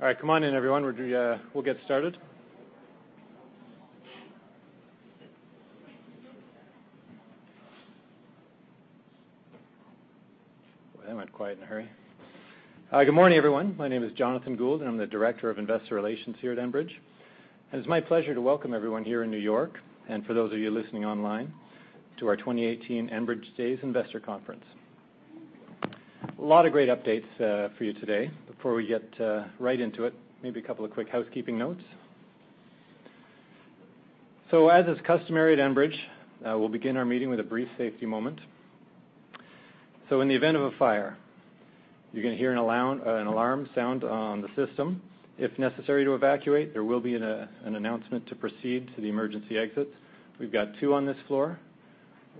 All right. Come on in, everyone. We'll get started. Well, that went quiet in a hurry. Good morning, everyone. My name is Jonathan Gould, and I'm the Director of Investor Relations here at Enbridge. It's my pleasure to welcome everyone here in New York, and for those of you listening online, to our 2018 Enbridge Day Investor Conference. A lot of great updates for you today. Before we get right into it, maybe a couple of quick housekeeping notes. As is customary at Enbridge, we'll begin our meeting with a brief safety moment. In the event of a fire, you're going to hear an alarm sound on the system. If necessary to evacuate, there will be an announcement to proceed to the emergency exits. We've got two on this floor,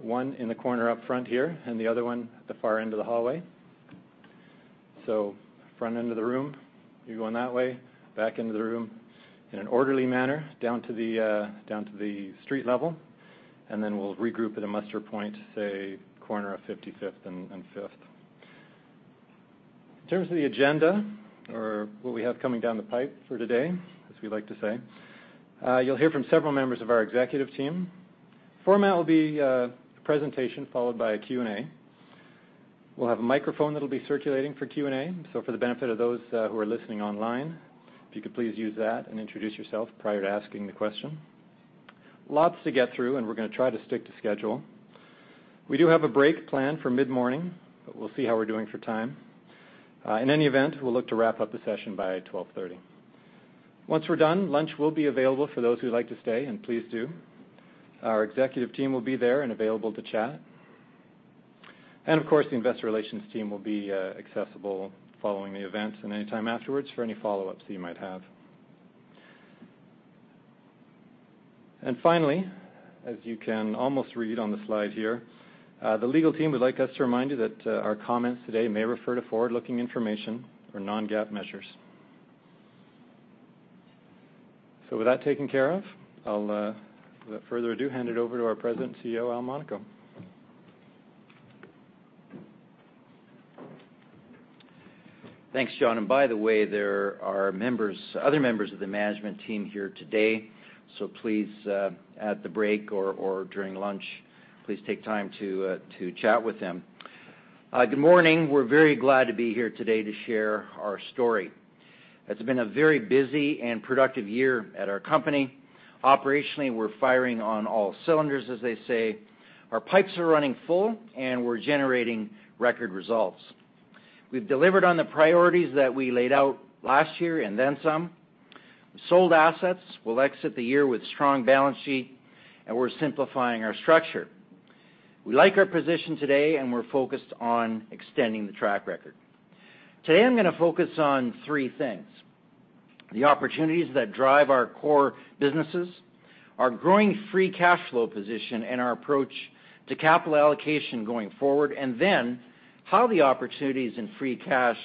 one in the corner up front here, and the other one at the far end of the hallway. Front end of the room, you're going that way, back end of the room in an orderly manner down to the street level, and then we'll regroup at a muster point, say, corner of 55th and Fifth. In terms of the agenda or what we have coming down the pipe for today, as we like to say, you'll hear from several members of our executive team. Format will be a presentation followed by a Q&A. We'll have a microphone that'll be circulating for Q&A. For the benefit of those who are listening online, if you could please use that and introduce yourself prior to asking the question. Lots to get through. We're going to try to stick to schedule. We do have a break planned for mid-morning. We'll see how we're doing for time. In any event, we'll look to wrap up the session by 12:30 P.M. Once we're done, lunch will be available for those who like to stay, and please do. Our executive team will be there and available to chat. Of course, the investor relations team will be accessible following the event and any time afterwards for any follow-ups that you might have. Finally, as you can almost read on the slide here, the legal team would like us to remind you that our comments today may refer to forward-looking information or non-GAAP measures. With that taken care of, I'll, without further ado, hand it over to our President and CEO, Al Monaco. Thanks, John. By the way, there are other members of the management team here today. Please, at the break or during lunch, please take time to chat with them. Good morning. We're very glad to be here today to share our story. It's been a very busy and productive year at our company. Operationally, we're firing on all cylinders, as they say. Our pipes are running full. We're generating record results. We've delivered on the priorities that we laid out last year and then some. We sold assets. We'll exit the year with strong balance sheet. We're simplifying our structure. We like our position today. We're focused on extending the track record. Today, I'm going to focus on three things: the opportunities that drive our core businesses, our growing free cash flow position and our approach to capital allocation going forward, and then how the opportunities in free cash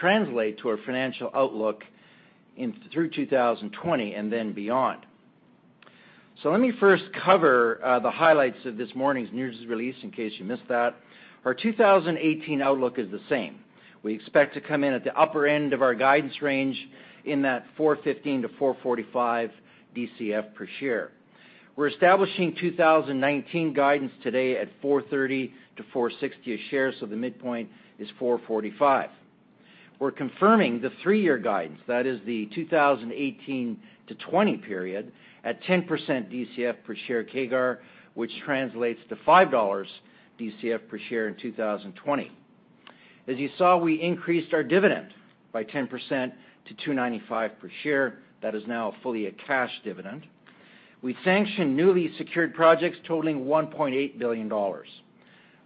translate to our financial outlook through 2020 and then beyond. Let me first cover the highlights of this morning's news release in case you missed that. Our 2018 outlook is the same. We expect to come in at the upper end of our guidance range in that 4.15 to 4.45 DCF per share. We're establishing 2019 guidance today at 4.30 to 4.60 a share, so the midpoint is 4.45. We're confirming the 3-year guidance, that is the 2018 to 2020 period, at 10% DCF per share CAGR, which translates to 5 dollars DCF per share in 2020. As you saw, we increased our dividend by 10% to 2.95 per share. That is now fully a cash dividend. We sanctioned newly secured projects totaling 1.8 billion dollars.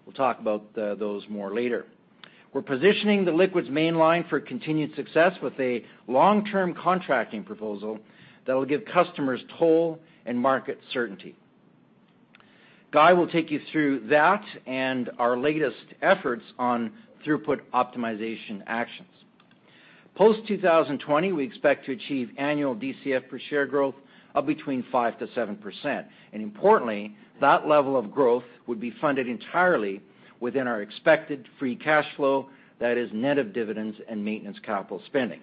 We'll talk about those more later. We're positioning the liquids mainline for continued success with a long-term contracting proposal that will give customers toll and market certainty. Guy will take you through that and our latest efforts on throughput optimization actions. Post-2020, we expect to achieve annual DCF per share growth of between 5%-7%. Importantly, that level of growth would be funded entirely within our expected free cash flow, that is net of dividends and maintenance capital spending.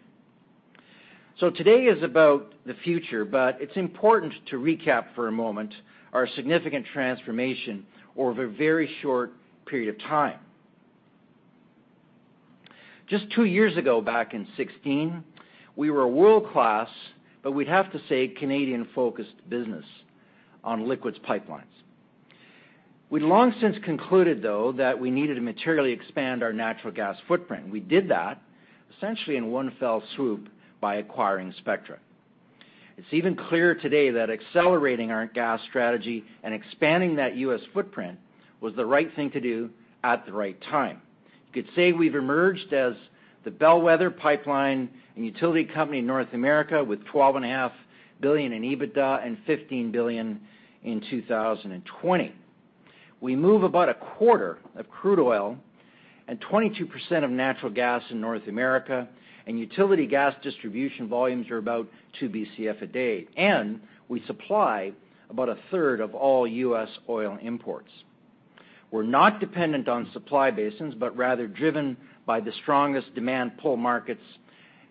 Today is about the future, but it's important to recap for a moment our significant transformation over a very short period of time. Just two years ago, back in 2016, we were a world-class, but we'd have to say Canadian-focused business on liquids pipelines. We'd long since concluded, though, that we needed to materially expand our natural gas footprint, and we did that essentially in one fell swoop by acquiring Spectra. It's even clearer today that accelerating our gas strategy and expanding that U.S. footprint was the right thing to do at the right time. You could say we've emerged as the bellwether pipeline and utility company in North America with 12.5 billion in EBITDA and 15 billion in 2020. We move about a quarter of crude oil and 22% of natural gas in North America, and utility gas distribution volumes are about 2 Bcf a day. We supply about a third of all U.S. oil imports. We're not dependent on supply basins, but rather driven by the strongest demand pull markets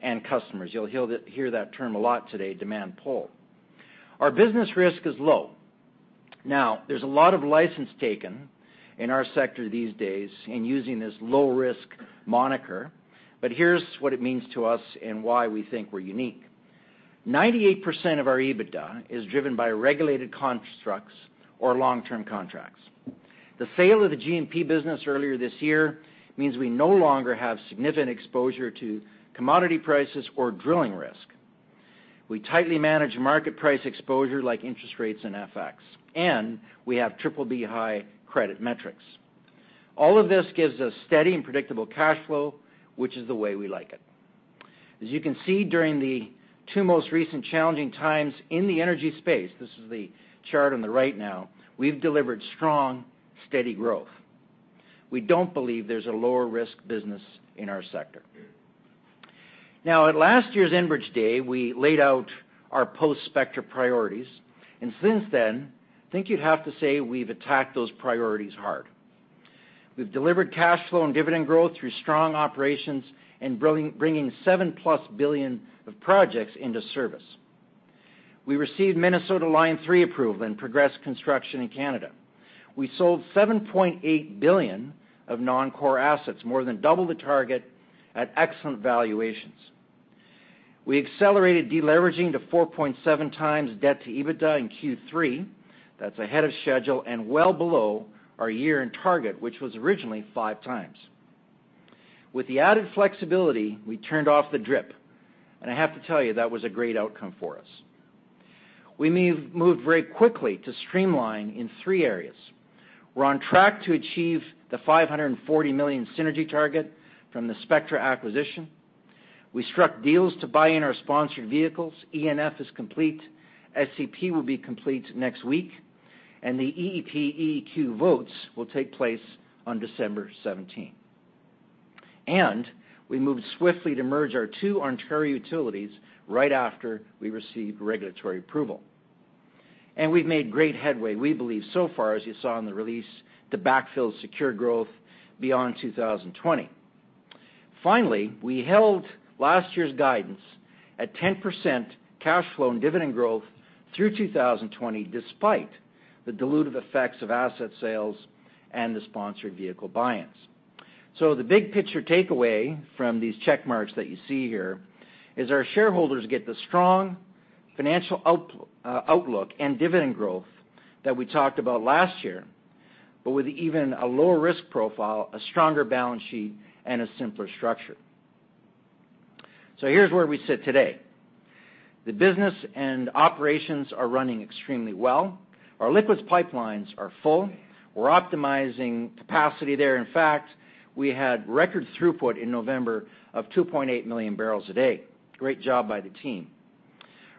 and customers. You'll hear that term a lot today, demand pull. Our business risk is low. There's a lot of license taken in our sector these days in using this low-risk moniker, but here's what it means to us and why we think we're unique. 98% of our EBITDA is driven by regulated constructs or long-term contracts. The sale of the G&P business earlier this year means we no longer have significant exposure to commodity prices or drilling risk. We tightly manage market price exposure like interest rates and FX, and we have BBB high credit metrics. All of this gives us steady and predictable cash flow, which is the way we like it. As you can see during the two most recent challenging times in the energy space, this is the chart on the right now, we've delivered strong, steady growth. We don't believe there's a lower risk business in our sector. At last year's Enbridge Day, we laid out our post-Spectra priorities. Since then, I think you'd have to say we've attacked those priorities hard. We've delivered cash flow and dividend growth through strong operations and bringing 7+ billion of projects into service. We received Minnesota Line 3 approval and progressed construction in Canada. We sold 7.8 billion of non-core assets, more than double the target at excellent valuations. We accelerated de-leveraging to 4.7x debt to EBITDA in Q3. That's ahead of schedule and well below our year-end target, which was originally 5x. With the added flexibility, we turned off the DRIP. I have to tell you, that was a great outcome for us. We moved very quickly to streamline in three areas. We're on track to achieve the 540 million synergy target from the Spectra acquisition. We struck deals to buy in our sponsored vehicles. ENF is complete. SEP will be complete next week. The EEP EEQ votes will take place on December 17. We moved swiftly to merge our two Ontario utilities right after we received regulatory approval. We've made great headway, we believe so far, as you saw in the release, to backfill secure growth beyond 2020. Finally, we held last year's guidance at 10% cash flow and dividend growth through 2020, despite the dilutive effects of asset sales and the sponsored vehicle buy-ins. The big picture takeaway from these check marks that you see here is our shareholders get the strong financial outlook and dividend growth that we talked about last year, with even a lower risk profile, a stronger balance sheet, and a simpler structure. Here's where we sit today. The business and operations are running extremely well. Our liquids pipelines are full. We're optimizing capacity there. In fact, we had record throughput in November of 2.8 million barrels a day. Great job by the team.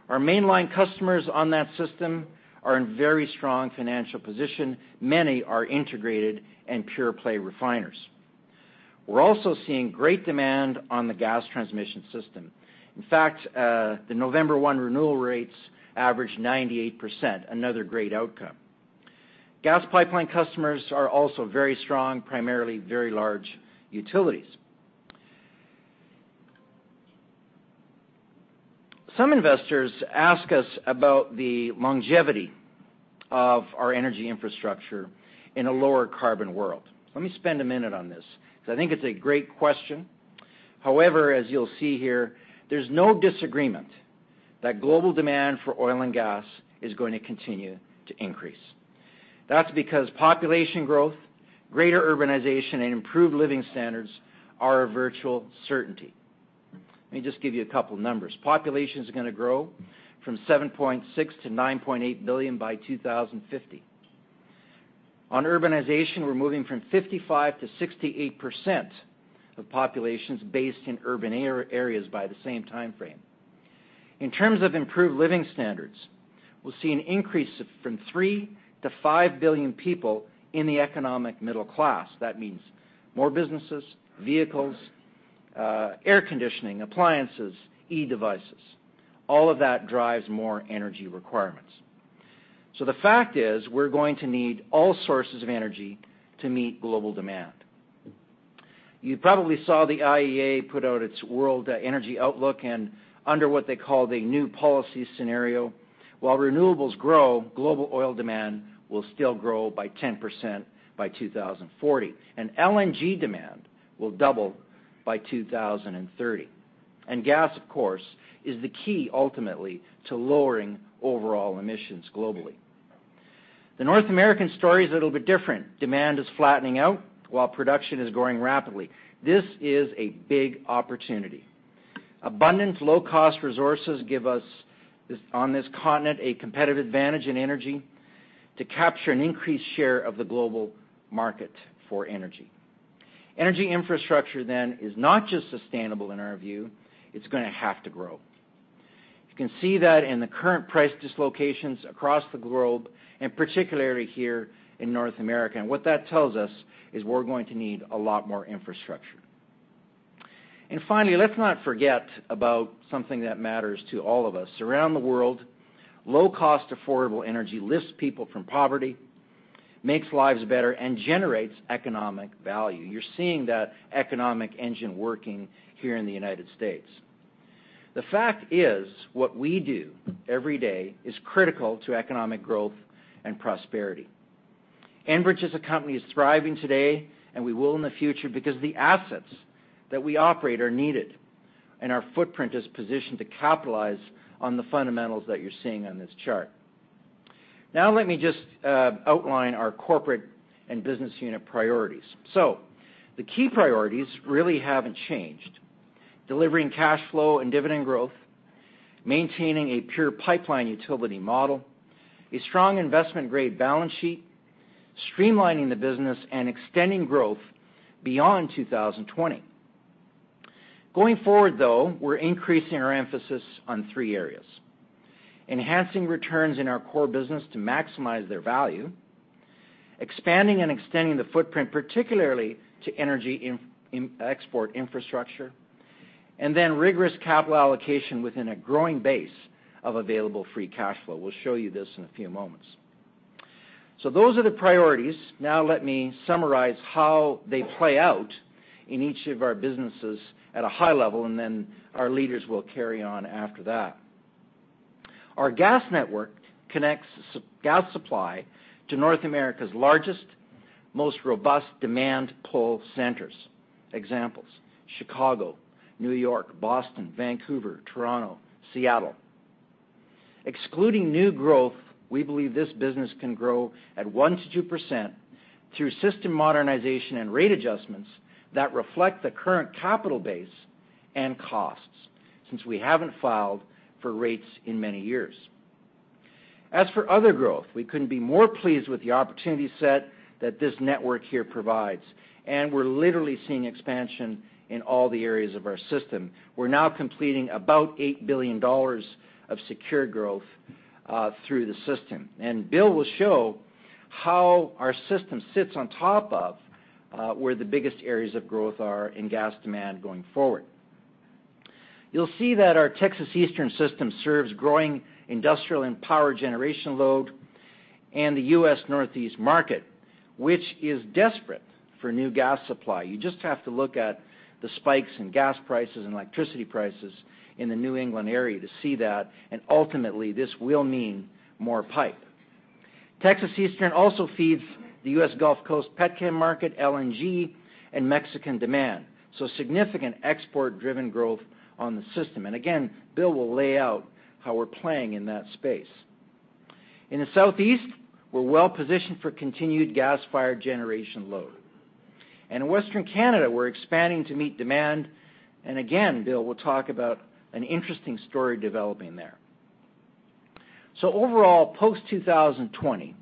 Our mainline customers on that system are in very strong financial position. Many are integrated and pure-play refiners. We're also seeing great demand on the gas transmission system. In fact, the November 1 renewal rates averaged 98%, another great outcome. Gas pipeline customers are also very strong, primarily very large utilities. Some investors ask us about the longevity of our energy infrastructure in a lower carbon world. Let me spend a minute on this because I think it's a great question. However, as you'll see here, there's no disagreement that global demand for oil and gas is going to continue to increase. That's because population growth, greater urbanization, and improved living standards are a virtual certainty. Let me just give you a couple of numbers. Population is going to grow from 7.6 billion to 9.8 billion by 2050. On urbanization, we're moving from 55%-68% of populations based in urban areas by the same timeframe. In terms of improved living standards, we'll see an increase from 3 billion to 5 billion people in the economic middle class. That means more businesses, vehicles, air conditioning, appliances, e-devices. All of that drives more energy requirements. The fact is, we're going to need all sources of energy to meet global demand. You probably saw the IEA put out its world energy outlook. Under what they call the new policy scenario, while renewables grow, global oil demand will still grow by 10% by 2040. LNG demand will double by 2030. Gas, of course, is the key ultimately to lowering overall emissions globally. The North American story is a little bit different. Demand is flattening out while production is growing rapidly. This is a big opportunity. Abundant low-cost resources give us, on this continent, a competitive advantage in energy to capture an increased share of the global market for energy. Energy infrastructure then is not just sustainable in our view, it's going to have to grow. You can see that in the current price dislocations across the globe, and particularly here in North America. What that tells us is we're going to need a lot more infrastructure. Finally, let's not forget about something that matters to all of us. Around the world, low-cost affordable energy lifts people from poverty, makes lives better, and generates economic value. You're seeing that economic engine working here in the U.S. The fact is, what we do every day is critical to economic growth and prosperity. Enbridge as a company is thriving today, and we will in the future because the assets that we operate are needed, and our footprint is positioned to capitalize on the fundamentals that you're seeing on this chart. Let me just outline our corporate and business unit priorities. The key priorities really haven't changed. Delivering cash flow and dividend growth, maintaining a pure pipeline utility model, a strong investment-grade balance sheet, streamlining the business, and extending growth beyond 2020. Going forward, though, we're increasing our emphasis on three areas: enhancing returns in our core business to maximize their value, expanding and extending the footprint, particularly to energy export infrastructure, and then rigorous capital allocation within a growing base of available free cash flow. We'll show you this in a few moments. Those are the priorities. Let me summarize how they play out in each of our businesses at a high level, and then our leaders will carry on after that. Our gas network connects gas supply to North America's largest, most robust demand pull centers. Examples: Chicago, New York, Boston, Vancouver, Toronto, Seattle. Excluding new growth, we believe this business can grow at 1%-2% through system modernization and rate adjustments that reflect the current capital base and costs, since we haven't filed for rates in many years. As for other growth, we couldn't be more pleased with the opportunity set that this network here provides, and we're literally seeing expansion in all the areas of our system. We're now completing about 8 billion dollars of secured growth through the system. Bill will show how our system sits on top of where the biggest areas of growth are in gas demand going forward. You'll see that our Texas Eastern system serves growing industrial and power generation load and the U.S. Northeast market, which is desperate for new gas supply. You just have to look at the spikes in gas prices and electricity prices in the New England area to see that, and ultimately, this will mean more pipe. Texas Eastern also feeds the U.S. Gulf Coast pet chem market, LNG, and Mexican demand. Significant export-driven growth on the system. Again, Bill will lay out how we're playing in that space. In the Southeast, we're well-positioned for continued gas-fired generation load. In Western Canada, we're expanding to meet demand. Again, Bill will talk about an interesting story developing there. Overall, post-2020,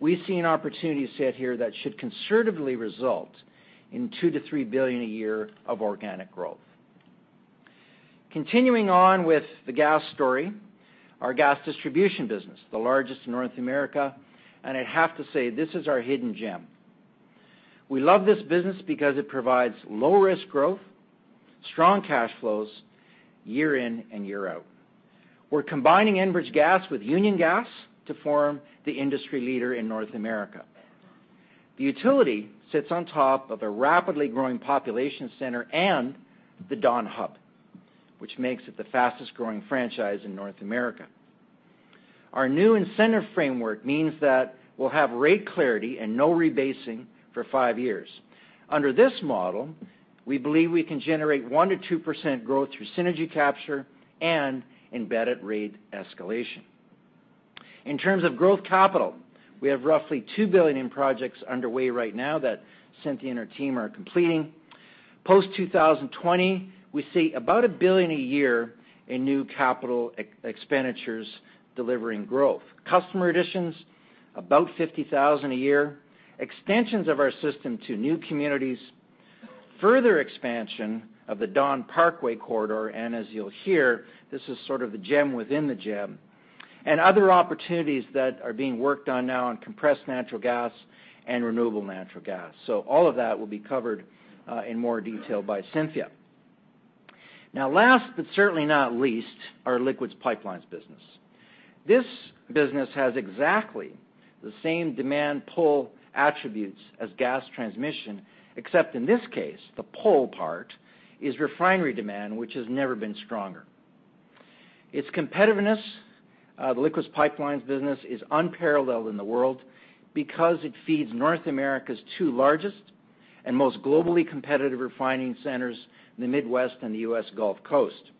we've seen an opportunity set here that should conservatively result in 2 billion-3 billion a year of organic growth. Continuing on with the gas story, our gas distribution business, the largest in North America. I'd have to say, this is our hidden gem. We love this business because it provides low-risk growth, strong cash flows, year in and year out. We're combining Enbridge Gas with Union Gas to form the industry leader in North America. The utility sits on top of a rapidly growing population center and the Dawn-Parkway, which makes it the fastest-growing franchise in North America. Our new incentive framework means that we'll have rate clarity and no rebasing for five years. Under this model, we believe we can generate 1%-2% growth through synergy capture and embedded rate escalation. In terms of growth capital, we have roughly 2 billion in projects underway right now that Cynthia and her team are completing. Post-2020, we see about 1 billion a year in new capital expenditures delivering growth. Customer additions, about 50,000 a year. Extensions of our system to new communities. Further expansion of the Dawn-Parkway corridor, as you'll hear, this is sort of the gem within the gem. Other opportunities that are being worked on now on compressed natural gas and renewable natural gas. All of that will be covered in more detail by Cynthia. Last but certainly not least, our liquids pipelines business. This business has exactly the same demand pull attributes as gas transmission, except in this case, the pull part is refinery demand, which has never been stronger. Its competitiveness, the liquids pipelines business, is unparalleled in the world because it feeds North America's two largest and most globally competitive refining centers in the Midwest and the U.S. Gulf Coast.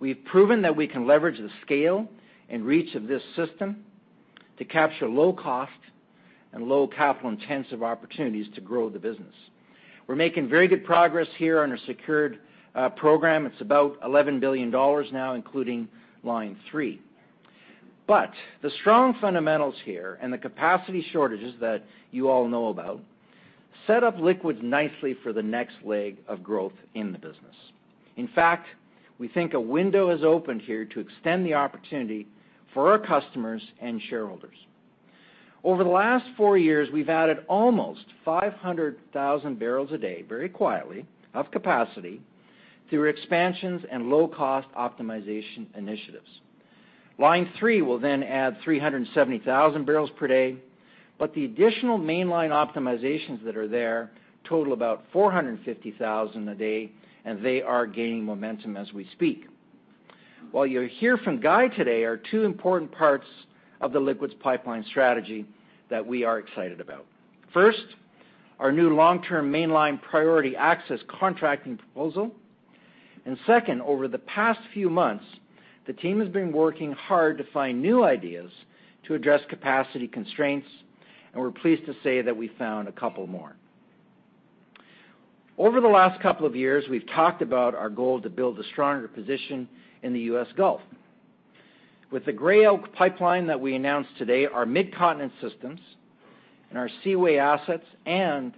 We've proven that we can leverage the scale and reach of this system to capture low-cost and low capital-intensive opportunities to grow the business. We're making very good progress here on our secured program. It's about 11 billion dollars now, including Line 3. The strong fundamentals here and the capacity shortages that you all know about set up liquids nicely for the next leg of growth in the business. In fact, we think a window has opened here to extend the opportunity for our customers and shareholders. Over the last four years, we've added almost 500,000 barrels a day, very quietly, of capacity through expansions and low-cost optimization initiatives. Line 3 will add 370,000 barrels per day, the additional mainline optimizations that are there total about 450,000 a day, and they are gaining momentum as we speak. What you'll hear from Guy today are two important parts of the liquids pipeline strategy that we are excited about. First, our new long-term mainline priority access contracting proposal. Second, over the past few months, the team has been working hard to find new ideas to address capacity constraints, and we're pleased to say that we found a couple more. Over the last couple of years, we've talked about our goal to build a stronger position in the U.S. Gulf. With the Gray Oak Pipeline that we announced today, our Midcontinent systems and our Seaway assets and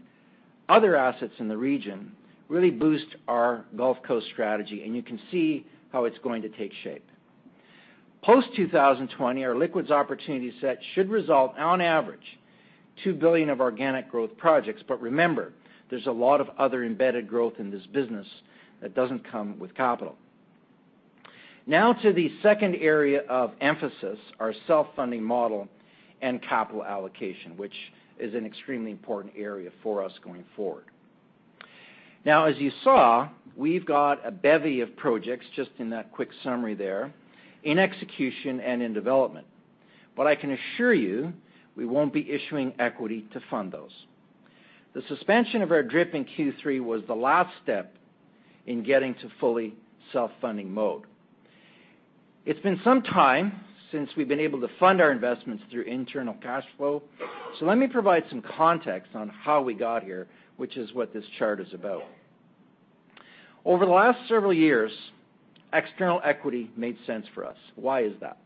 other assets in the region really boost our Gulf Coast strategy, and you can see how it's going to take shape. Post-2020, our liquids opportunity set should result, on average, 2 billion of organic growth projects. Remember, there's a lot of other embedded growth in this business that doesn't come with capital. To the second area of emphasis, our self-funding model and capital allocation, which is an extremely important area for us going forward. As you saw, we've got a bevy of projects just in that quick summary there in execution and in development. I can assure you, we won't be issuing equity to fund those. The suspension of our DRIP in Q3 was the last step in getting to fully self-funding mode. It's been some time since we've been able to fund our investments through internal cash flow. Let me provide some context on how we got here, which is what this chart is about. Over the last several years, external equity made sense for us. Why is that?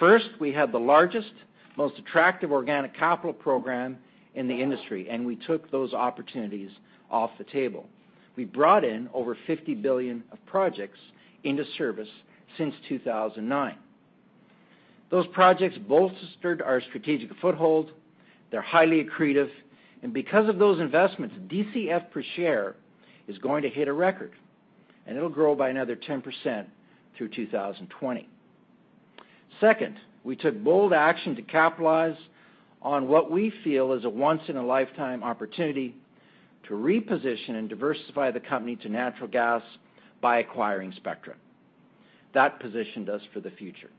First, we had the largest, most attractive organic capital program in the industry. We took those opportunities off the table. We brought in over 50 billion of projects into service since 2009. Those projects bolstered our strategic foothold. They're highly accretive. Because of those investments, DCF per share is going to hit a record, and it'll grow by another 10% through 2020. Second, we took bold action to capitalize on what we feel is a once-in-a-lifetime opportunity to reposition and diversify the company to natural gas by acquiring Spectra. That positioned us for the future.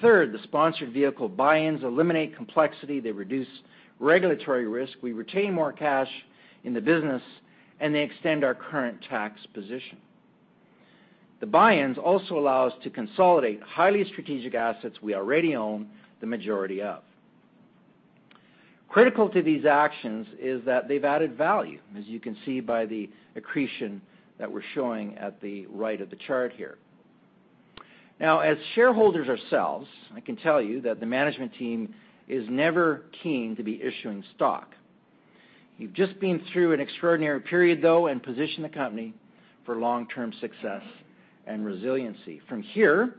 Third, the sponsored vehicle buy-ins eliminate complexity. They reduce regulatory risk. We retain more cash in the business, and they extend our current tax position. The buy-ins also allow us to consolidate highly strategic assets we already own the majority of. Critical to these actions is that they've added value, as you can see by the accretion that we're showing at the right of the chart here. As shareholders ourselves, I can tell you that the management team is never keen to be issuing stock. We've just been through an extraordinary period, though, and positioned the company for long-term success and resiliency. From here,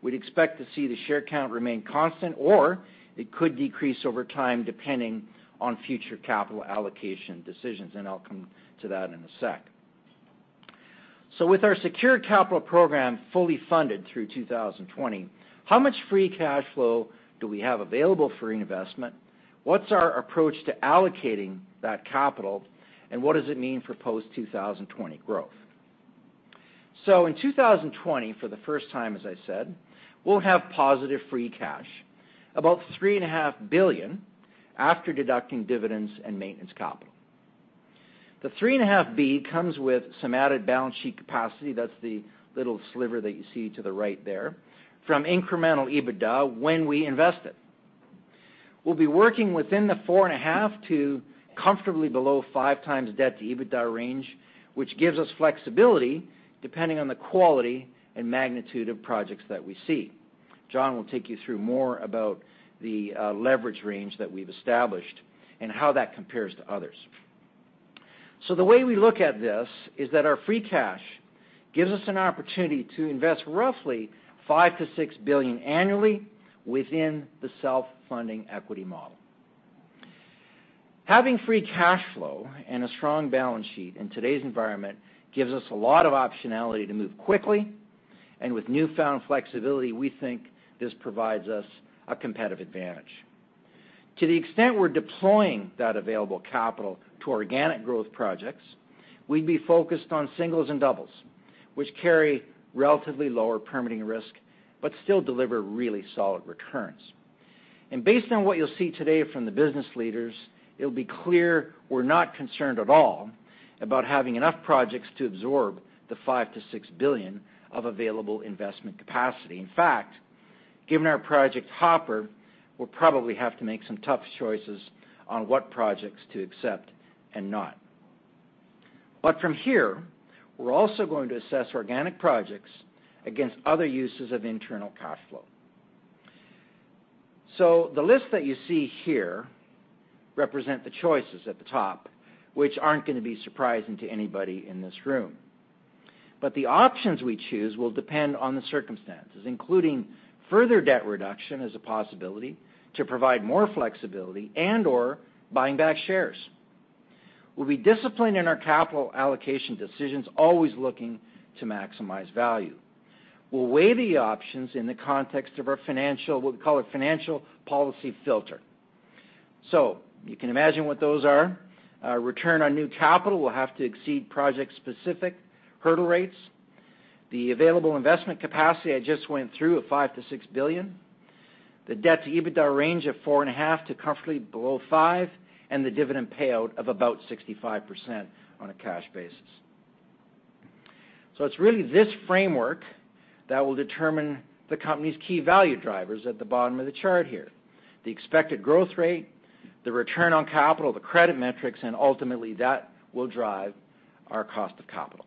we'd expect to see the share count remain constant, or it could decrease over time, depending on future capital allocation decisions, and I'll come to that in a sec. With our secure capital program fully funded through 2020, how much free cash flow do we have available for investment? What's our approach to allocating that capital? What does it mean for post-2020 growth? In 2020, for the first time, as I said, we'll have positive free cash, about 3.5 billion after deducting dividends and maintenance capital. The 3.5 billion comes with some added balance sheet capacity. That's the little sliver that you see to the right there from incremental EBITDA when we invest it. We'll be working within the 4.5 to comfortably below 5 times debt to EBITDA range, which gives us flexibility depending on the quality and magnitude of projects that we see. John will take you through more about the leverage range that we've established and how that compares to others. The way we look at this is that our free cash gives us an opportunity to invest roughly 5 billion-6 billion annually within the self-funding equity model. Having free cash flow and a strong balance sheet in today's environment gives us a lot of optionality to move quickly, with newfound flexibility, we think this provides us a competitive advantage. To the extent we're deploying that available capital to organic growth projects, we'd be focused on singles and doubles, which carry relatively lower permitting risk but still deliver really solid returns. Based on what you'll see today from the business leaders, it'll be clear we're not concerned at all about having enough projects to absorb the 5 billion-6 billion of available investment capacity. In fact, given our project hopper, we'll probably have to make some tough choices on what projects to accept and not. From here, we're also going to assess organic projects against other uses of internal cash flow. The list that you see here represent the choices at the top, which aren't going to be surprising to anybody in this room. The options we choose will depend on the circumstances, including further debt reduction as a possibility to provide more flexibility, and/or buying back shares. We'll be disciplined in our capital allocation decisions, always looking to maximize value. We'll weigh the options in the context of our financial, we'll call it financial policy filter. You can imagine what those are. Our return on new capital will have to exceed project-specific hurdle rates. The available investment capacity, I just went through of 5 billion-6 billion. The debt-to-EBITDA range of 4.5 to comfortably below 5, and the dividend payout of about 65% on a cash basis. It's really this framework that will determine the company's key value drivers at the bottom of the chart here. The expected growth rate, the return on capital, the credit metrics, and ultimately that will drive our cost of capital.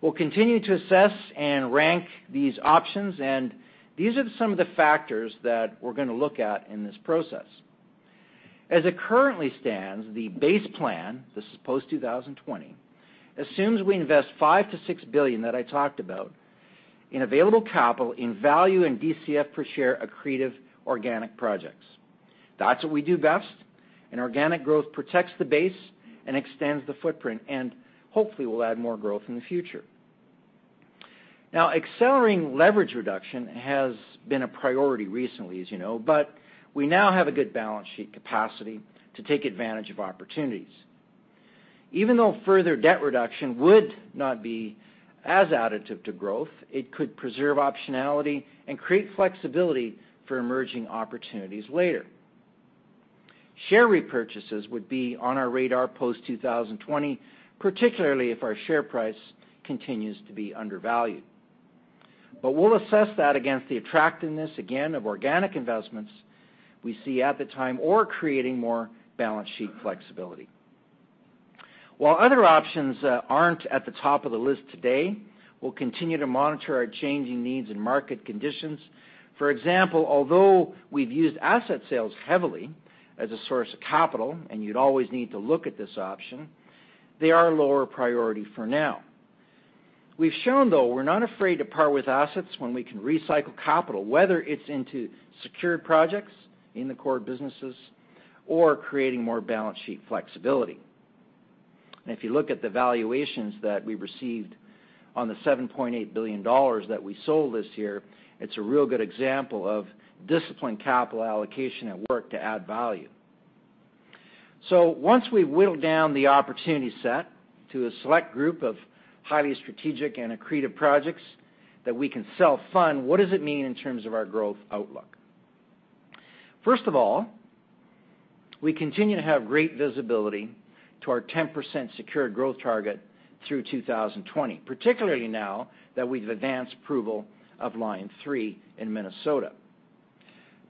We'll continue to assess and rank these options, and these are some of the factors that we're going to look at in this process. As it currently stands, the base plan, this is post-2020, assumes we invest 5 billion-6 billion that I talked about in available capital in value and DCF per share accretive organic projects. That's what we do best, organic growth protects the base and extends the footprint and hopefully will add more growth in the future. Accelerating leverage reduction has been a priority recently, as you know, but we now have a good balance sheet capacity to take advantage of opportunities. Even though further debt reduction would not be as additive to growth, it could preserve optionality and create flexibility for emerging opportunities later. Share repurchases would be on our radar post-2020, particularly if our share price continues to be undervalued. We'll assess that against the attractiveness, again, of organic investments we see at the time or creating more balance sheet flexibility. While other options aren't at the top of the list today, we'll continue to monitor our changing needs and market conditions. For example, although we've used asset sales heavily as a source of capital, and you'd always need to look at this option, they are lower priority for now. We've shown, though, we're not afraid to part with assets when we can recycle capital, whether it's into secured projects in the core businesses or creating more balance sheet flexibility. If you look at the valuations that we received on the 7.8 billion dollars that we sold this year, it's a real good example of disciplined capital allocation at work to add value. Once we whittle down the opportunity set to a select group of highly strategic and accretive projects that we can self-fund, what does it mean in terms of our growth outlook? First of all, we continue to have great visibility to our 10% secured growth target through 2020, particularly now that we've advanced approval of Line 3 in Minnesota.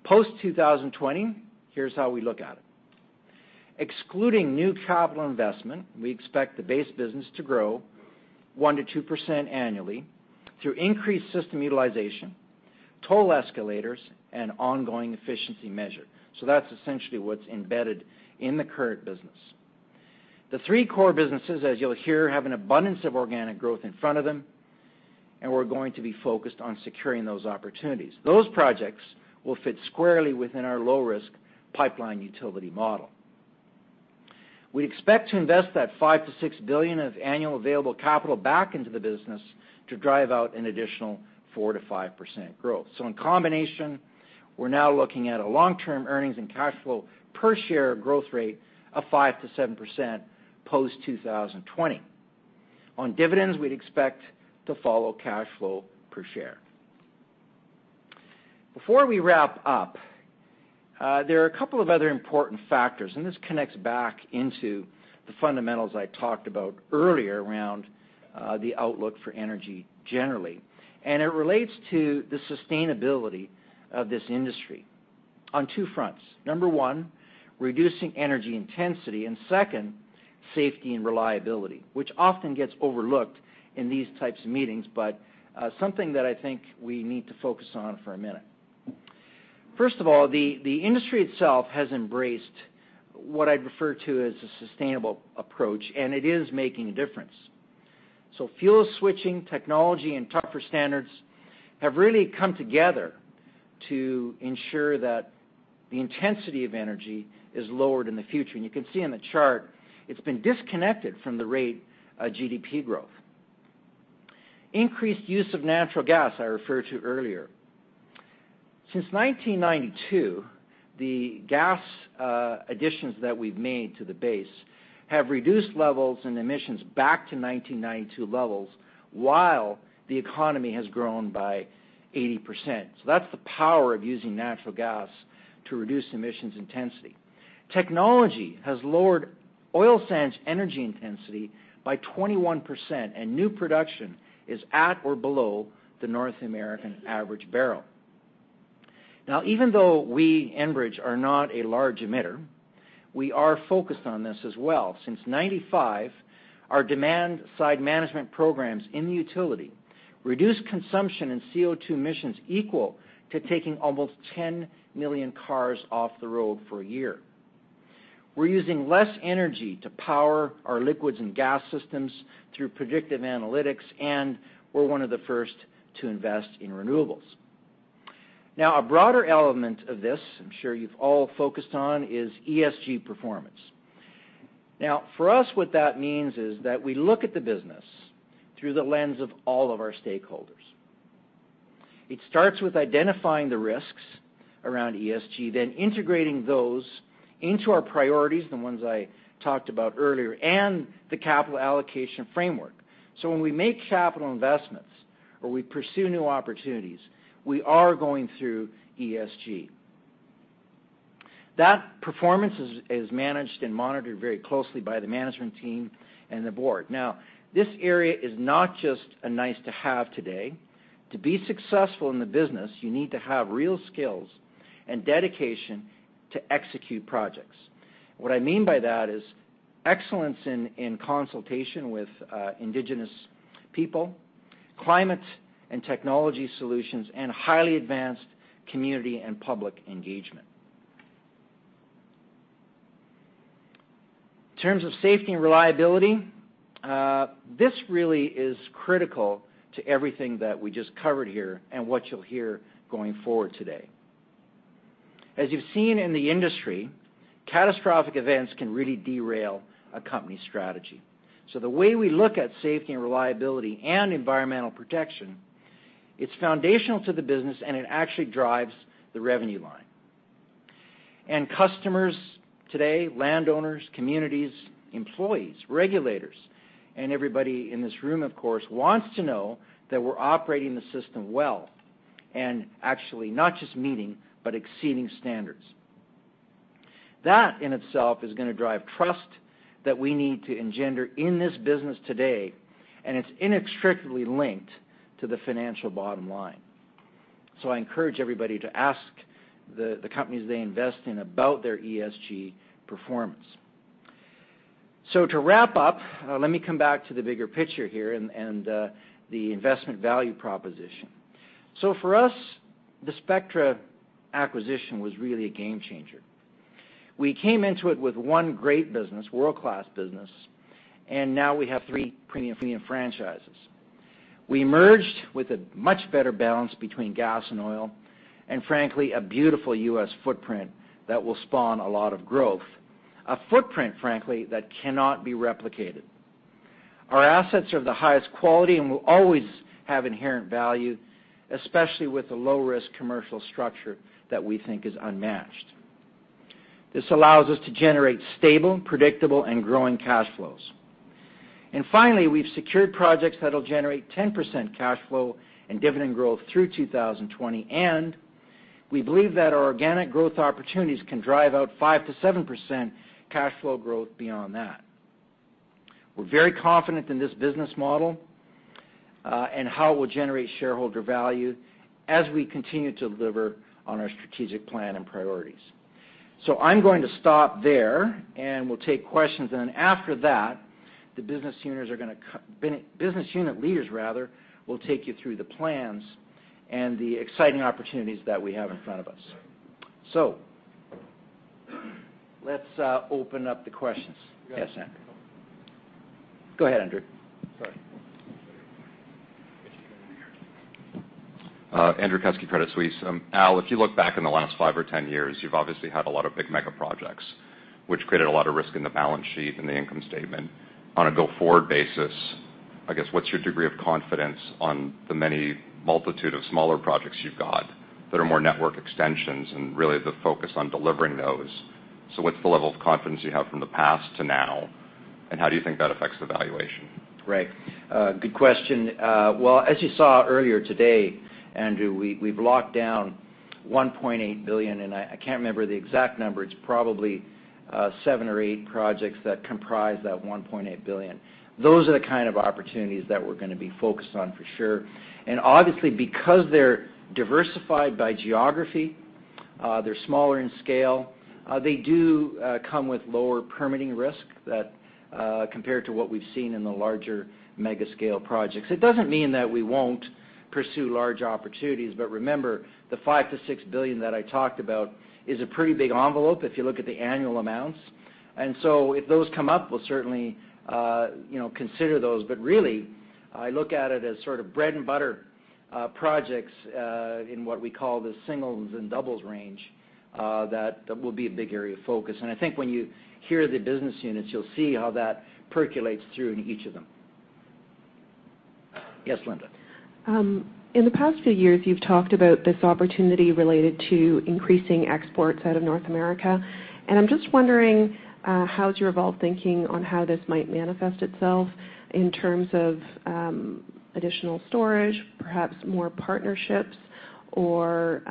Post-2020, here's how we look at it. Excluding new capital investment, we expect the base business to grow 1%-2% annually through increased system utilization, toll escalators, and ongoing efficiency measure. That's essentially what's embedded in the current business. The three core businesses, as you'll hear, have an abundance of organic growth in front of them, and we're going to be focused on securing those opportunities. Those projects will fit squarely within our low-risk pipeline utility model. We expect to invest that 5 billion-6 billion of annual available capital back into the business to drive out an additional 4%-5% growth. In combination, we're now looking at a long-term earnings and cash flow per share growth rate of 5%-7% post-2020. On dividends, we'd expect to follow cash flow per share. Before we wrap up, there are a couple of other important factors, and this connects back into the fundamentals I talked about earlier around the outlook for energy generally. It relates to the sustainability of this industry on two fronts. Number 1, reducing energy intensity, and second, safety and reliability, which often gets overlooked in these types of meetings, but something that I think we need to focus on for a minute. First of all, the industry itself has embraced what I'd refer to as a sustainable approach, and it is making a difference. Fuel switching technology and tougher standards have really come together to ensure that the intensity of energy is lowered in the future. You can see on the chart, it's been disconnected from the rate of GDP growth. Increased use of natural gas, I referred to earlier. Since 1992, the gas additions that we've made to the base have reduced levels and emissions back to 1992 levels while the economy has grown by 80%. That's the power of using natural gas to reduce emissions intensity. Technology has lowered oil sands energy intensity by 21%, and new production is at or below the North American average barrel. Even though we, Enbridge, are not a large emitter, we are focused on this as well. Since 1995, our demand-side management programs in the utility reduced consumption and CO2 emissions equal to taking almost 10 million cars off the road for a year. We're using less energy to power our liquids and gas systems through predictive analytics, and we're one of the first to invest in renewables. A broader element of this, I'm sure you've all focused on, is ESG performance. For us, what that means is that we look at the business through the lens of all of our stakeholders. It starts with identifying the risks around ESG, then integrating those into our priorities, the ones I talked about earlier, and the capital allocation framework. When we make capital investments or we pursue new opportunities, we are going through ESG. That performance is managed and monitored very closely by the management team and the board. This area is not just a nice to have today. To be successful in the business, you need to have real skills and dedication to execute projects. What I mean by that is excellence in consultation with indigenous people, climate and technology solutions, and highly advanced community and public engagement. In terms of safety and reliability, this really is critical to everything that we just covered here and what you'll hear going forward today. As you've seen in the industry, catastrophic events can really derail a company's strategy. The way we look at safety and reliability and environmental protection, it's foundational to the business, and it actually drives the revenue line. Customers today, landowners, communities, employees, regulators, and everybody in this room, of course, wants to know that we're operating the system well, and actually not just meeting, but exceeding standards. That in itself is going to drive trust that we need to engender in this business today, and it's inextricably linked to the financial bottom line. I encourage everybody to ask the companies they invest in about their ESG performance. To wrap up, let me come back to the bigger picture here and the investment value proposition. For us, the Spectra acquisition was really a game changer. We came into it with one great business, world-class business, and now we have three premium franchises. We merged with a much better balance between gas and oil, and frankly, a beautiful U.S. footprint that will spawn a lot of growth, a footprint, frankly, that cannot be replicated. Our assets are of the highest quality and will always have inherent value, especially with the low-risk commercial structure that we think is unmatched. This allows us to generate stable, predictable, and growing cash flows. Finally, we've secured projects that'll generate 10% cash flow and dividend growth through 2020, and we believe that our organic growth opportunities can drive out 5%-7% cash flow growth beyond that. We're very confident in this business model, and how it will generate shareholder value as we continue to deliver on our strategic plan and priorities. I'm going to stop there and we'll take questions. Then after that, the business unit leaders will take you through the plans and the exciting opportunities that we have in front of us. Let's open up the questions. Yes. Go ahead, Andrew. Sorry. Andrew Kuske, Credit Suisse. Al, if you look back in the last 5 or 10 years, you've obviously had a lot of big mega projects, which created a lot of risk in the balance sheet and the income statement. On a go-forward basis, I guess, what's your degree of confidence on the many multitude of smaller projects you've got that are more network extensions and really the focus on delivering those? What's the level of confidence you have from the past to now, and how do you think that affects the valuation? Right. Good question. Well, as you saw earlier today, Andrew, we've locked down 1.8 billion and I can't remember the exact number. It's probably seven or eight projects that comprise that 1.8 billion. Those are the kind of opportunities that we're going to be focused on for sure. Obviously, because they're diversified by geography, they're smaller in scale, they do come with lower permitting risk compared to what we've seen in the larger mega-scale projects. It doesn't mean that we won't pursue large opportunities, but remember, the 5 billion-6 billion that I talked about is a pretty big envelope if you look at the annual amounts. If those come up, we'll certainly consider those. But really, I look at it as sort of bread-and-butter projects, in what we call the singles and doubles range, that will be a big area of focus. I think when you hear the business units, you'll see how that percolates through in each of them. Yes, Linda. In the past few years, you've talked about this opportunity related to increasing exports out of North America. I'm just wondering, how's your evolved thinking on how this might manifest itself in terms of additional storage, perhaps more partnerships, or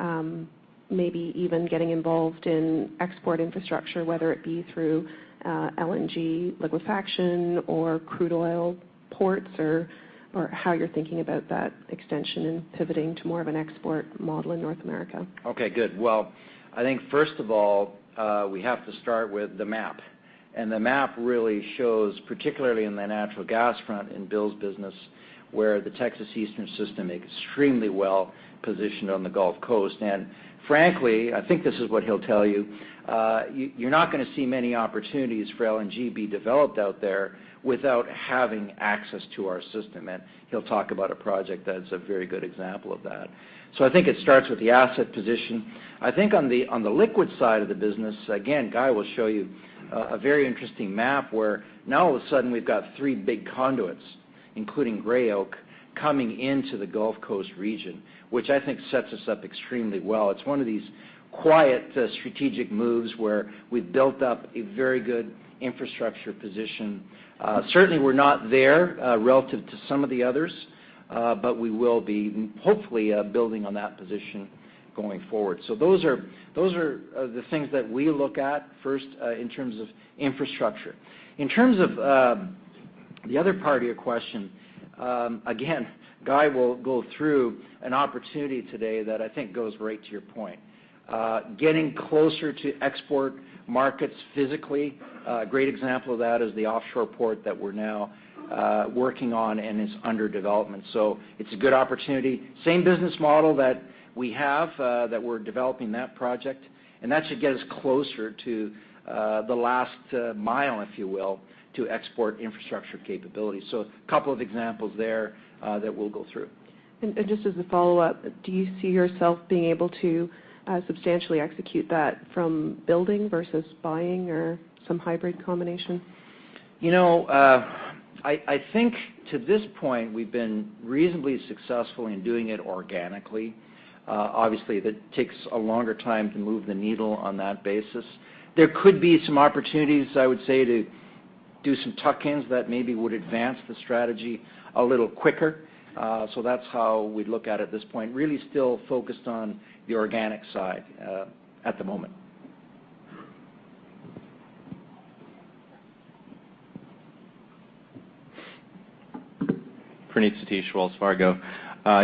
maybe even getting involved in export infrastructure, whether it be through LNG liquefaction or crude oil ports, or how you're thinking about that extension and pivoting to more of an export model in North America? Okay, good. Well, I think first of all, we have to start with the map. The map really shows, particularly in the natural gas front in Bill's business, where the Texas Eastern system extremely well-positioned on the Gulf Coast. Frankly, I think this is what he'll tell you're not going to see many opportunities for LNG be developed out there without having access to our system. He'll talk about a project that's a very good example of that. I think it starts with the asset position. I think on the liquid side of the business, again, Guy will show you a very interesting map where now all of a sudden we've got three big conduits, including Gray Oak, coming into the Gulf Coast region, which I think sets us up extremely well. It's one of these quiet strategic moves where we've built up a very good infrastructure position. Certainly, we're not there relative to some of the others, but we will be hopefully building on that position going forward. Those are the things that we look at first in terms of infrastructure. In terms of the other part of your question, again, Guy will go through an opportunity today that I think goes right to your point. Getting closer to export markets physically. A great example of that is the offshore port that we're now working on and is under development. It's a good opportunity. Same business model that we have, that we're developing that project. That should get us closer to the last mile, if you will, to export infrastructure capability. A couple of examples there that we'll go through. Just as a follow-up, do you see yourself being able to substantially execute that from building versus buying or some hybrid combination? I think to this point, we've been reasonably successful in doing it organically. Obviously, that takes a longer time to move the needle on that basis. There could be some opportunities, I would say, to do some tuck-ins that maybe would advance the strategy a little quicker. That's how we look at it at this point. Really still focused on the organic side at the moment. Praneeth Satish, Wells Fargo.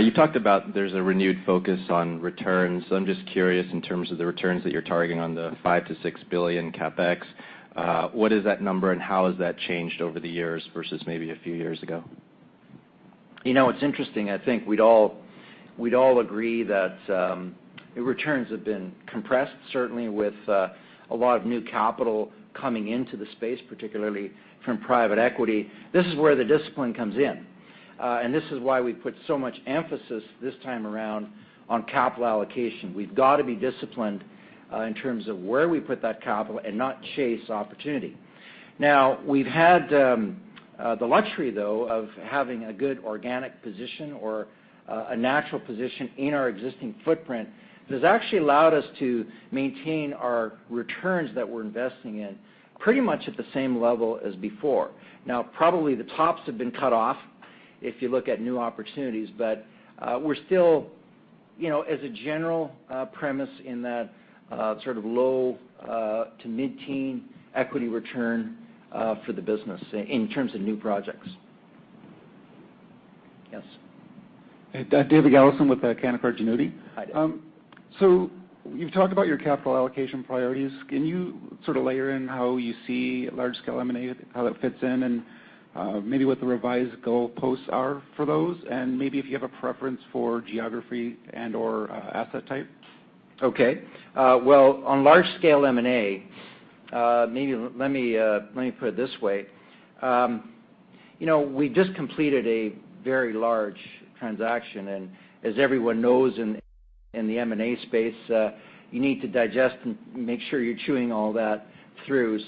You talked about there's a renewed focus on returns. I'm just curious in terms of the returns that you're targeting on the 5 billion-6 billion CapEx, what is that number and how has that changed over the years versus maybe a few years ago? It's interesting. I think we'd all agree that returns have been compressed, certainly with a lot of new capital coming into the space, particularly from private equity. This is where the discipline comes in. This is why we put so much emphasis this time around on capital allocation. We've got to be disciplined in terms of where we put that capital and not chase opportunity. We've had the luxury, though, of having a good organic position or a natural position in our existing footprint. This actually allowed us to maintain our returns that we're investing in pretty much at the same level as before. Probably the tops have been cut off if you look at new opportunities, but we're still, as a general premise in that sort of low- to mid-teen equity return for the business in terms of new projects. Yes. David Galison with Canaccord Genuity. Hi, David. You've talked about your capital allocation priorities. Can you sort of layer in how you see large-scale M&A, how that fits in, and maybe what the revised goalposts are for those? Maybe if you have a preference for geography and/or asset type? Okay. Well, on large-scale M&A, maybe let me put it this way. We just completed a very large transaction, and as everyone knows in the M&A space, you need to digest and make sure you're chewing all that through.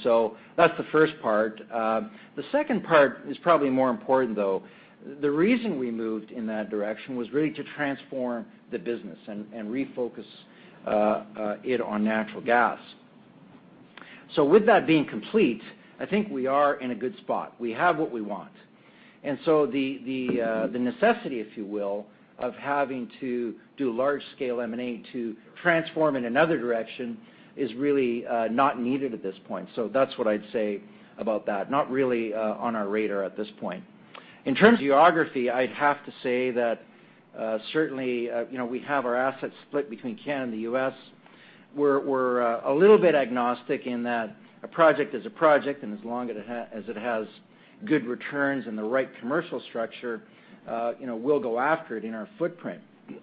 That's the first part. The second part is probably more important, though. The reason we moved in that direction was really to transform the business and refocus it on natural gas. With that being complete, I think we are in a good spot. We have what we want. The necessity, if you will, of having to do large-scale M&A to transform in another direction is really not needed at this point. That's what I'd say about that. Not really on our radar at this point. In terms of geography, I'd have to say that certainly, we have our assets split between Canada and the U.S. We're a little bit agnostic in that a project is a project, and as long as it has good returns and the right commercial structure, we'll go after it in our footprint.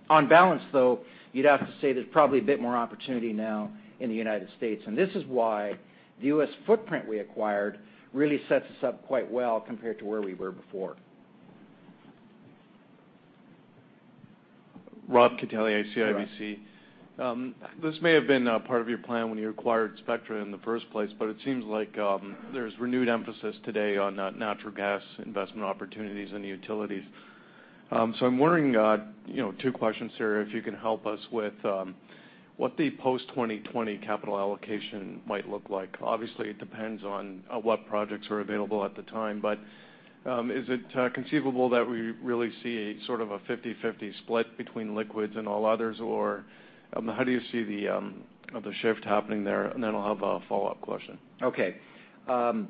On balance, though, you'd have to say there's probably a bit more opportunity now in the United States. This is why the U.S. footprint we acquired really sets us up quite well compared to where we were before. Robert Catellier, CIBC. Hi. This may have been part of your plan when you acquired Spectra in the first place, but it seems like there's renewed emphasis today on natural gas investment opportunities in the utilities. I'm wondering, two questions here, if you can help us with what the post-2020 capital allocation might look like. Obviously, it depends on what projects are available at the time. Is it conceivable that we really see sort of a 50/50 split between liquids and all others, or how do you see the shift happening there? I'll have a follow-up question. Okay. I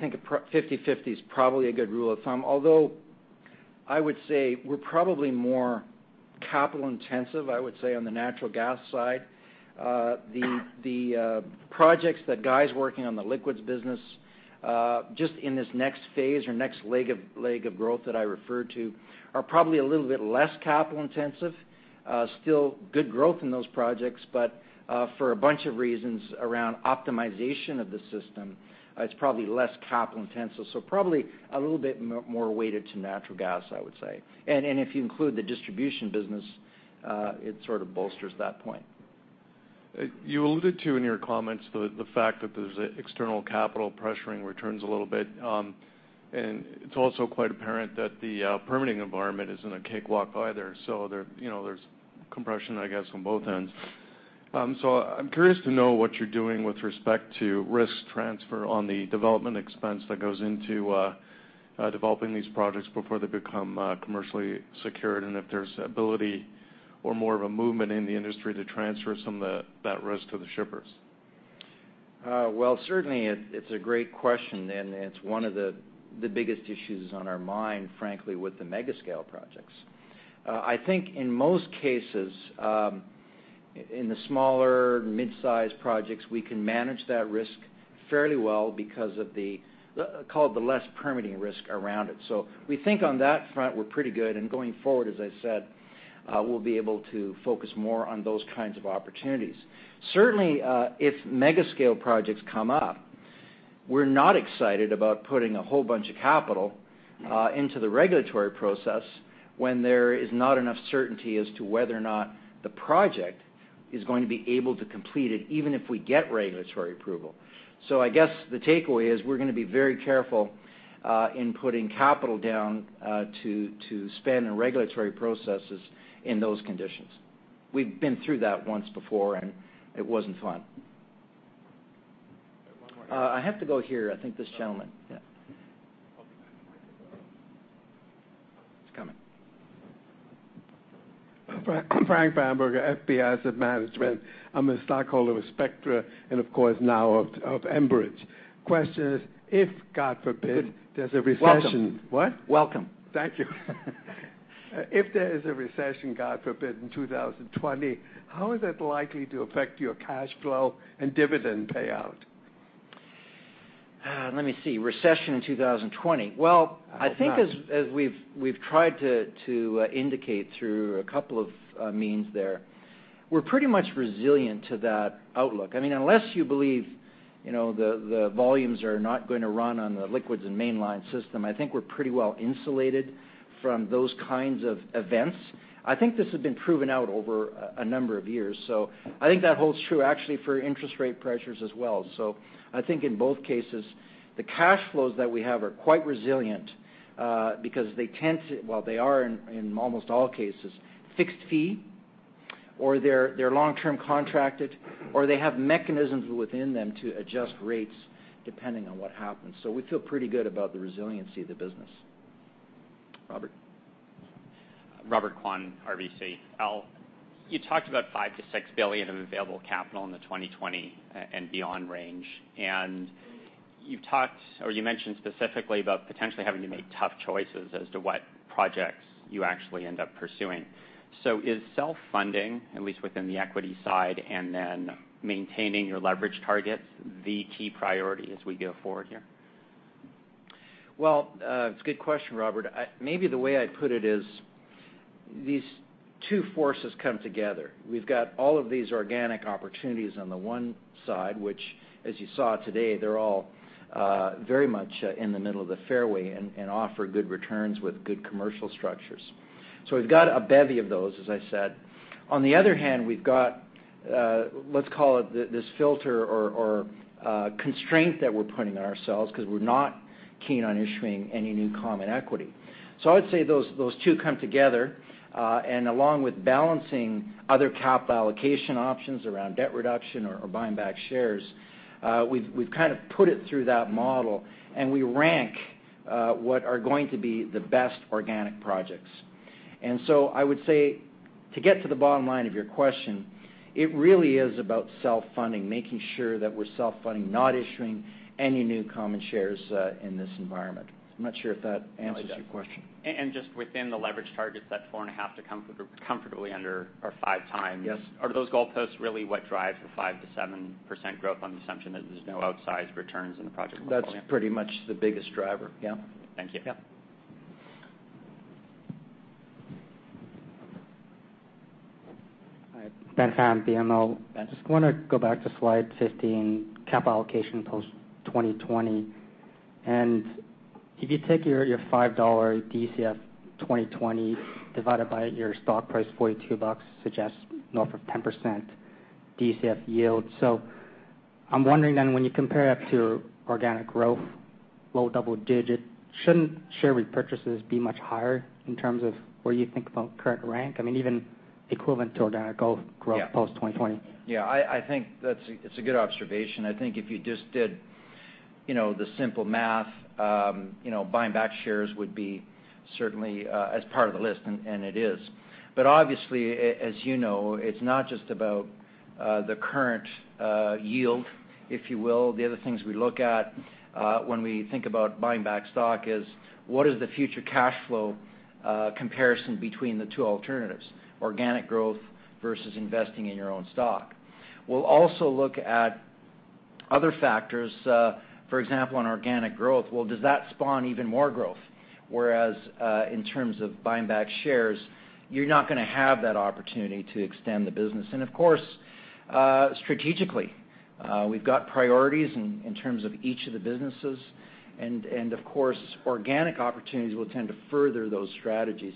think 50/50 is probably a good rule of thumb. Although, I would say we're probably more capital intensive, I would say, on the natural gas side. The projects that Guy's working on the liquids business, just in this next phase or next leg of growth that I referred to, are probably a little bit less capital intensive. Still good growth in those projects, but for a bunch of reasons around optimization of the system, it's probably less capital intensive. Probably a little bit more weighted to natural gas, I would say. If you include the distribution business, it sort of bolsters that point. You alluded to in your comments the fact that there's external capital pressuring returns a little bit. It's also quite apparent that the permitting environment isn't a cakewalk either. There's compression, I guess, on both ends. I'm curious to know what you're doing with respect to risk transfer on the development expense that goes into developing these projects before they become commercially secured, and if there's ability or more of a movement in the industry to transfer some of that risk to the shippers. Well, certainly, it's a great question, it's one of the biggest issues on our mind, frankly, with the mega scale projects. I think in most cases, in the smaller mid-size projects, we can manage that risk fairly well because of the, call it the less permitting risk around it. We think on that front, we're pretty good, going forward, as I said, we'll be able to focus more on those kinds of opportunities. Certainly, if mega scale projects come up, we're not excited about putting a whole bunch of capital into the regulatory process when there is not enough certainty as to whether or not the project is going to be able to complete it, even if we get regulatory approval. I guess the takeaway is we're going to be very careful in putting capital down to spend on regulatory processes in those conditions. We've been through that once before, it wasn't fun. One more here. I have to go here. I think this gentleman. Yeah. He's coming. Frank Bamberger, FBA Asset Management. I'm a stockholder with Spectra and, of course, now of Enbridge. Question is, if, God forbid, there's a recession- Welcome. What? Welcome. Thank you. If there is a recession, God forbid, in 2020, how is it likely to affect your cash flow and dividend payout? Let me see. Recession in 2020. I hope not. I think as we've tried to indicate through a couple of means there, we're pretty much resilient to that outlook. Unless you believe the volumes are not going to run on the liquids and mainline system, I think we're pretty well-insulated from those kinds of events. I think this has been proven out over a number of years. I think that holds true actually for interest rate pressures as well. I think in both cases, the cash flows that we have are quite resilient because they tend to Well, they are in almost all cases fixed fee or they're long-term contracted or they have mechanisms within them to adjust rates depending on what happens. We feel pretty good about the resiliency of the business. Robert. Robert Kwan, RBC. Al, you talked about 5 billion-6 billion of available capital in the 2020 and beyond range. You mentioned specifically about potentially having to make tough choices as to what projects you actually end up pursuing. Is self-funding, at least within the equity side, and then maintaining your leverage targets, the key priority as we go forward here? Well, it's a good question, Robert. Maybe the way I'd put it is these two forces come together. We've got all of these organic opportunities on the one side, which as you saw today, they're all very much in the middle of the fairway and offer good returns with good commercial structures. We've got a bevy of those, as I said. On the other hand, we've got, let's call it this filter or constraint that we're putting on ourselves because we're not keen on issuing any new common equity. I would say those two come together, and along with balancing other capital allocation options around debt reduction or buying back shares, we've kind of put it through that model and we rank what are going to be the best organic projects. I would say to get to the bottom line of your question, it really is about self-funding, making sure that we're self-funding, not issuing any new common shares in this environment. I'm not sure if that answers your question. Just within the leverage targets, that 4.5 to comfortably under our 5 times. Yes. Are those goalposts really what drive the 5%-7% growth on the assumption that there's no outsized returns in the project portfolio? That's pretty much the biggest driver. Yeah. Thank you. Yeah. Ben Pham. Hi, Ben Pham, BMO. Ben. Just want to go back to slide 15, capital allocation post-2020. If you take your 5 dollar DCF 2020 divided by your stock price, 42 bucks, suggests north of 10% DCF yield. I'm wondering then when you compare up to organic growth, low double digit, shouldn't share repurchases be much higher in terms of where you think about current rank? I mean, even equivalent to organic growth. Yeah post-2020. Yeah, I think it's a good observation. I think if you just did the simple math, buying back shares would be certainly as part of the list, and it is. Obviously, as you know, it's not just about the current yield, if you will. The other things we look at when we think about buying back stock is what is the future cash flow comparison between the two alternatives, organic growth versus investing in your own stock? We'll also look at other factors, for example, on organic growth. Well, does that spawn even more growth? Whereas, in terms of buying back shares, you're not going to have that opportunity to extend the business. Of course, strategically, we've got priorities in terms of each of the businesses. Of course, organic opportunities will tend to further those strategies.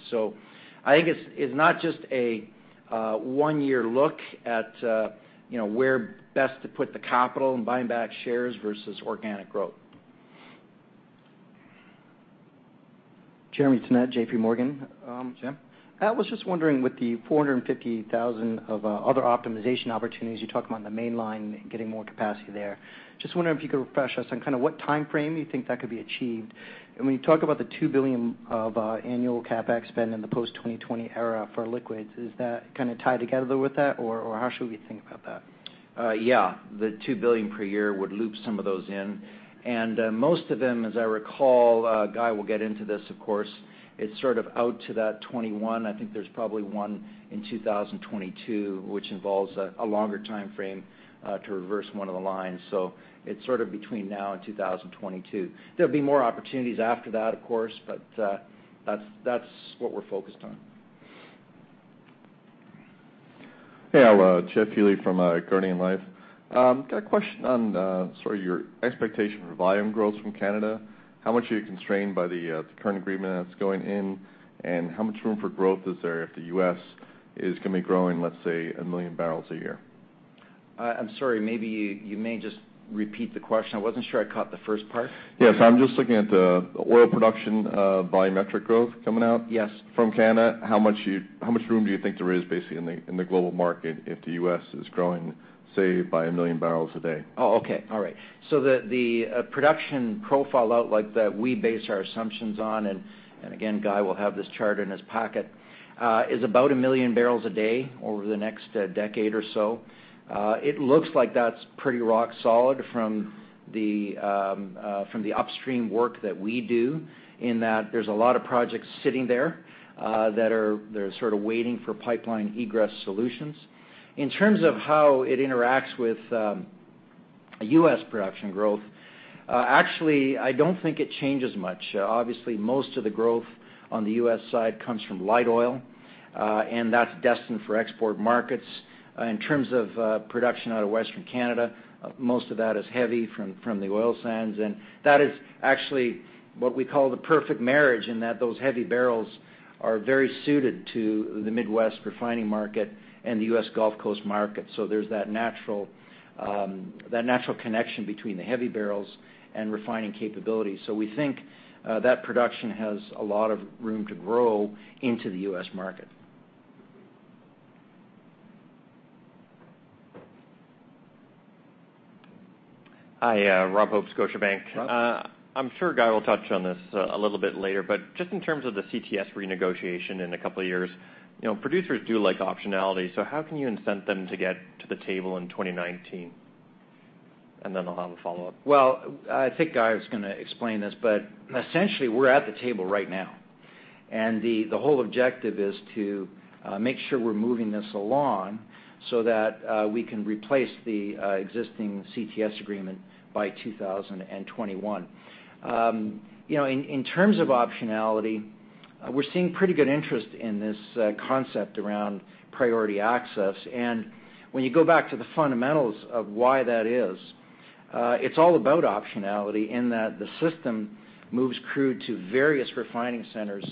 I think it's not just a one-year look at where best to put the capital and buying back shares versus organic growth. Jeremy Tonet, J.P. Morgan. Jim. I was just wondering with the 450,000 of other optimization opportunities you talk about in the Mainline, getting more capacity there, just wondering if you could refresh us on what timeframe you think that could be achieved. When you talk about the 2 billion of annual CapEx spend in the post-2020 era for liquids, is that tied together with that, or how should we think about that? Yeah. The 2 billion per year would loop some of those in. Most of them, as I recall, Guy will get into this, of course, it's sort of out to that 2021. I think there's probably one in 2022, which involves a longer timeframe to reverse one of the lines. It's sort of between now and 2022. There'll be more opportunities after that, of course, but that's what we're focused on. Hey, Jeff Healy from Guardian Life. Got a question on sort of your expectation for volume growth from Canada. How much are you constrained by the current agreement that's going in? How much room for growth is there if the U.S. is going to be growing, let's say, one million barrels a year? I'm sorry, maybe you may just repeat the question. I wasn't sure I caught the first part. Yes, I'm just looking at the oil production volumetric growth coming out- Yes from Canada. How much room do you think there is, basically, in the global market if the U.S. is growing, say, by 1 million barrels a day? Oh, okay. All right. The production profile out like that we base our assumptions on, and again, Guy will have this chart in his pocket, is about 1 million barrels a day over the next decade or so. It looks like that's pretty rock solid from the upstream work that we do in that there's a lot of projects sitting there that are sort of waiting for pipeline egress solutions. In terms of how it interacts with U.S. production growth, actually, I don't think it changes much. Obviously, most of the growth on the U.S. side comes from light oil, and that's destined for export markets. In terms of production out of Western Canada, most of that is heavy from the oil sands, and that is actually what we call the perfect marriage in that those heavy barrels are very suited to the Midwest refining market and the U.S. Gulf Coast market. There's that natural connection between the heavy barrels and refining capability. We think that production has a lot of room to grow into the U.S. market. Hi, Robert Hope, Scotiabank. Rob. I'm sure Guy will touch on this a little bit later, but just in terms of the CTS renegotiation in a couple of years, producers do like optionality, so how can you incent them to get to the table in 2019? Then I'll have a follow-up. Well, I think Guy is going to explain this, but essentially, we're at the table right now, the whole objective is to make sure we're moving this along so that we can replace the existing CTS agreement by 2021. In terms of optionality, we're seeing pretty good interest in this concept around priority access. When you go back to the fundamentals of why that is, it's all about optionality in that the system moves crude to various refining centers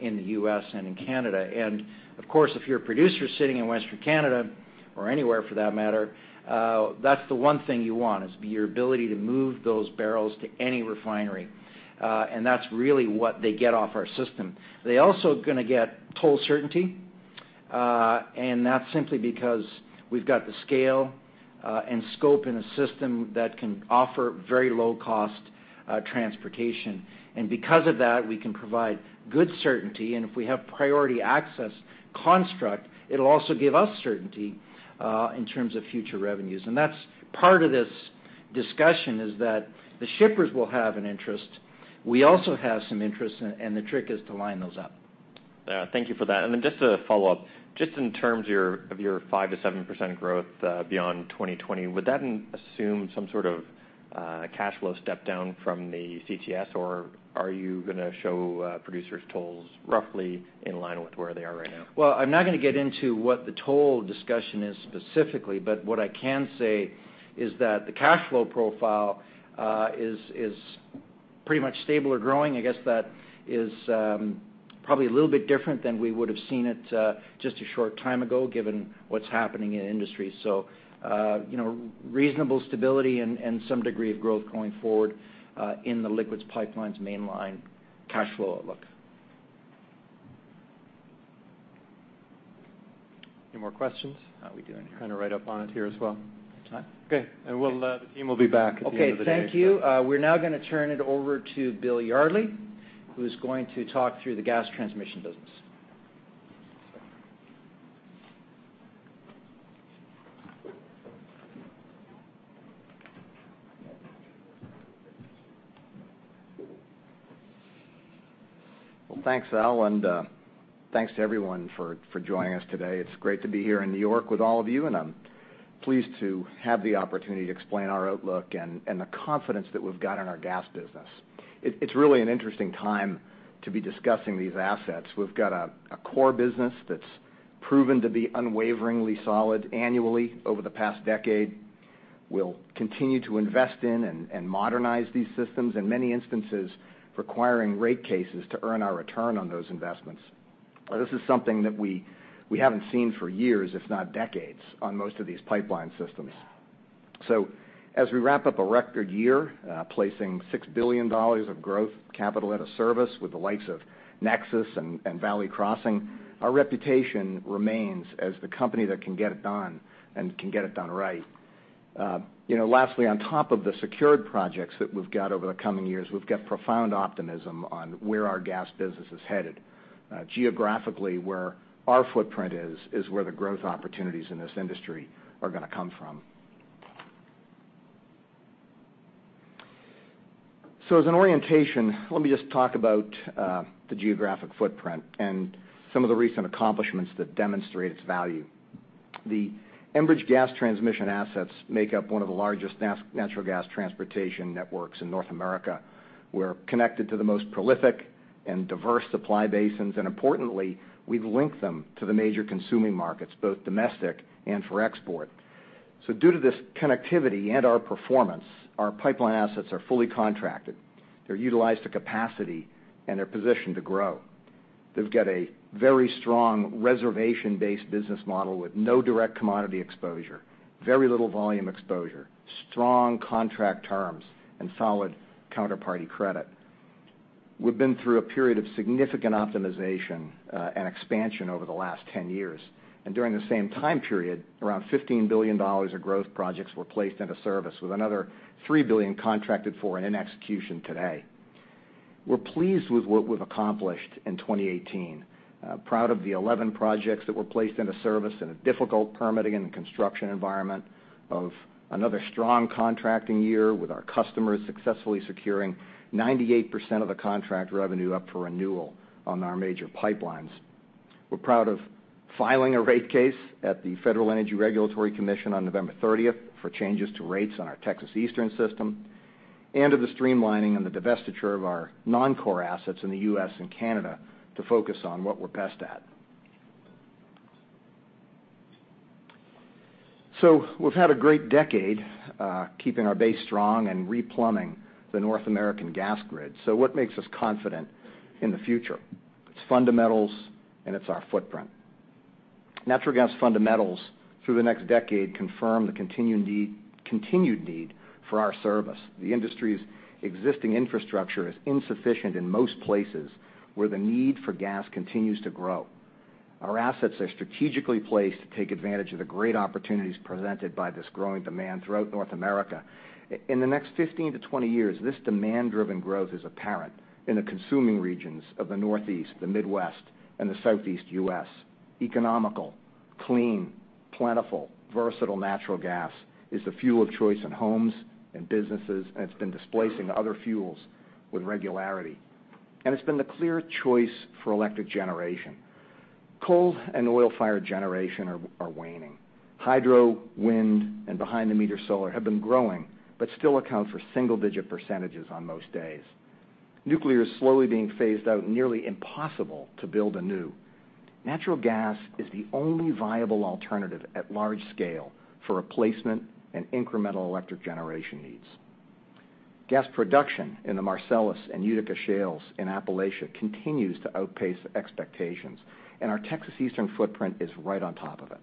in the U.S. and in Canada. Of course, if you're a producer sitting in Western Canada, or anywhere for that matter, that's the one thing you want, is your ability to move those barrels to any refinery. That's really what they get off our system. They're also going to get toll certainty, that's simply because we've got the scale and scope in a system that can offer very low-cost transportation. Because of that, we can provide good certainty, and if we have priority access construct, it'll also give us certainty in terms of future revenues. That's part of this discussion is that the shippers will have an interest. We also have some interest, and the trick is to line those up. Thank you for that. Just a follow-up. In terms of your 5%-7% growth beyond 2020, would that assume some sort of cash flow step down from the CTS, or are you going to show producers tolls roughly in line with where they are right now? Well, I'm not going to get into what the toll discussion is specifically, but what I can say is that the cash flow profile is pretty much stable or growing. I guess that is probably a little bit different than we would've seen it just a short time ago, given what's happening in the industry. Reasonable stability and some degree of growth going forward in the liquids pipeline's mainline cash flow outlook. Any more questions? How are we doing here? Kind of right up on it here as well. Time? The team will be back at the end of the day. Okay, thank you. We're now going to turn it over to William Yardley, who's going to talk through the gas transmission business. Thanks, Al, and thanks to everyone for joining us today. It's great to be here in New York with all of you, and I'm pleased to have the opportunity to explain our outlook and the confidence that we've got in our gas business. It's really an interesting time to be discussing these assets. We've got a core business that's proven to be unwaveringly solid annually over the past decade. We'll continue to invest in and modernize these systems, in many instances, requiring rate cases to earn our return on those investments. This is something that we haven't seen for years, if not decades, on most of these pipeline systems. As we wrap up a record year, placing 6 billion dollars of growth capital into service with the likes of NEXUS and Valley Crossing, our reputation remains as the company that can get it done and can get it done right. On top of the secured projects that we've got over the coming years, we've got profound optimism on where our gas business is headed. Geographically, where our footprint is where the growth opportunities in this industry are going to come from. As an orientation, let me just talk about the geographic footprint and some of the recent accomplishments that demonstrate its value. The Enbridge gas transmission assets make up one of the largest natural gas transportation networks in North America. We're connected to the most prolific and diverse supply basins, and importantly, we've linked them to the major consuming markets, both domestic and for export. Due to this connectivity and our performance, our pipeline assets are fully contracted. They're utilized to capacity, and they're positioned to grow. They've got a very strong reservation-based business model with no direct commodity exposure, very little volume exposure, strong contract terms, and solid counterparty credit. We've been through a period of significant optimization and expansion over the last 10 years. During the same time period, around 15 billion dollars of growth projects were placed into service with another 3 billion contracted for and in execution today. We're pleased with what we've accomplished in 2018. Proud of the 11 projects that were placed into service in a difficult permitting and construction environment of another strong contracting year with our customers successfully securing 98% of the contract revenue up for renewal on our major pipelines. We're proud of filing a rate case at the Federal Energy Regulatory Commission on November 30th for changes to rates on our Texas Eastern system, and of the streamlining and the divestiture of our non-core assets in the U.S. and Canada to focus on what we're best at. We've had a great decade keeping our base strong and replumbing the North American gas grid. What makes us confident in the future? It's fundamentals, and it's our footprint. Natural gas fundamentals through the next decade confirm the continued need for our service. The industry's existing infrastructure is insufficient in most places where the need for gas continues to grow. Our assets are strategically placed to take advantage of the great opportunities presented by this growing demand throughout North America. In the next 15-20 years, this demand-driven growth is apparent in the consuming regions of the Northeast, the Midwest, and the Southeast U.S. Economical, clean, plentiful, versatile natural gas is the fuel of choice in homes and businesses, and it's been displacing other fuels with regularity. It's been the clear choice for electric generation. Coal and oil-fired generation are waning. Hydro, wind, and behind-the-meter solar have been growing, but still account for single-digit% on most days. Nuclear is slowly being phased out, nearly impossible to build anew. Natural gas is the only viable alternative at large scale for replacement and incremental electric generation needs. Gas production in the Marcellus and Utica shales in Appalachia continues to outpace expectations, and our Texas Eastern footprint is right on top of it.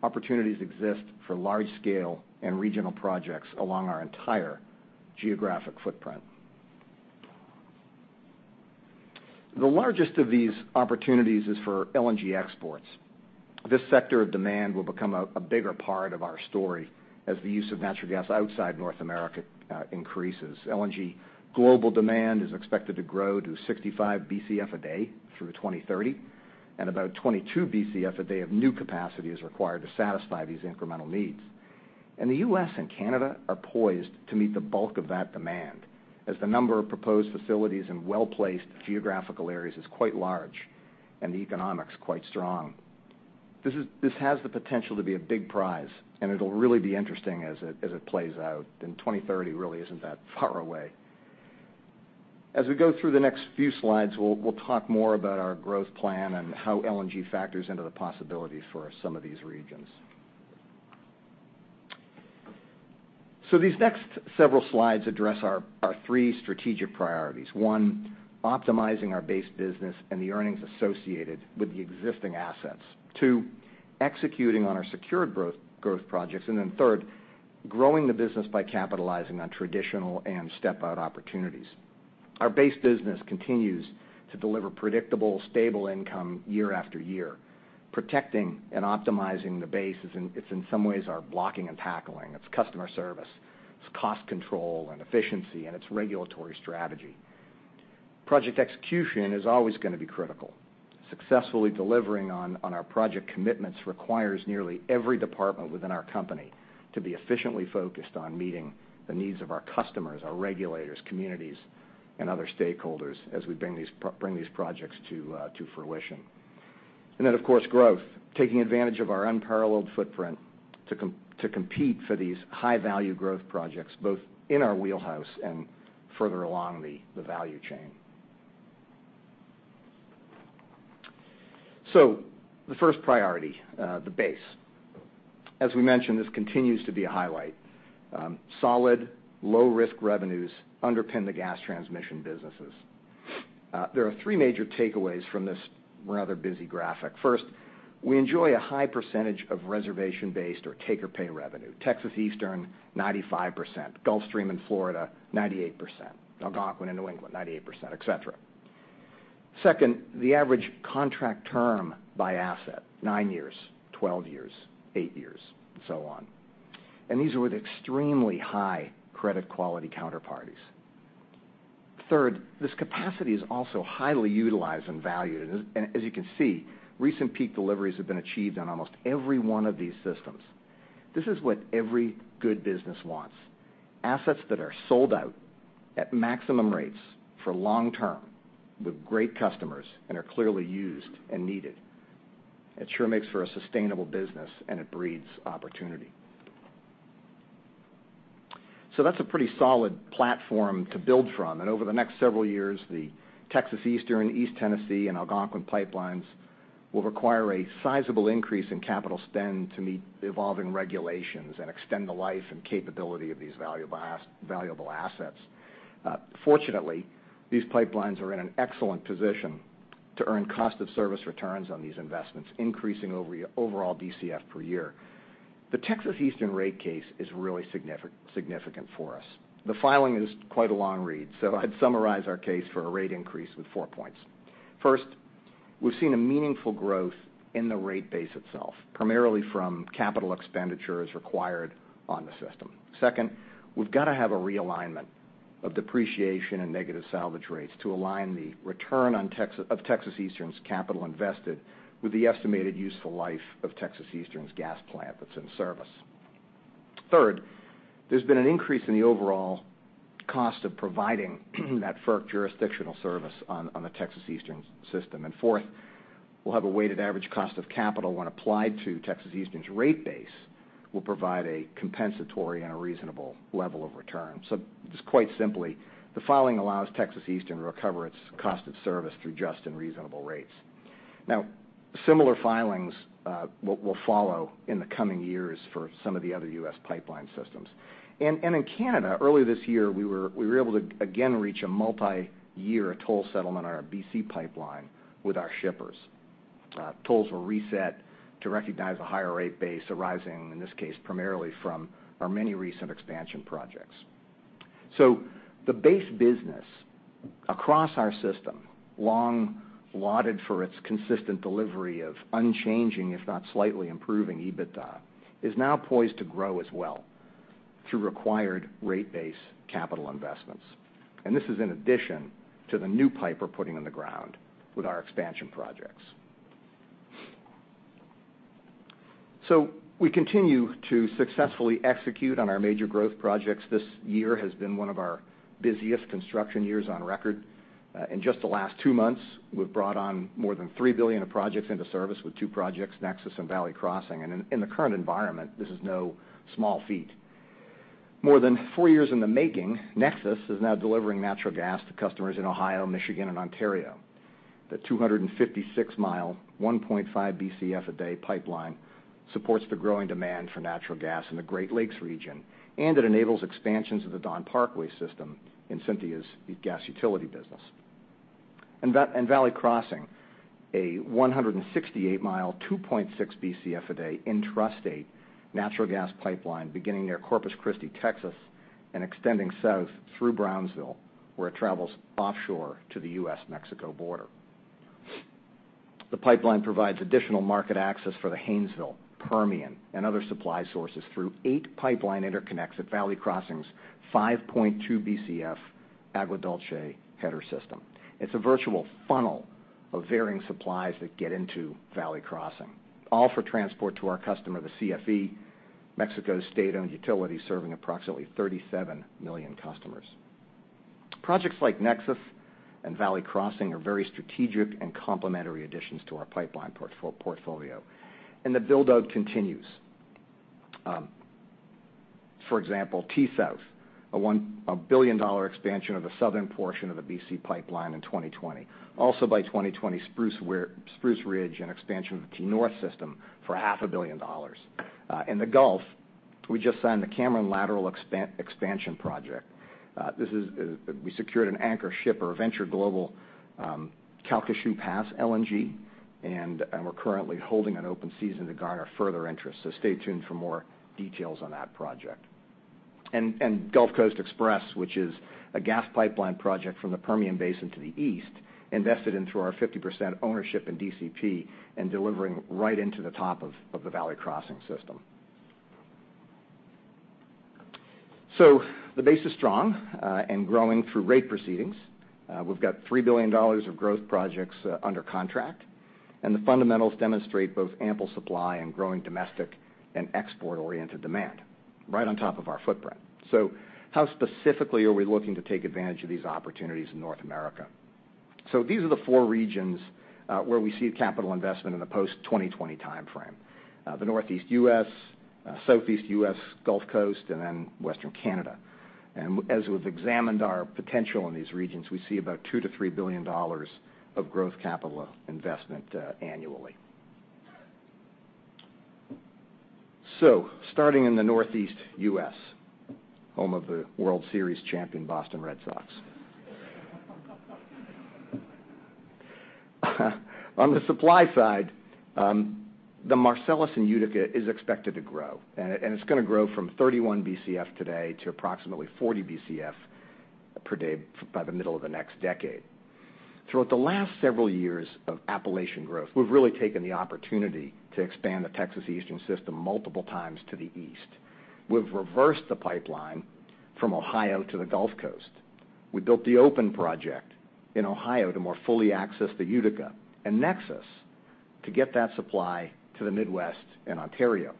Opportunities exist for large-scale and regional projects along our entire geographic footprint. The largest of these opportunities is for LNG exports. This sector of demand will become a bigger part of our story as the use of natural gas outside North America increases. LNG global demand is expected to grow to 65 Bcf a day through 2030, about 22 Bcf a day of new capacity is required to satisfy these incremental needs. The U.S. and Canada are poised to meet the bulk of that demand, as the number of proposed facilities in well-placed geographical areas is quite large and the economics quite strong. This has the potential to be a big prize, it'll really be interesting as it plays out, 2030 really isn't that far away. As we go through the next few slides, we'll talk more about our growth plan and how LNG factors into the possibilities for some of these regions. These next several slides address our three strategic priorities. One, optimizing our base business and the earnings associated with the existing assets. Two, executing on our secured growth projects. Third, growing the business by capitalizing on traditional and step-out opportunities. Our base business continues to deliver predictable, stable income year after year. Protecting and optimizing the base is in some ways our blocking and tackling. It's customer service, it's cost control and efficiency, and it's regulatory strategy. Project execution is always going to be critical. Successfully delivering on our project commitments requires nearly every department within our company to be efficiently focused on meeting the needs of our customers, our regulators, communities, and other stakeholders as we bring these projects to fruition. Then, of course, growth. Taking advantage of our unparalleled footprint to compete for these high-value growth projects, both in our wheelhouse and further along the value chain. The first priority, the base. As we mentioned, this continues to be a highlight. Solid, low-risk revenues underpin the gas transmission businesses. There are three major takeaways from this rather busy graphic. First, we enjoy a high percentage of reservation-based or take-or-pay revenue. Texas Eastern, 95%. Gulfstream in Florida, 98%. Algonquin in New England, 98%, et cetera. Second, the average contract term by asset, nine years, 12 years, eight years, and so on. These are with extremely high credit quality counterparties. Third, this capacity is also highly utilized and valued, as you can see, recent peak deliveries have been achieved on almost every one of these systems. This is what every good business wants: assets that are sold out at maximum rates for long-term with great customers and are clearly used and needed. It sure makes for a sustainable business and it breeds opportunity. That's a pretty solid platform to build from, and over the next several years, the Texas Eastern, East Tennessee, and Algonquin pipelines will require a sizable increase in capital spend to meet evolving regulations and extend the life and capability of these valuable assets. Fortunately, these pipelines are in an excellent position to earn cost of service returns on these investments, increasing overall DCF per year. The Texas Eastern rate case is really significant for us. The filing is quite a long read, so I'd summarize our case for a rate increase with four points. First, we've seen a meaningful growth in the rate base itself, primarily from capital expenditures required on the system. Second, we've got to have a realignment of depreciation and negative salvage rates to align the return of Texas Eastern's capital invested with the estimated useful life of Texas Eastern's gas plant that's in service. Third, there's been an increase in the overall cost of providing that FERC jurisdictional service on the Texas Eastern system. Fourth, we'll have a weighted average cost of capital when applied to Texas Eastern's rate base will provide a compensatory and a reasonable level of return. Just quite simply, the filing allows Texas Eastern to recover its cost of service through just and reasonable rates. Similar filings will follow in the coming years for some of the other U.S. pipeline systems. In Canada, earlier this year, we were able to, again, reach a multi-year toll settlement on our BC Pipeline with our shippers. Tolls were reset to recognize a higher rate base arising, in this case, primarily from our many recent expansion projects. The base business across our system, long lauded for its consistent delivery of unchanging, if not slightly improving EBITDA, is now poised to grow as well through required rate base capital investments. This is in addition to the new pipe we're putting in the ground with our expansion projects. We continue to successfully execute on our major growth projects. This year has been one of our busiest construction years on record. In just the last two months, we've brought on more than 3 billion of projects into service with two projects, NEXUS and Valley Crossing. In the current environment, this is no small feat. More than four years in the making, NEXUS is now delivering natural gas to customers in Ohio, Michigan, and Ontario. The 256-mile, 1.5 Bcf a day pipeline supports the growing demand for natural gas in the Great Lakes region, and it enables expansions of the Dawn-Parkway system in Cynthia's gas utility business. Valley Crossing, a 168-mile, 2.6 Bcf a day intrastate natural gas pipeline beginning near Corpus Christi, Texas, and extending south through Brownsville, where it travels offshore to the U.S.-Mexico border. The pipeline provides additional market access for the Haynesville, Permian, and other supply sources through eight pipeline interconnects at Valley Crossing's 5.2 Bcf Agua Dulce header system. It's a virtual funnel of varying supplies that get into Valley Crossing, all for transport to our customer, the CFE, Mexico's state-owned utility, serving approximately 37 million customers. Projects like NEXUS and Valley Crossing are very strategic and complementary additions to our pipeline portfolio. The build-out continues. For example, T-South, a 1 billion expansion of the southern portion of the BC Pipeline in 2020. Also by 2020, Spruce Ridge, an expansion of the T-North system for half a billion CAD. In the Gulf, we just signed the Cameron Extension project. We secured an anchor shipper, Venture Global Calcasieu Pass LNG, and we are currently holding an open season to garner further interest. Stay tuned for more details on that project. Gulf Coast Express, which is a gas pipeline project from the Permian Basin to the east, invested into our 50% ownership in DCP and delivering right into the top of the Valley Crossing system. The base is strong and growing through rate proceedings. We have 3 billion dollars of growth projects under contract, and the fundamentals demonstrate both ample supply and growing domestic and export-oriented demand right on top of our footprint. How specifically are we looking to take advantage of these opportunities in North America? These are the four regions where we see capital investment in the post-2020 timeframe. The Northeast U.S., Southeast U.S., Gulf Coast, and Western Canada. As we have examined our potential in these regions, we see about 2 billion-3 billion dollars of growth capital investment annually. Starting in the Northeast U.S., home of the World Series champion Boston Red Sox. On the supply side, the Marcellus and Utica is expected to grow, and it is going to grow from 31 Bcf today to approximately 40 Bcf per day by the middle of the next decade. Throughout the last several years of Appalachian growth, we have really taken the opportunity to expand the Texas Eastern system multiple times to the east. We have reversed the pipeline from Ohio to the Gulf Coast. We built the OPEN project in Ohio to more fully access the Utica, and NEXUS to get that supply to the Midwest and Ontario.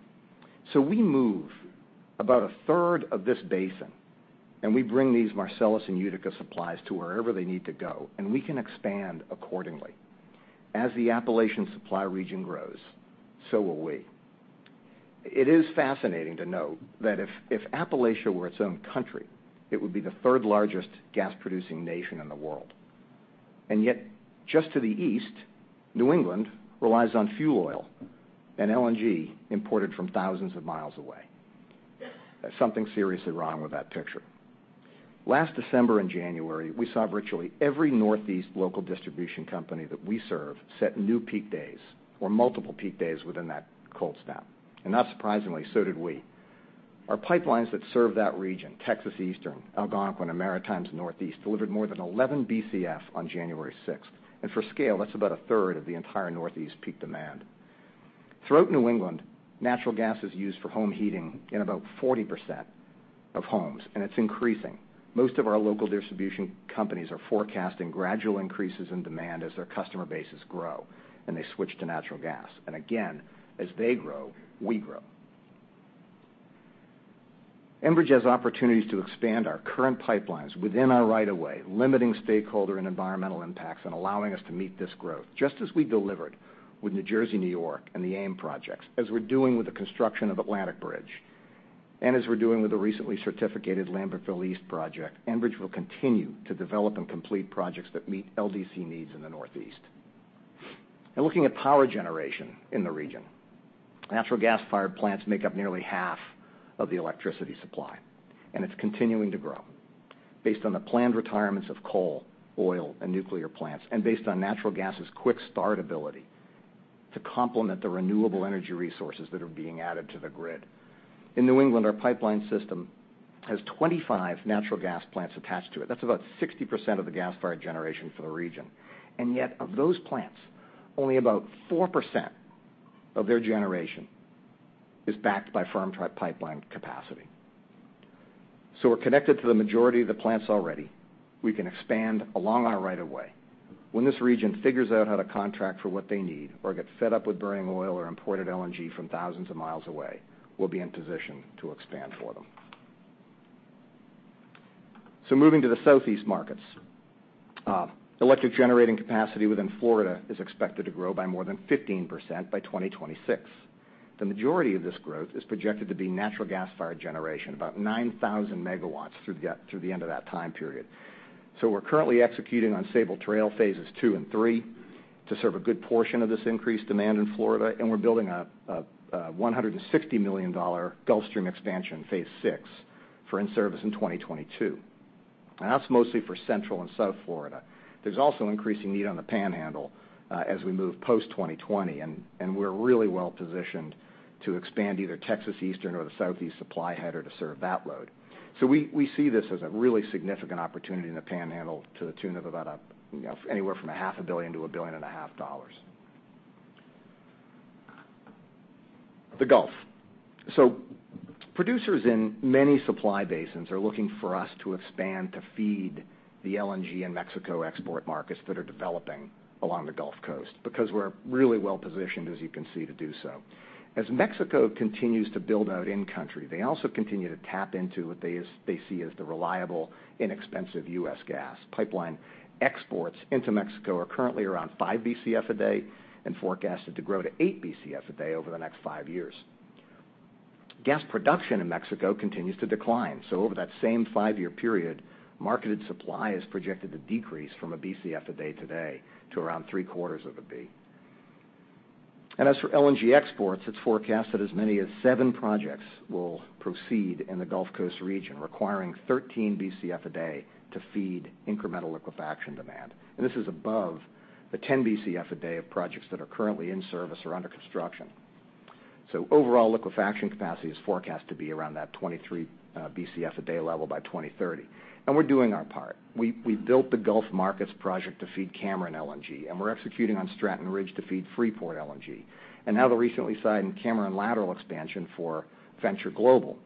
We move about a third of this basin, and we bring these Marcellus and Utica supplies to wherever they need to go, and we can expand accordingly. As the Appalachian supply region grows, so will we. It is fascinating to note that if Appalachia were its own country, it would be the third-largest gas-producing nation in the world. Yet, just to the east, New England relies on fuel oil and LNG imported from thousands of miles away. There is something seriously wrong with that picture. Last December and January, we saw virtually every Northeast local distribution company that we serve set new peak days or multiple peak days within that cold snap. Not surprisingly, so did we. Our pipelines that serve that region, Texas Eastern, Algonquin, and Maritimes & Northeast, delivered more than 11 Bcf on January 6th. For scale, that is about a third of the entire Northeast peak demand. Throughout New England, natural gas is used for home heating in about 40% of homes, and it is increasing. Most of our local distribution companies are forecasting gradual increases in demand as their customer bases grow and they switch to natural gas. Again, as they grow, we grow. Enbridge has opportunities to expand our current pipelines within our right of way, limiting stakeholder and environmental impacts and allowing us to meet this growth. Just as we delivered with New Jersey, New York, and the AIM projects, as we're doing with the construction of Atlantic Bridge, and as we're doing with the recently certificated Lambertville East Project, Enbridge will continue to develop and complete projects that meet LDC needs in the Northeast. Looking at power generation in the region, natural gas-fired plants make up nearly half of the electricity supply, and it's continuing to grow based on the planned retirements of coal, oil, and nuclear plants and based on natural gas's quick start ability to complement the renewable energy resources that are being added to the grid. In New England, our pipeline system has 25 natural gas plants attached to it. That's about 60% of the gas-fired generation for the region. Yet of those plants, only about 4% of their generation is backed by firm pipeline capacity. We're connected to the majority of the plants already. We can expand along our right of way. When this region figures out how to contract for what they need or get fed up with burning oil or imported LNG from thousands of miles away, we'll be in position to expand for them. Moving to the Southeast markets. Electric generating capacity within Florida is expected to grow by more than 15% by 2026. The majority of this growth is projected to be natural gas-fired generation, about 9,000 megawatts through the end of that time period. We're currently executing on Sabal Trail Phases 2 and 3 to serve a good portion of this increased demand in Florida, and we're building a 160 million dollar Gulfstream expansion, Phase 6, for in-service in 2022. That's mostly for Central and South Florida. There's also increasing need on the Panhandle as we move post-2020, and we're really well-positioned to expand either Texas Eastern or the Southeast Supply Header to serve that load. We see this as a really significant opportunity in the Panhandle to the tune of about anywhere from a half a billion CAD to a billion and a half CAD. The Gulf. Producers in many supply basins are looking for us to expand to feed the LNG and Mexico export markets that are developing along the Gulf Coast because we're really well-positioned, as you can see, to do so. As Mexico continues to build out in country, they also continue to tap into what they see as the reliable, inexpensive U.S. gas. Pipeline exports into Mexico are currently around 5 Bcf a day and forecasted to grow to 8 Bcf a day over the next five years. Gas production in Mexico continues to decline, so over that same five-year period, marketed supply is projected to decrease from a Bcf a day today to around three-quarters of a Bcf. As for LNG exports, it's forecast that as many as seven projects will proceed in the Gulf Coast region, requiring 13 Bcf a day to feed incremental liquefaction demand. This is above the 10 Bcf a day of projects that are currently in service or under construction. Overall liquefaction capacity is forecast to be around that 23 Bcf a day level by 2030. We're doing our part. We built the Gulf Markets project to feed Cameron LNG, and we're executing on Stratton Ridge to feed Freeport LNG. Now the recently signed Cameron lateral expansion for Venture Global.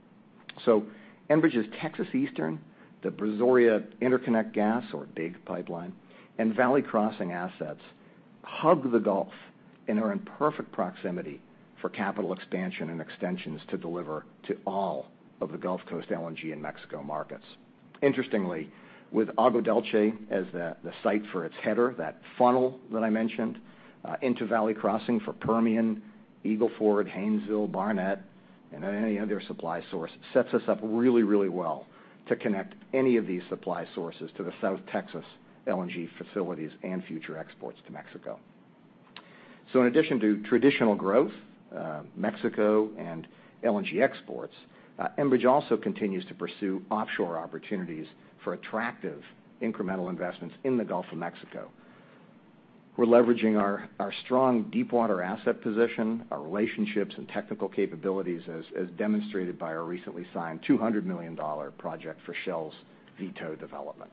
Enbridge's Texas Eastern, the Brazoria Interconnector Gas, or BIG Pipeline, and Valley Crossing assets hub the Gulf and are in perfect proximity for capital expansion and extensions to deliver to all of the Gulf Coast LNG and Mexico markets. Interestingly, with Agua Dulce as the site for its header, that funnel that I mentioned, into Valley Crossing for Permian, Eagle Ford, Haynesville, Barnett, and any other supply source, sets us up really, really well to connect any of these supply sources to the South Texas LNG facilities and future exports to Mexico. In addition to traditional growth, Mexico and LNG exports, Enbridge also continues to pursue offshore opportunities for attractive incremental investments in the Gulf of Mexico. We're leveraging our strong deepwater asset position, our relationships and technical capabilities, as demonstrated by our recently signed 200 million dollar project for Shell's Vito development.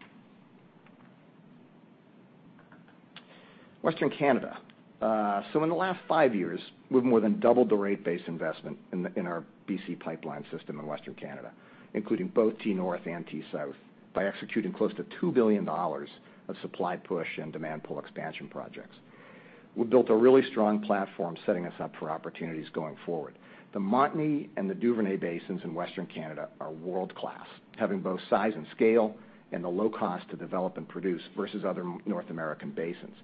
Western Canada. In the last five years, we've more than doubled the rate base investment in our BC Pipeline system in Western Canada, including both T-North and T-South, by executing close to 2 billion dollars of supply push and demand pull expansion projects. We've built a really strong platform, setting us up for opportunities going forward. The Montney and the Duvernay basins in Western Canada are world-class, having both size and scale, and the low cost to develop and produce versus other North American basins.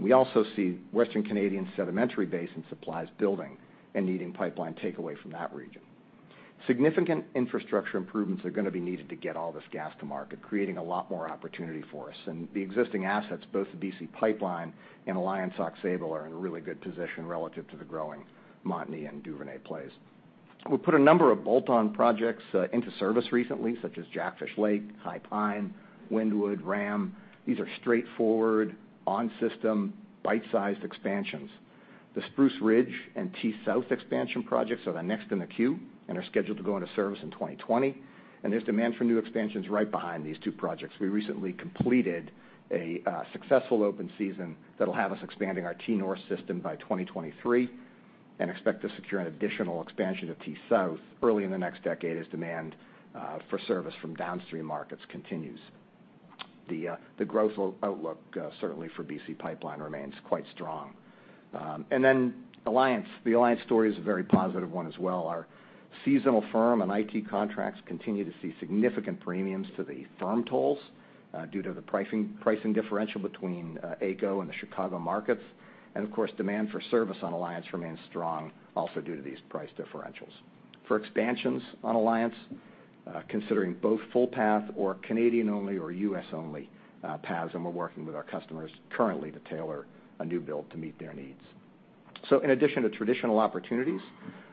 We also see Western Canadian sedimentary basin supplies building and needing pipeline takeaway from that region. Significant infrastructure improvements are going to be needed to get all this gas to market, creating a lot more opportunity for us. The existing assets, both the BC Pipeline and Alliance and Aux Sable, are in a really good position relative to the growing Montney and Duvernay plays. We've put a number of bolt-on projects into service recently, such as Jackfish Lake, High Pine, Wyndwood, Ram. These are straightforward, on-system, bite-sized expansions. The Spruce Ridge and T-South expansion projects are the next in the queue and are scheduled to go into service in 2020, and there's demand for new expansions right behind these two projects. We recently completed a successful open season that'll have us expanding our T-North system by 2023 and expect to secure an additional expansion of T-South early in the next decade as demand for service from downstream markets continues. The growth outlook, certainly for BC Pipeline, remains quite strong. Then Alliance. The Alliance story is a very positive one as well. Our seasonal firm and IT contracts continue to see significant premiums to the firm tolls due to the pricing differential between AECO and the Chicago markets. Of course, demand for service on Alliance remains strong, also due to these price differentials. For expansions on Alliance, considering both full path or Canadian-only or U.S.-only paths, we're working with our customers currently to tailor a new build to meet their needs. In addition to traditional opportunities,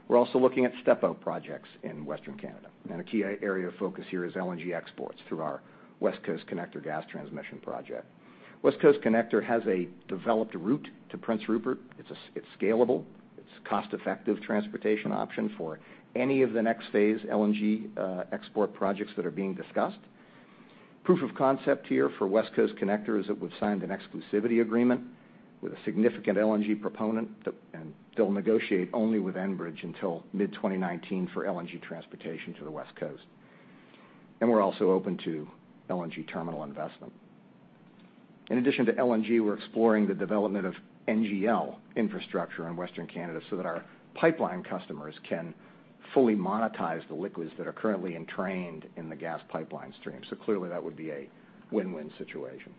we're also looking at step-out projects in Western Canada. A key area of focus here is LNG exports through our Westcoast Connector Gas Transmission project. Westcoast Connector has a developed route to Prince Rupert. It's scalable. It's a cost-effective transportation option for any of the next phase LNG export projects that are being discussed. Proof of concept here for Westcoast Connector is that we've signed an exclusivity agreement with a significant LNG proponent, and they'll negotiate only with Enbridge until mid-2019 for LNG transportation to the West Coast. We're also open to LNG terminal investment. In addition to LNG, we're exploring the development of NGL infrastructure in Western Canada so that our pipeline customers can fully monetize the liquids that are currently entrained in the gas pipeline stream. Clearly, that would be a win-win situation.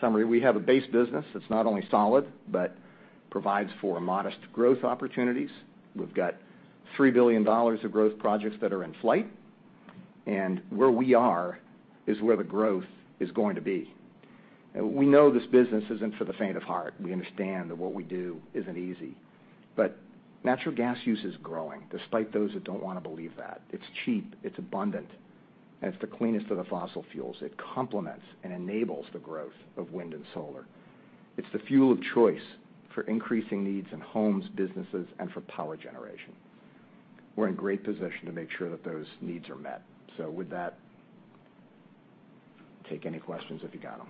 Summary, we have a base business that's not only solid but provides for modest growth opportunities. We've got 3 billion dollars of growth projects that are in flight, where we are is where the growth is going to be. We know this business isn't for the faint of heart. We understand that what we do isn't easy, natural gas use is growing, despite those that don't want to believe that. It's cheap, it's abundant, it's the cleanest of the fossil fuels. It complements and enables the growth of wind and solar. It's the fuel of choice for increasing needs in homes, businesses, and for power generation. We're in great position to make sure that those needs are met. With that, take any questions if you got them.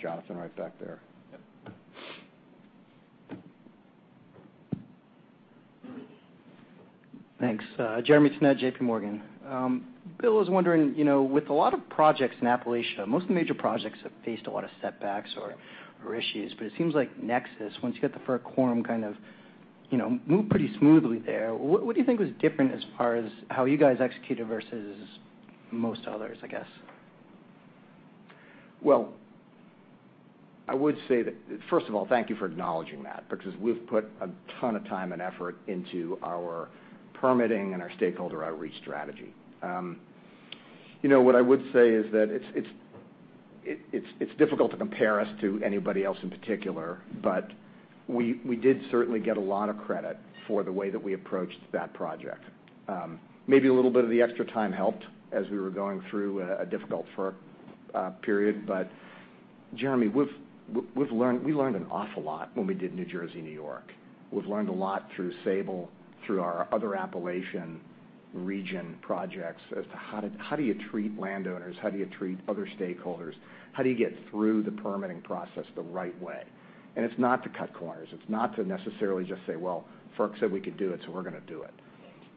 Jonathan, right back there. Yep. Thanks. Jeremy Tonet, J.P. Morgan. Bill, I was wondering, with a lot of projects in Appalachia, most of the major projects have faced a lot of setbacks or issues, it seems like NEXUS, once you get the FERC quorum kind of moved pretty smoothly there. What do you think was different as far as how you guys executed versus most others, I guess? I would say that, first of all, thank you for acknowledging that because we've put a ton of time and effort into our permitting and our stakeholder outreach strategy. What I would say is that it's difficult to compare us to anybody else in particular, we did certainly get a lot of credit for the way that we approached that project. Maybe a little bit of the extra time helped as we were going through a difficult FERC period. Jeremy, we learned an awful lot when we did New Jersey, New York. We've learned a lot through Sabal Trail, through our other Appalachian region projects as to how do you treat landowners, how do you treat other stakeholders? How do you get through the permitting process the right way? It's not to cut corners. It's not to necessarily just say, "Well, FERC said we could do it, so we're going to do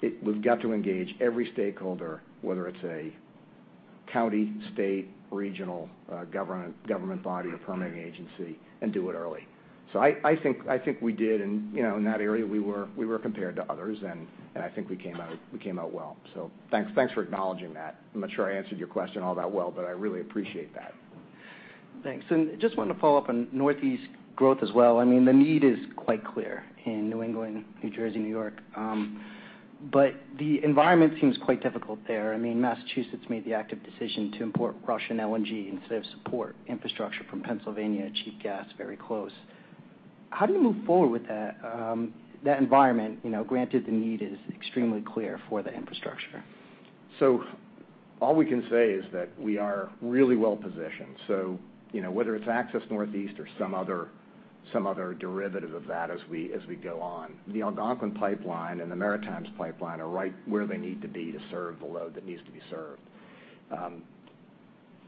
it." We've got to engage every stakeholder, whether it's a county, state, regional, government body, or permitting agency, and do it early. I think we did, and in that area, we were compared to others, and I think we came out well. Thanks for acknowledging that. I'm not sure I answered your question all that well, but I really appreciate that. Thanks. I just wanted to follow up on Northeast growth as well. The need is quite clear in New England, New Jersey, New York. The environment seems quite difficult there. Massachusetts made the active decision to import Russian LNG instead of support infrastructure from Pennsylvania, cheap gas, very close. How do you move forward with that environment? Granted, the need is extremely clear for the infrastructure. All we can say is that we are really well-positioned. Whether it's Access Northeast or some other derivative of that as we go on. The Algonquin pipeline and the Maritimes pipeline are right where they need to be to serve the load that needs to be served.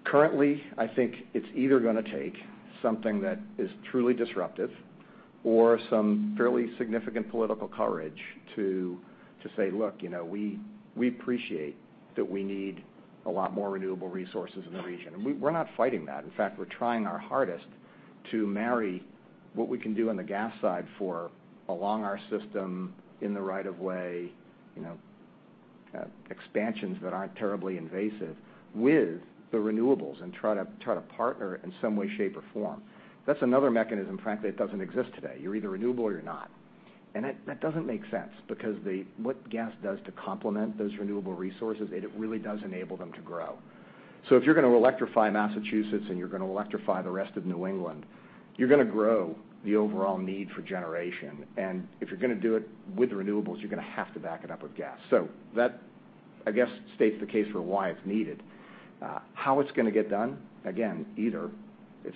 Currently, I think it's either going to take something that is truly disruptive or some fairly significant political courage to say, "Look, we appreciate that we need a lot more renewable resources in the region." We're not fighting that. In fact, we're trying our hardest to marry what we can do on the gas side for along our system in the right of way, expansions that aren't terribly invasive with the renewables and try to partner in some way, shape, or form. That's another mechanism, frankly, that doesn't exist today. You're either renewable or you're not. That doesn't make sense because what gas does to complement those renewable resources, it really does enable them to grow. If you're going to electrify Massachusetts and you're going to electrify the rest of New England, you're going to grow the overall need for generation. If you're going to do it with renewables, you're going to have to back it up with gas. That, I guess, states the case for why it's needed. How it's going to get done? Again, either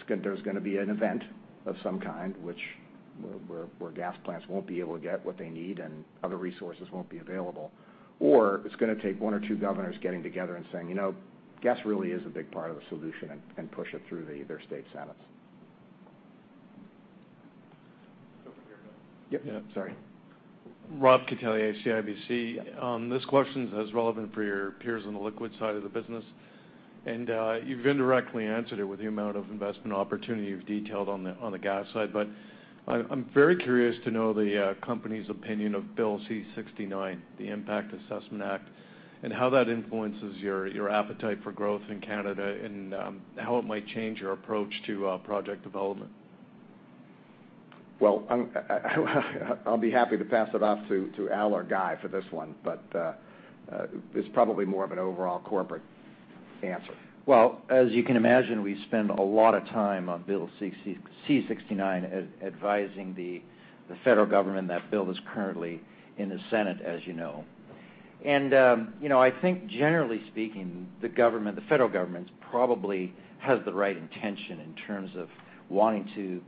there's going to be an event of some kind, which where gas plants won't be able to get what they need and other resources won't be available, or it's going to take one or two governors getting together and saying, "Gas really is a big part of the solution," and push it through their state Senates. Over here, Bill. Yep. Sorry. Robert Catellier, CIBC. This question is relevant for your peers on the liquid side of the business, and you've indirectly answered it with the amount of investment opportunity you've detailed on the gas side. I'm very curious to know the company's opinion of Bill C-69, the Impact Assessment Act, and how that influences your appetite for growth in Canada and how it might change your approach to project development. Well, I'll be happy to pass it off to Al or Guy for this one, but it's probably more of an overall corporate answer. Well, as you can imagine, we spend a lot of time on Bill C-69, advising the federal government. That bill is currently in the Senate, as you know. I think generally speaking, the federal government probably has the right intention in terms of wanting to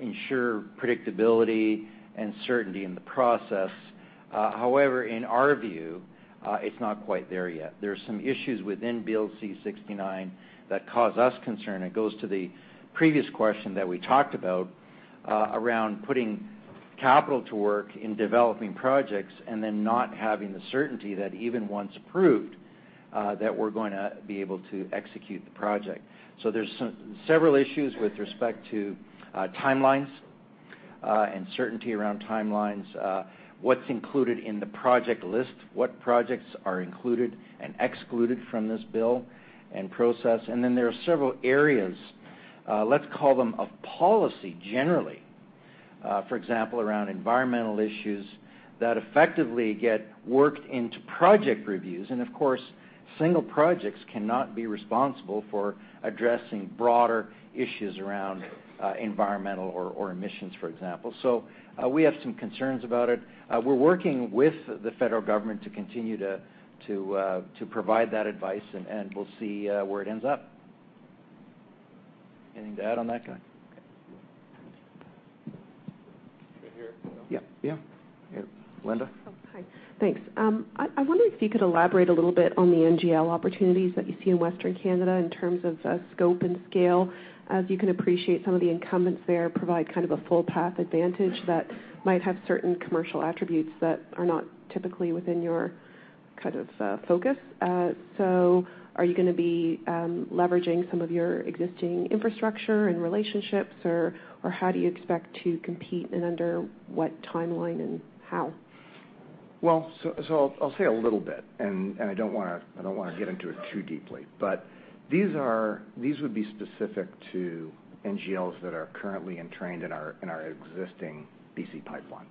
ensure predictability and certainty in the process. However, in our view, it's not quite there yet. There's some issues within Bill C-69 that cause us concern, and it goes to the previous question that we talked about, around putting capital to work in developing projects and then not having the certainty that even once approved, that we're going to be able to execute the project. There's several issues with respect to timelines, uncertainty around timelines, what's included in the project list, what projects are included and excluded from this bill and process. Then there are several areas, let's call them, of policy generally. For example, around environmental issues that effectively get worked into project reviews. Of course, single projects cannot be responsible for addressing broader issues around environmental or emissions, for example. We have some concerns about it. We're working with the federal government to continue to provide that advice, and we'll see where it ends up. Anything to add on that, Guy? Right here. Yeah. Yeah. Linda? Oh, hi. Thanks. I wondered if you could elaborate a little bit on the NGL opportunities that you see in Western Canada in terms of scope and scale. As you can appreciate, some of the incumbents there provide kind of a full-path advantage that might have certain commercial attributes that are not typically within your kind of focus. Are you going to be leveraging some of your existing infrastructure and relationships, or how do you expect to compete, and under what timeline and how? I'll say a little bit, and I don't want to get into it too deeply, but these would be specific to NGLs that are currently entrained in our existing BC Pipeline.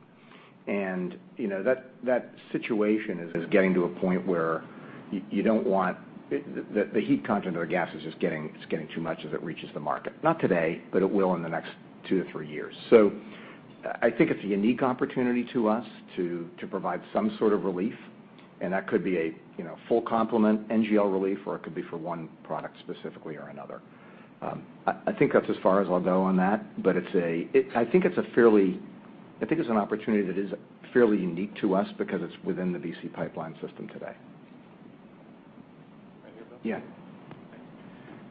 That situation is getting to a point where the heat content of the gas is just getting too much as it reaches the market. Not today, but it will in the next two to three years. I think it's a unique opportunity to us to provide some sort of relief, and that could be a full complement NGL relief, or it could be for one product specifically or another. I think that's as far as I'll go on that, but I think it's an opportunity that is fairly unique to us because it's within the BC Pipeline system today. Right here, Bill. Yeah.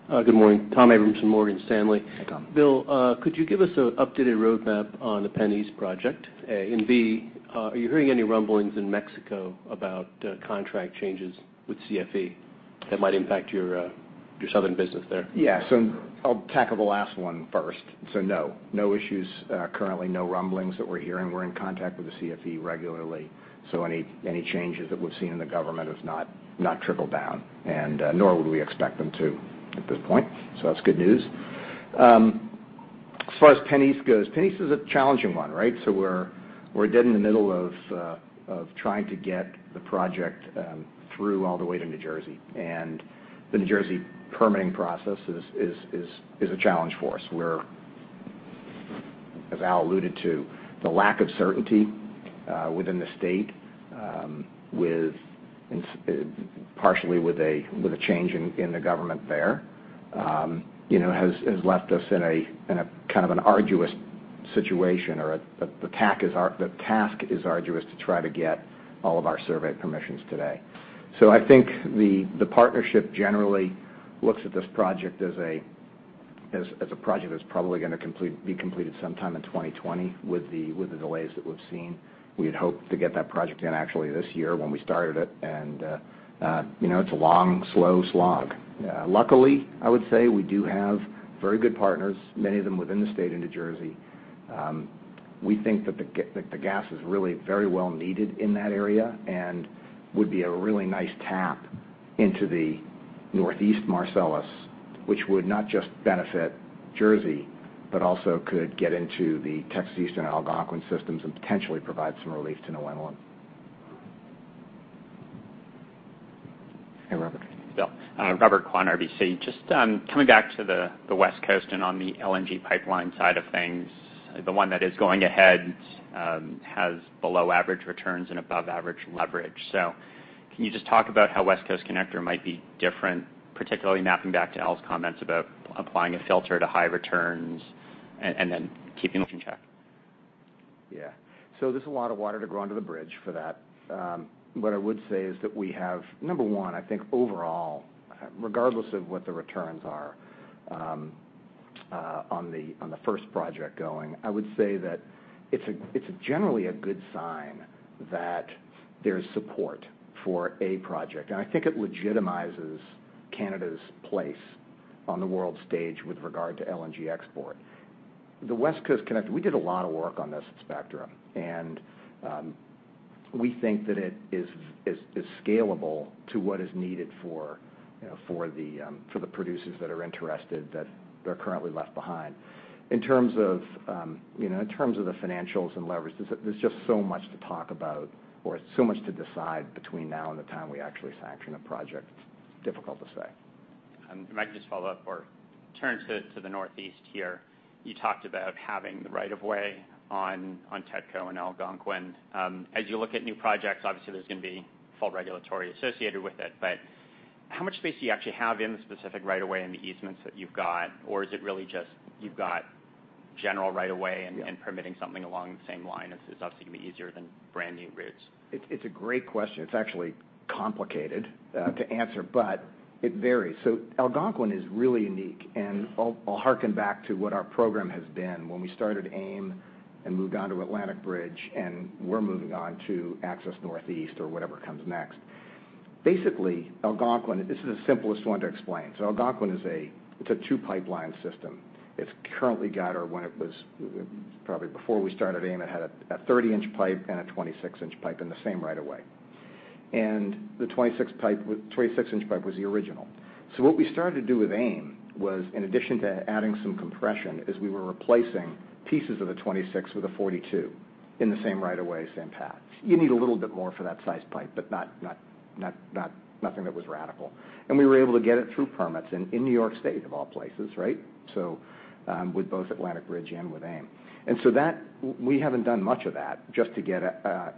Thanks. Good morning. Tom Abrams from Morgan Stanley. Hi, Tom. Bill, could you give us an updated roadmap on the PennEast project? Are you hearing any rumblings in Mexico about contract changes with CFE that might impact your southern business there? Yeah. I'll tackle the last one first. No. No issues currently, no rumblings that we're hearing. We're in contact with the CFE regularly. Any changes that we've seen in the government has not trickled down, nor would we expect them to at this point. That's good news. As far as PennEast goes, PennEast is a challenging one, right? We're dead in the middle of trying to get the project through all the way to New Jersey, and the New Jersey permitting process is a challenge for us, where, as Al alluded to, the lack of certainty within the state, partially with a change in the government there, has left us in a kind of an arduous situation or the task is arduous to try to get all of our survey permissions today. I think the partnership generally looks at this project as a project that's probably going to be completed sometime in 2020 with the delays that we've seen. We had hoped to get that project done actually this year when we started it, and it's a long, slow slog. Luckily, I would say we do have very good partners, many of them within the state in New Jersey. We think that the gas is really very well needed in that area and would be a really nice tap into the Northeast Marcellus, which would not just benefit Jersey, but also could get into the Texas Eastern Algonquin systems and potentially provide some relief to New England. Hey, Robert. Bill. Robert Kwan, RBC. Just coming back to the West Coast and on the LNG pipeline side of things, the one that is going ahead has below average returns and above average leverage. Can you just talk about how Westcoast Connector might be different, particularly mapping back to Al's comments about applying a filter to high returns and then keeping in check? There's a lot of water to go under the bridge for that. What I would say is that we have, number 1, I think overall, regardless of what the returns are on the first project going, I would say that it's generally a good sign that there's support for a project. I think it legitimizes Canada's place on the world stage with regard to LNG export. The Westcoast Connector, we did a lot of work on this at Spectra, and we think that it is scalable to what is needed for the producers that are interested that are currently left behind. In terms of the financials and leverage, there's just so much to talk about, or so much to decide between now and the time we actually sanction a project. Difficult to say. If I can just follow up or turn to the Northeast here. You talked about having the right of way on TETCO and Algonquin. As you look at new projects, obviously there's going to be full regulatory associated with it, but how much space do you actually have in the specific right of way and the easements that you've got, or is it really just you've got general right of way- Yeah Permitting something along the same line is obviously going to be easier than brand new routes. It's a great question. It's actually complicated to answer, but it varies. Algonquin is really unique, and I'll harken back to what our program has been when we started AIM and moved on to Atlantic Bridge, and we're moving on to Access Northeast or whatever comes next. Basically, Algonquin, this is the simplest one to explain. Algonquin is a two-pipeline system. It's currently got, or when it was probably before we started AIM, it had a 30-inch pipe and a 26-inch pipe in the same right of way. The 26-inch pipe was the original. What we started to do with AIM was, in addition to adding some compression, is we were replacing pieces of the 26 with a 42 in the same right of way, same path. You need a little bit more for that size pipe, but nothing that was radical. We were able to get it through permits in New York State, of all places, right? With both Atlantic Bridge and with AIM. That, we haven't done much of that just to get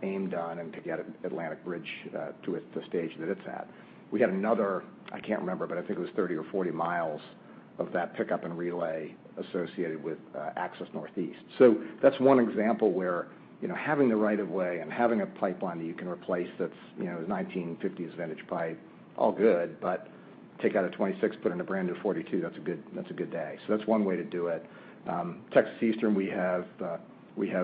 AIM done and to get Atlantic Bridge to the stage that it's at. We have another, I can't remember, but I think it was 30 or 40 miles of that pickup and relay associated with Access Northeast. That's one example where having the right of way and having a pipeline that you can replace that's a 1950s vintage pipe, all good, but take out a 26, put in a brand-new 42, that's a good day. That's one way to do it. Texas Eastern, we have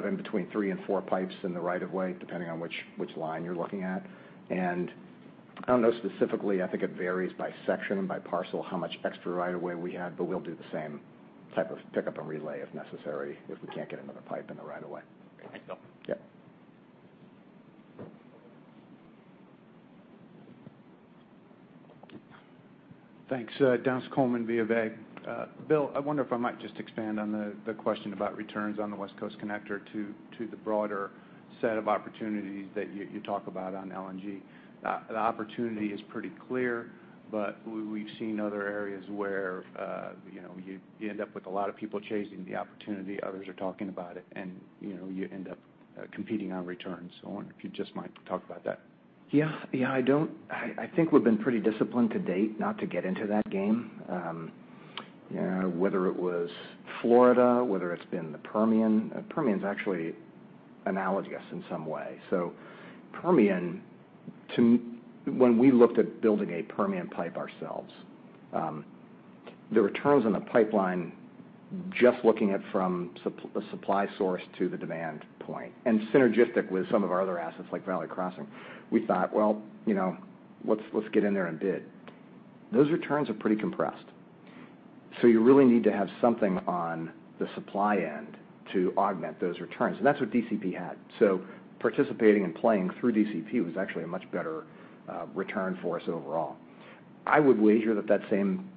in between three and four pipes in the right of way, depending on which line you're looking at. I don't know specifically. I think it varies by section, by parcel, how much extra right of way we had, but we'll do the same type of pick-up and relay if necessary, if we can't get another pipe in the right of way. Thanks, Bill. Yep. Thanks. Dennis Coleman, BofA. Bill, I wonder if I might just expand on the question about returns on the Westcoast Connector to the broader set of opportunities that you talk about on LNG. The opportunity is pretty clear, but we've seen other areas where you end up with a lot of people chasing the opportunity. Others are talking about it, and you end up competing on returns. I wonder if you just might talk about that. Yeah. I think we've been pretty disciplined to date not to get into that game. Whether it was Florida, whether it's been the Permian. Permian is actually analogous in some way. Permian, when we looked at building a Permian pipe ourselves, the returns on the pipeline, just looking at from a supply source to the demand point, and synergistic with some of our other assets like Valley Crossing, we thought, "Well, let's get in there and bid." Those returns are pretty compressed. You really need to have something on the supply end to augment those returns, and that's what DCP had. Participating and playing through DCP was actually a much better return for us overall. I would wager that same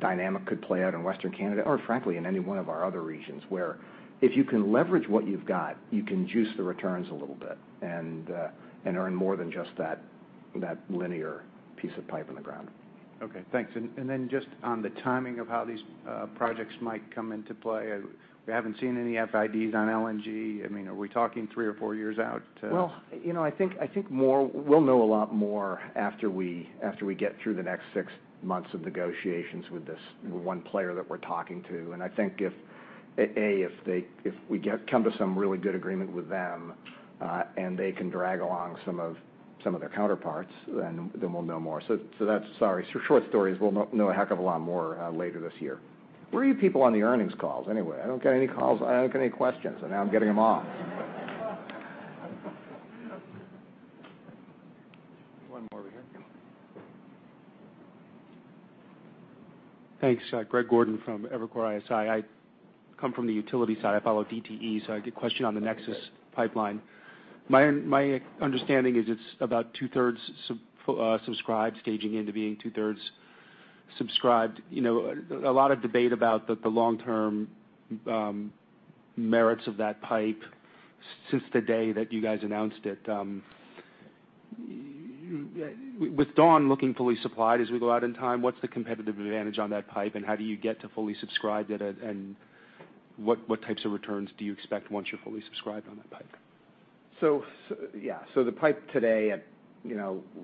dynamic could play out in Western Canada or frankly, in any one of our other regions where if you can leverage what you've got, you can juice the returns a little bit and earn more than just that linear piece of pipe in the ground. Okay, thanks. Then just on the timing of how these projects might come into play, we haven't seen any FIDs on LNG. Are we talking three or four years out to- I think we'll know a lot more after we get through the next 6 months of negotiations with this one player that we're talking to. I think if, A, if we come to some really good agreement with them, and they can drag along some of their counterparts, then we'll know more. Sorry, short stories, we'll know a heck of a lot more later this year. Where are you people on the earnings calls anyway? I don't get any calls. I don't get any questions, and now I'm getting them all. One more over here. Thanks. Greg Gordon from Evercore ISI. I come from the utility side. I follow DTE, so I have question on the NEXUS Pipeline. My understanding is it's about two-thirds subscribed, staging into being two-thirds subscribed. A lot of debate about the long-term merits of that pipe since the day that you guys announced it. With Dawn looking fully supplied as we go out in time, what's the competitive advantage on that pipe, and how do you get to fully subscribed? What types of returns do you expect once you're fully subscribed on that pipe? Yeah. The pipe today at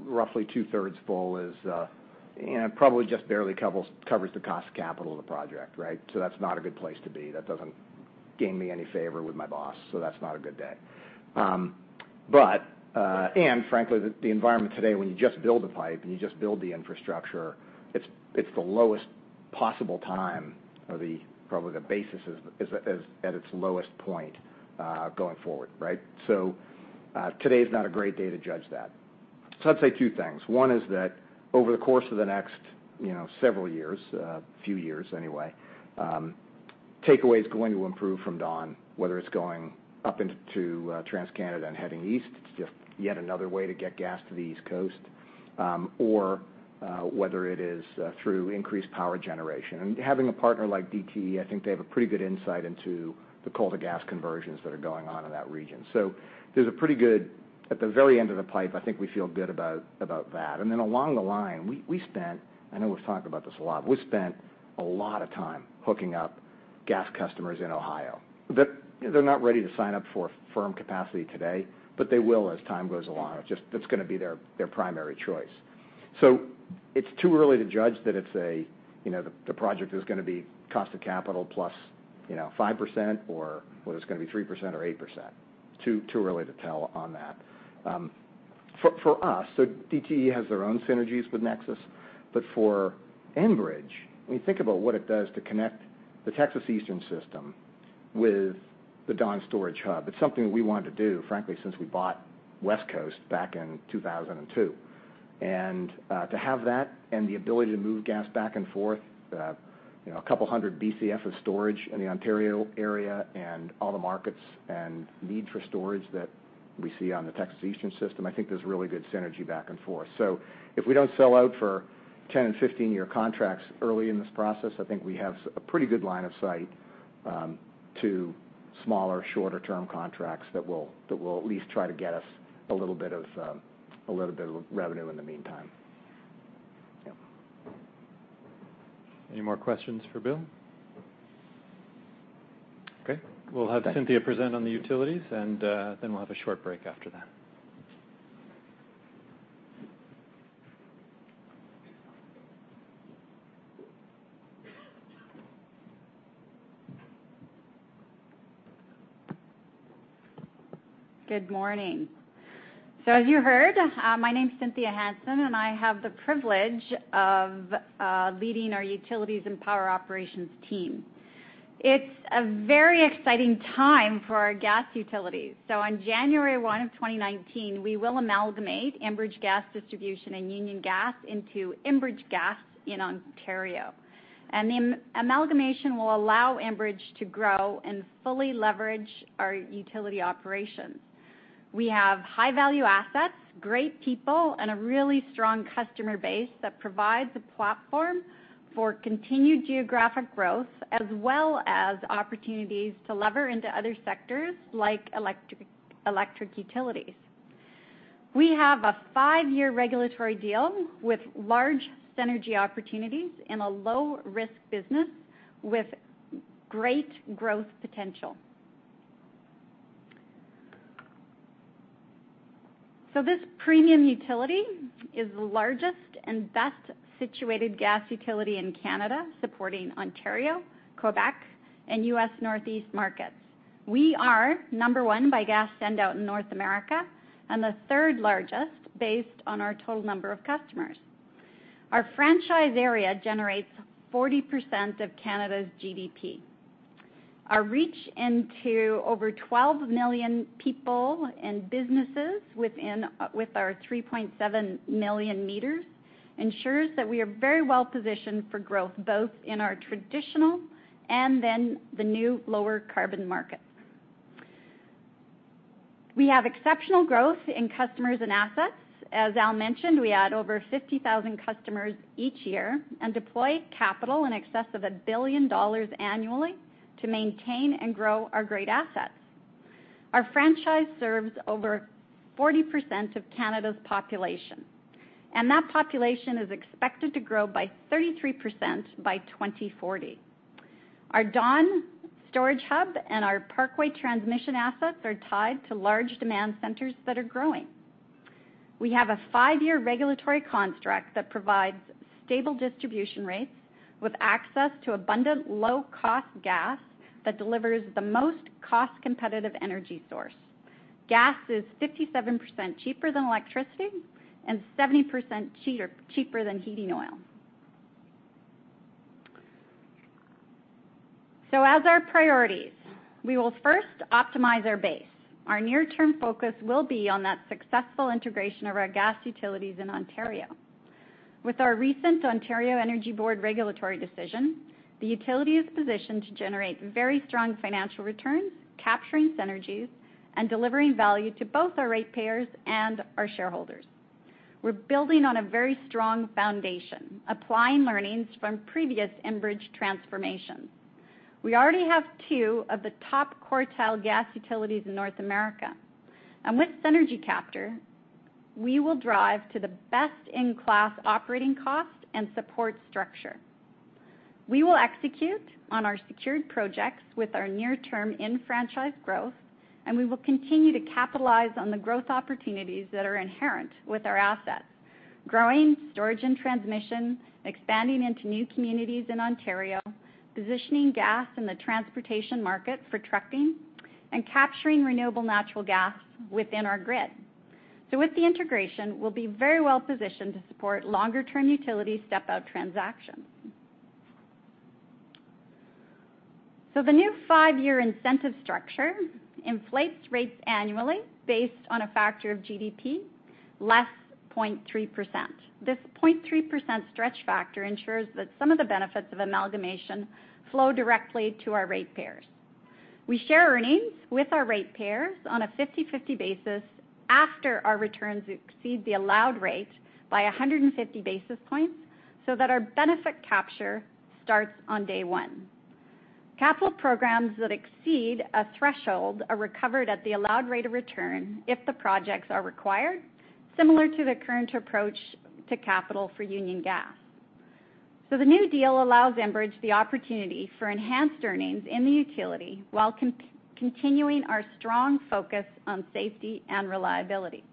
roughly two-thirds full probably just barely covers the cost of capital of the project. That's not a good place to be. That doesn't gain me any favor with my boss, that's not a good day. Frankly, the environment today, when you just build a pipe and you just build the infrastructure, it's the lowest possible time, or probably the basis is at its lowest point, going forward. Today is not a great day to judge that. I'd say two things. One is that over the course of the next several years, a few years anyway, takeaway is going to improve from Dawn, whether it's going up into TransCanada and heading East. It's just yet another way to get gas to the East Coast, or whether it is through increased power generation. Having a partner like DTE, I think they have a pretty good insight into the coal to gas conversions that are going on in that region. There's a pretty good. At the very end of the pipe, I think we feel good about that. Along the line, we spent, I know we've talked about this a lot, we spent a lot of time hooking up gas customers in Ohio. They're not ready to sign up for firm capacity today, but they will as time goes along. That's going to be their primary choice. It's too early to judge that the project is going to be cost of capital plus 5% or whether it's going to be 3% or 8%. Too early to tell on that. For us, DTE has their own synergies with Nexus. For Enbridge, when you think about what it does to connect the Texas Eastern system with the Dawn-Parkway storage hub, it's something that we wanted to do, frankly, since we bought Westcoast back in 2002. To have that and the ability to move gas back and forth, a couple hundred Bcf of storage in the Ontario area and all the markets and need for storage that we see on the Texas Eastern system, I think there's really good synergy back and forth. If we don't sell out for 10- and 15-year contracts early in this process, I think we have a pretty good line of sight to smaller, shorter-term contracts that will at least try to get us a little bit of revenue in the meantime. Yep. Any more questions for Bill? Okay. We'll have Cynthia present on the utilities, and then we'll have a short break after that. Good morning. As you heard, my name's Cynthia Hansen, and I have the privilege of leading our utilities and power operations team. It's a very exciting time for our gas utilities. On January 1, 2019, we will amalgamate Enbridge Gas Distribution and Union Gas into Enbridge Gas in Ontario. The amalgamation will allow Enbridge to grow and fully leverage our utility operations. We have high-value assets, great people, and a really strong customer base that provides a platform for continued geographic growth as well as opportunities to lever into other sectors like electric utilities. We have a five-year regulatory deal with large synergy opportunities in a low-risk business with great growth potential. This premium utility is the largest and best-situated gas utility in Canada, supporting Ontario, Quebec, and U.S. Northeast markets. We are number one by gas send-out in North America, the third-largest based on our total number of customers. Our franchise area generates 40% of Canada's GDP. Our reach into over 12 million people and businesses with our 3.7 million meters ensures that we are very well-positioned for growth, both in our traditional and then the new lower carbon market. We have exceptional growth in customers and assets. As Al mentioned, we add over 50,000 customers each year and deploy capital in excess of 1 billion dollars annually to maintain and grow our great assets. Our franchise serves over 40% of Canada's population, and that population is expected to grow by 33% by 2040. Our Dawn storage hub and our Parkway transmission assets are tied to large demand centers that are growing. We have a 5-year regulatory construct that provides stable distribution rates with access to abundant low-cost gas that delivers the most cost-competitive energy source. Gas is 57% cheaper than electricity and 70% cheaper than heating oil. As our priorities, we will first optimize our base. Our near-term focus will be on that successful integration of our gas utilities in Ontario. With our recent Ontario Energy Board regulatory decision, the utility is positioned to generate very strong financial returns, capturing synergies, and delivering value to both our rate payers and our shareholders. We're building on a very strong foundation, applying learnings from previous Enbridge transformations. We already have two of the top quartile gas utilities in North America. With synergy capture, we will drive to the best-in-class operating cost and support structure. We will execute on our secured projects with our near-term in-franchise growth, we will continue to capitalize on the growth opportunities that are inherent with our assets. Growing storage and transmission, expanding into new communities in Ontario, positioning gas in the transportation market for trucking, and capturing renewable natural gas within our grid. With the integration, we'll be very well-positioned to support longer-term utility step-out transactions. The new 5-year incentive structure inflates rates annually based on a factor of GDP, less 0.3%. This 0.3% stretch factor ensures that some of the benefits of amalgamation flow directly to our rate payers. We share earnings with our rate payers on a 50/50 basis after our returns exceed the allowed rate by 150 basis points so that our benefit capture starts on day one. Capital programs that exceed a threshold are recovered at the allowed rate of return if the projects are required, similar to the current approach to capital for Union Gas. The new deal allows Enbridge the opportunity for enhanced earnings in the utility while continuing our strong focus on safety and reliability.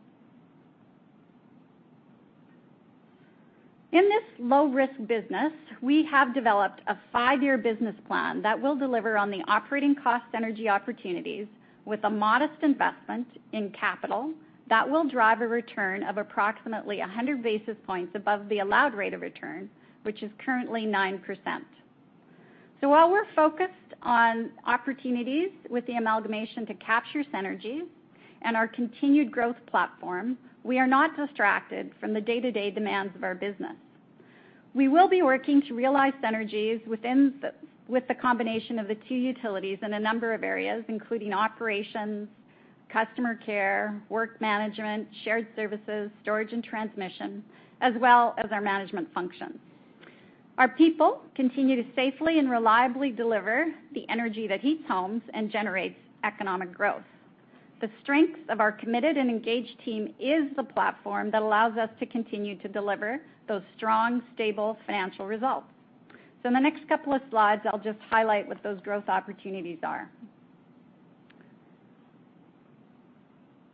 In this low-risk business, we have developed a 5-year business plan that will deliver on the operating cost synergy opportunities with a modest investment in capital that will drive a return of approximately 100 basis points above the allowed rate of return, which is currently 9%. While we're focused on opportunities with the amalgamation to capture synergies and our continued growth platform, we are not distracted from the day-to-day demands of our business. We will be working to realize synergies with the combination of the two utilities in a number of areas, including operations, customer care, work management, shared services, storage, and transmission, as well as our management functions. Our people continue to safely and reliably deliver the energy that heats homes and generates economic growth. The strength of our committed and engaged team is the platform that allows us to continue to deliver those strong, stable financial results. In the next couple of slides, I'll just highlight what those growth opportunities are.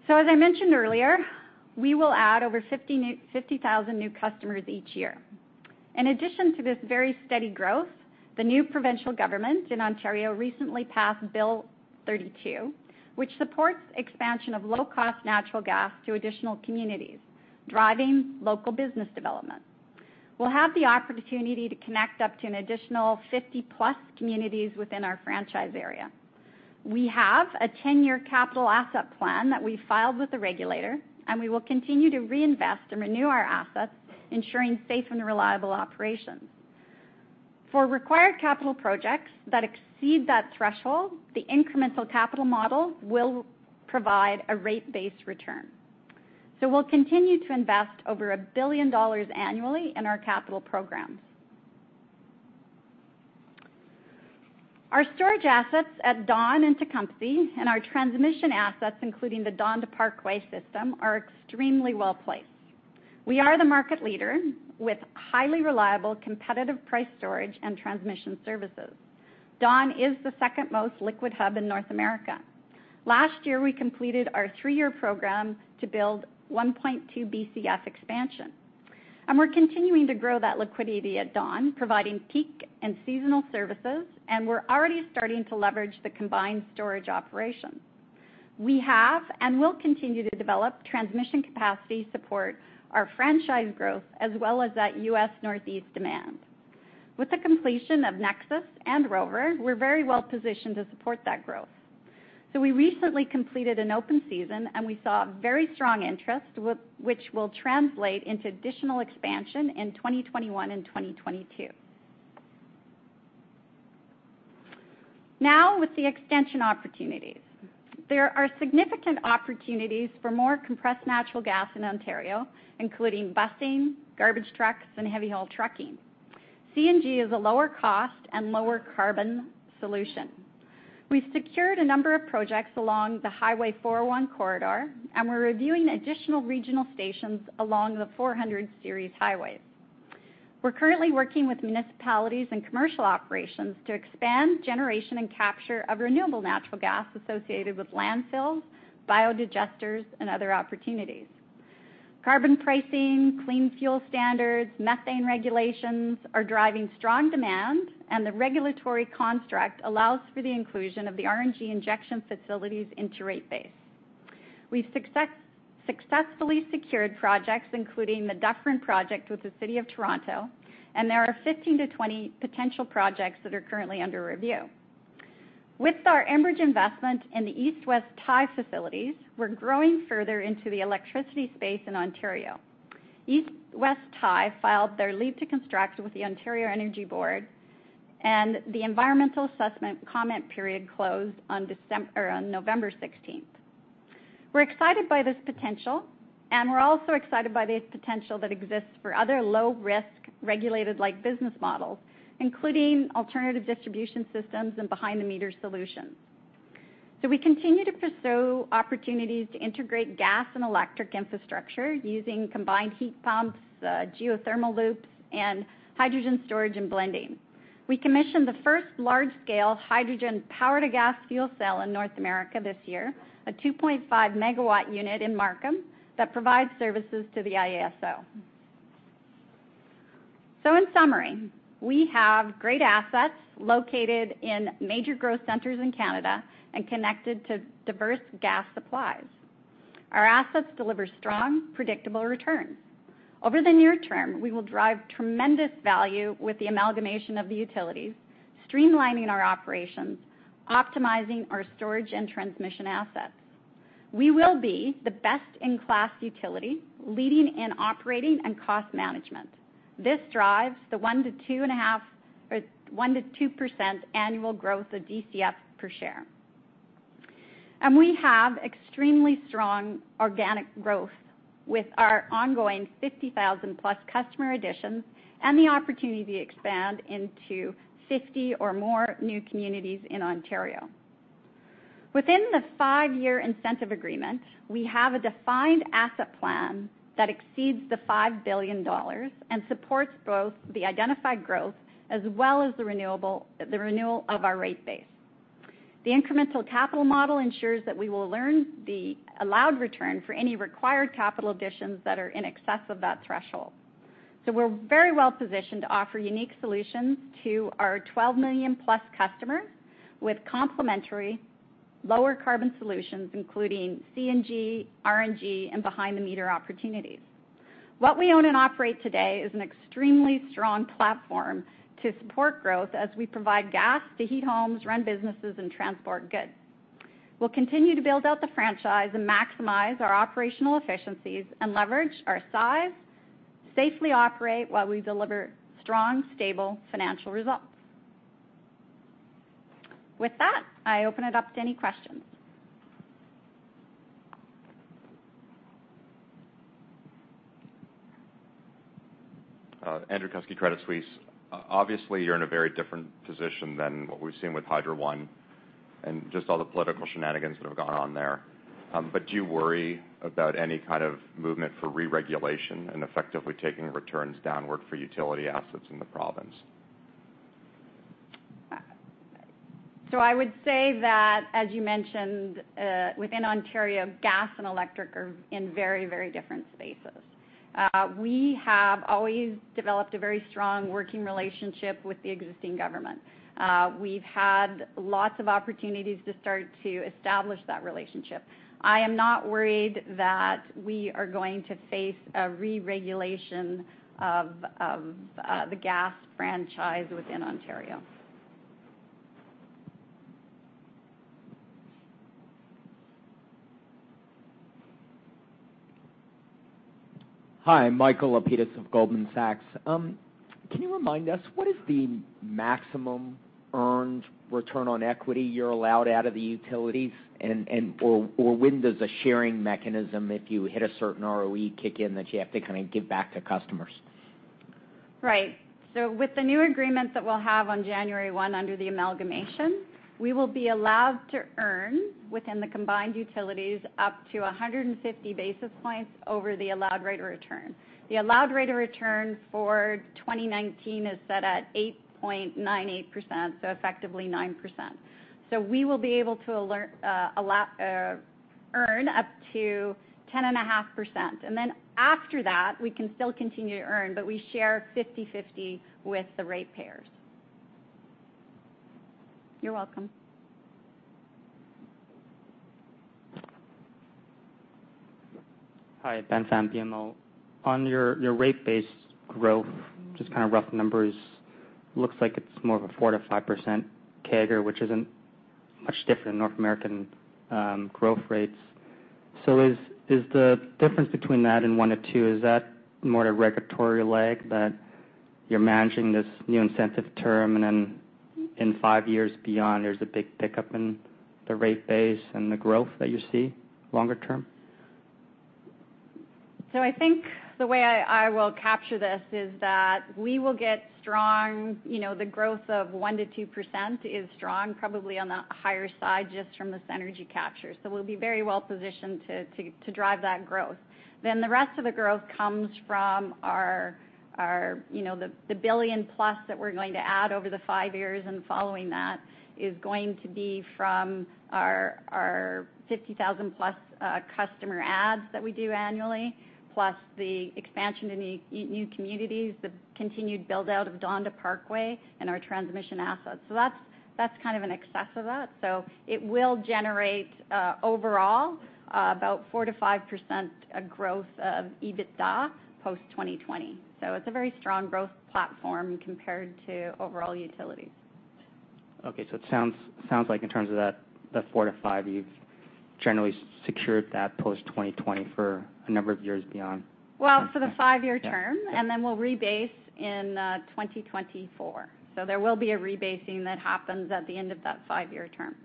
As I mentioned earlier, we will add over 50,000 new customers each year. In addition to this very steady growth, the new provincial government in Ontario recently passed Bill 32, which supports expansion of low-cost natural gas to additional communities, driving local business development. We'll have the opportunity to connect up to an additional 50-plus communities within our franchise area. We have a 10-year capital asset plan that we filed with the regulator, and we will continue to reinvest and renew our assets, ensuring safe and reliable operations. For required capital projects that exceed that threshold, the incremental capital model will provide a rate-based return. We'll continue to invest over 1 billion dollars annually in our capital programs. Our storage assets at Dawn and Tecumseh and our transmission assets, including the Dawn to Parkway system, are extremely well-placed. We are the market leader with highly reliable, competitive price storage and transmission services. Dawn is the second-most liquid hub in North America. Last year, we completed our three-year program to build a 1.2 Bcf expansion, and we're continuing to grow that liquidity at Dawn, providing peak and seasonal services, and we're already starting to leverage the combined storage operations. We have and will continue to develop transmission capacity support, our franchise growth, as well as that U.S. Northeast demand. With the completion of NEXUS and Rover, we're very well-positioned to support that growth. We recently completed an open season, and we saw a very strong interest, which will translate into additional expansion in 2021 and 2022. Now, with the extension opportunities, there are significant opportunities for more compressed natural gas in Ontario, including busing, garbage trucks, and heavy-haul trucking. CNG is a lower-cost and lower-carbon solution. We've secured a number of projects along the Highway 401 corridor, and we're reviewing additional regional stations along the 400-series highways. We're currently working with municipalities and commercial operations to expand generation and capture of renewable natural gas associated with landfills, biodigesters, and other opportunities. Carbon pricing, clean fuel standards, methane regulations are driving strong demand, and the regulatory construct allows for the inclusion of the RNG injection facilities into rate base. We've successfully secured projects, including the Dufferin project with the City of Toronto, and there are 15-20 potential projects that are currently under review. With our Enbridge investment in the East-West Tie facilities, we're growing further into the electricity space in Ontario. East-West Tie filed their leave to construct with the Ontario Energy Board, and the environmental assessment comment period closed on November 16th. We're excited by this potential, and we're also excited by the potential that exists for other low-risk, regulated-like business models, including alternative distribution systems and behind-the-meter solutions. We continue to pursue opportunities to integrate gas and electric infrastructure using combined heat pumps, geothermal loops, and hydrogen storage and blending. We commissioned the first large-scale hydrogen power-to-gas fuel cell in North America this year, a 2.5-megawatt unit in Markham that provides services to the IESO. In summary, we have great assets located in major growth centers in Canada and connected to diverse gas supplies. Our assets deliver strong, predictable returns. Over the near term, we will drive tremendous value with the amalgamation of the utilities, streamlining our operations, optimizing our storage and transmission assets. We will be the best-in-class utility, leading in operating and cost management. This drives the 1%-2% annual growth of DCF per share. We have extremely strong organic growth with our ongoing 50,000-plus customer additions and the opportunity to expand into 50 or more new communities in Ontario. Within the five-year incentive agreement, we have a defined asset plan that exceeds the 5 billion dollars and supports both the identified growth as well as the renewal of our rate base. The incremental capital model ensures that we will earn the allowed return for any required capital additions that are in excess of that threshold. We're very well-positioned to offer unique solutions to our 12 million-plus customers with complementary lower-carbon solutions, including CNG, RNG, and behind-the-meter opportunities. What we own and operate today is an extremely strong platform to support growth as we provide gas to heat homes, run businesses, and transport goods. We'll continue to build out the franchise and maximize our operational efficiencies and leverage our size, safely operate while we deliver strong, stable financial results. With that, I open it up to any questions. Andrew Kuske, Credit Suisse. Obviously, you're in a very different position than what we've seen with Hydro One and just all the political shenanigans that have gone on there. Do you worry about any kind of movement for re-regulation and effectively taking returns downward for utility assets in the province? I would say that, as you mentioned, within Ontario, gas and electric are in very, very different spaces. We have always developed a very strong working relationship with the existing government. We've had lots of opportunities to start to establish that relationship. I am not worried that we are going to face a re-regulation of the gas franchise within Ontario. Hi, Michael Lapides of Goldman Sachs. Can you remind us what is the maximum earned return on equity you're allowed out of the utilities, or when does a sharing mechanism, if you hit a certain ROE, kick in that you have to give back to customers? Right. With the new agreement that we'll have on January 1 under the amalgamation, we will be allowed to earn within the combined utilities up to 150 basis points over the allowed rate of return. The allowed rate of return for 2019 is set at 8.98%, effectively 9%. We will be able to earn up to 10.5%. After that, we can still continue to earn, but we share 50/50 with the ratepayers. You're welcome. Hi, Ben Pham, BMO. On your rate base growth, just kind of rough numbers, looks like it's more of a 4%-5% CAGR, which isn't much different than North American growth rates. Is the difference between that, is that more a regulatory lag that you're managing this new incentive term and then in 5 years beyond, there's a big pickup in the rate base and the growth that you see longer term? I think the way I will capture this is that the growth of 1%-2% is strong, probably on the higher side, just from the synergy capture. We'll be very well positioned to drive that growth. The rest of the growth comes from the billion-plus that we're going to add over the 5 years, and following that is going to be from our 50,000-plus customer adds that we do annually, plus the expansion in new communities, the continued build-out of Dawn-Parkway and our transmission assets. That's kind of in excess of that. It will generate overall about 4%-5% growth of EBITDA post 2020. It's a very strong growth platform compared to overall utilities. Okay, it sounds like in terms of that 4%-5%, you've generally secured that post 2020 for a number of years beyond. Well, for the five-year term, then we'll rebase in 2024. There will be a rebasing that happens at the end of that five-year term.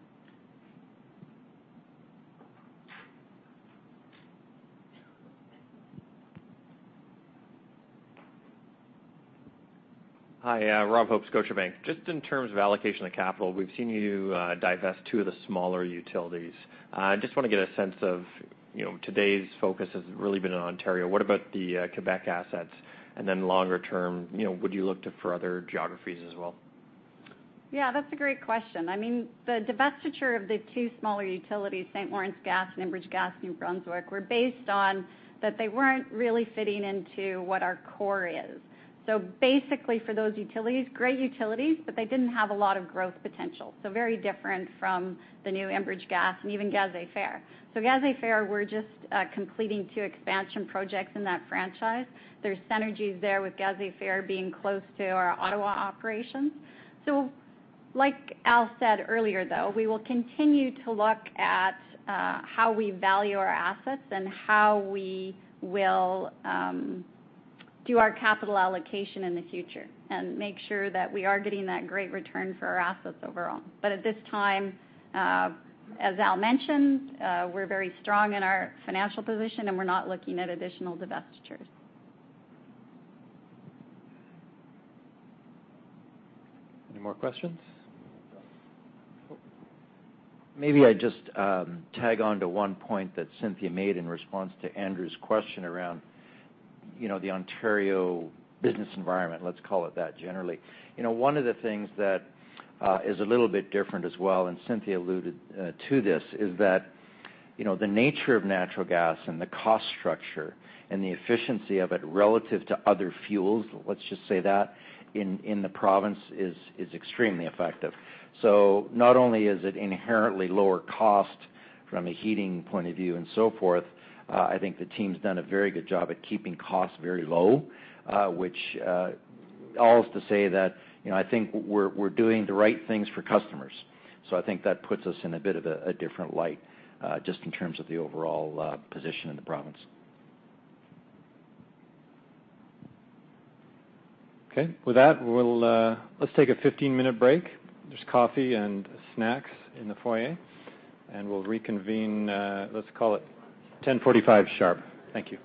Hi, Robert Hope, Scotiabank. Just in terms of allocation of capital, we've seen you divest two of the smaller utilities. I just want to get a sense of today's focus has really been on Ontario. What about the Quebec assets? Longer term, would you look to further geographies as well? Yeah, that's a great question. The divestiture of the two smaller utilities, St. Lawrence Gas and Enbridge Gas New Brunswick, were based on that they weren't really fitting into what our core is. Basically for those utilities, great utilities, they didn't have a lot of growth potential. Very different from the new Enbridge Gas and even Gaz Métro. Gaz Métro, we're just completing two expansion projects in that franchise. There's synergies there with Gaz Métro being close to our Ottawa operations. Like Al said earlier, though, we will continue to look at how we value our assets and how we will do our capital allocation in the future and make sure that we are getting that great return for our assets overall. At this time, as Al mentioned, we're very strong in our financial position, and we're not looking at additional divestitures. Any more questions? Maybe I just tag on to one point that Cynthia made in response to Andrew's question around the Ontario business environment, let's call it that, generally. One of the things that is a little bit different as well, and Cynthia alluded to this, is that the nature of natural gas and the cost structure and the efficiency of it relative to other fuels, let's just say that, in the province is extremely effective. Not only is it inherently lower cost from a heating point of view and so forth, I think the team's done a very good job at keeping costs very low, which all is to say that I think we're doing the right things for customers. I think that puts us in a bit of a different light, just in terms of the overall position in the province. Okay. With that, let's take a 15-minute break. There's coffee and snacks in the foyer, and we'll reconvene, let's call it 10:45 A.M. sharp. Thank you.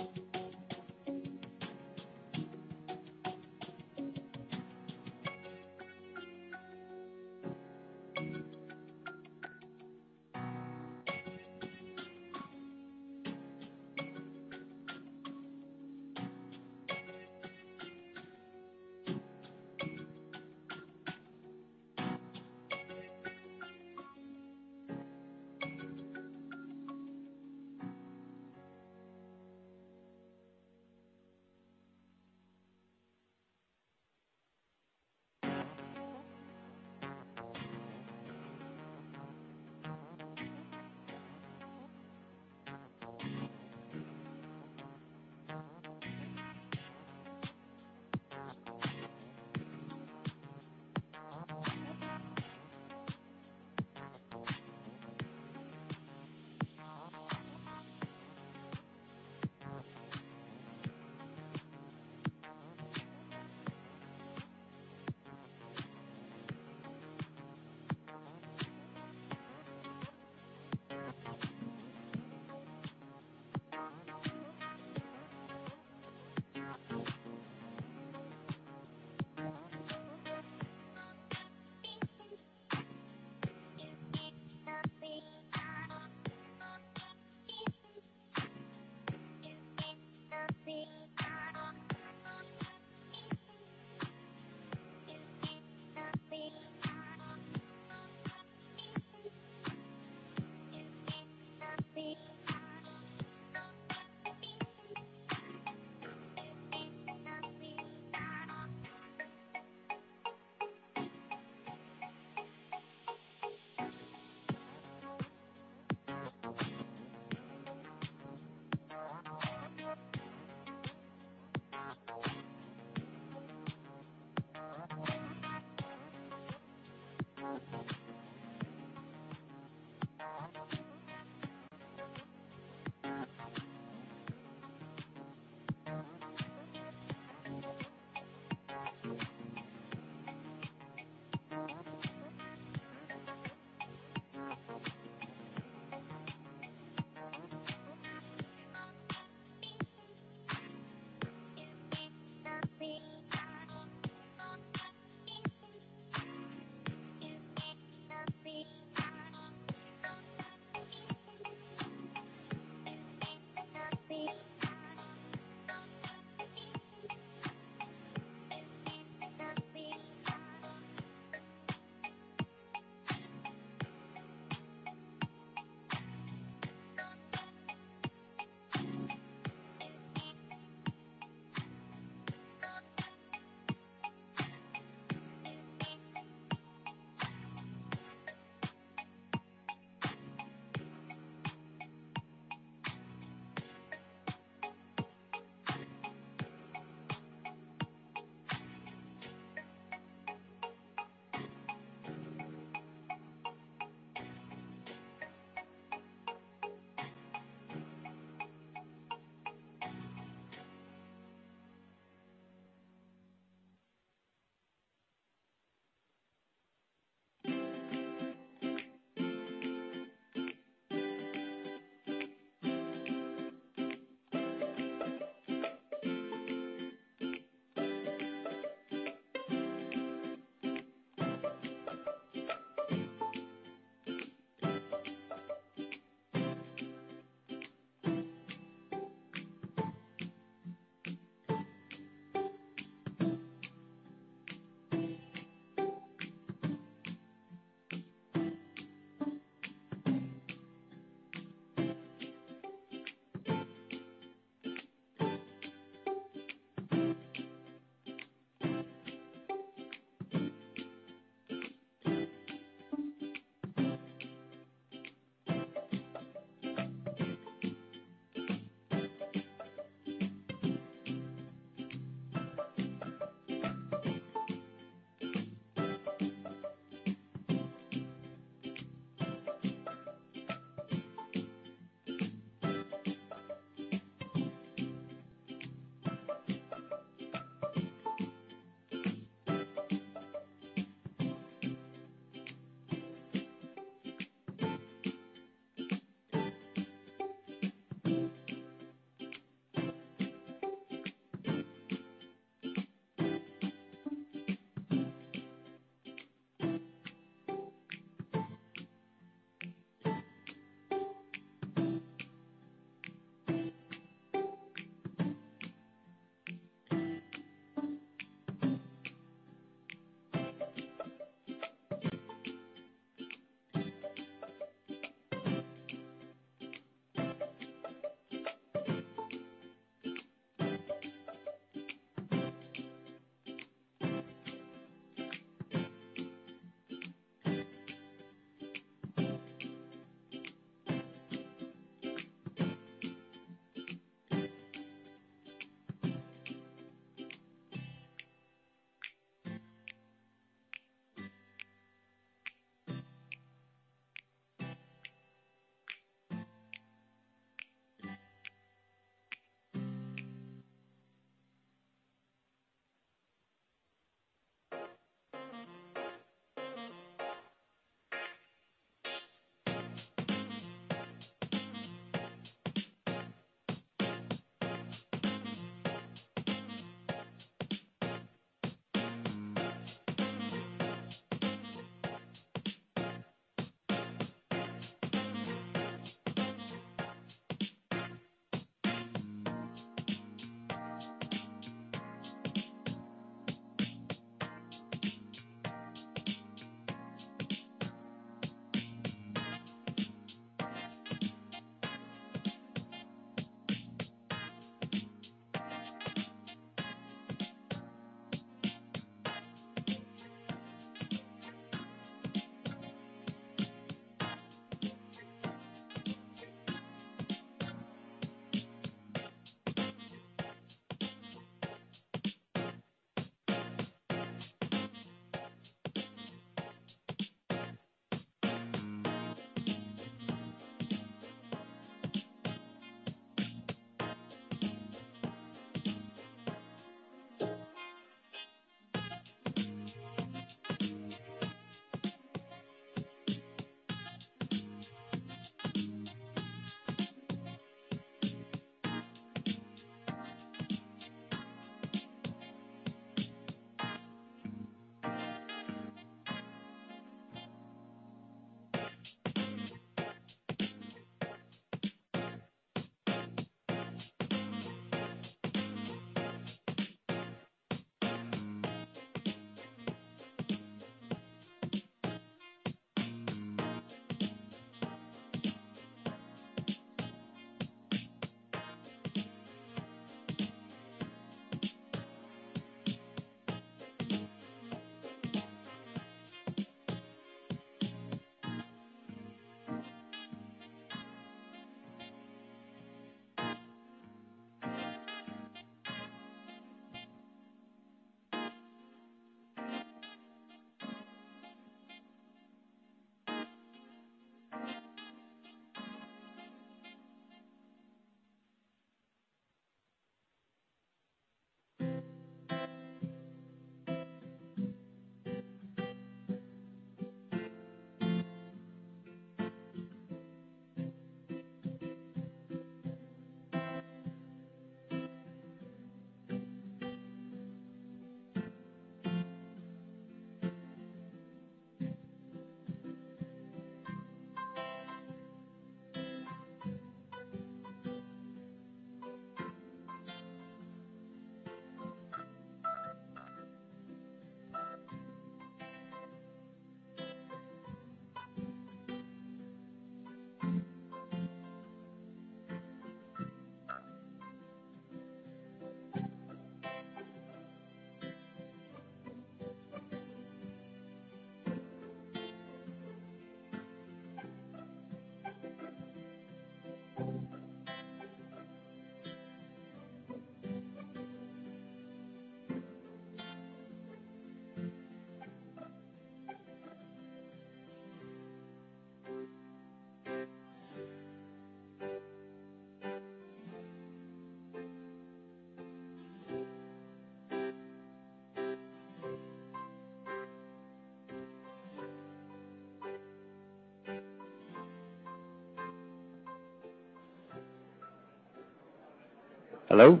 Hello.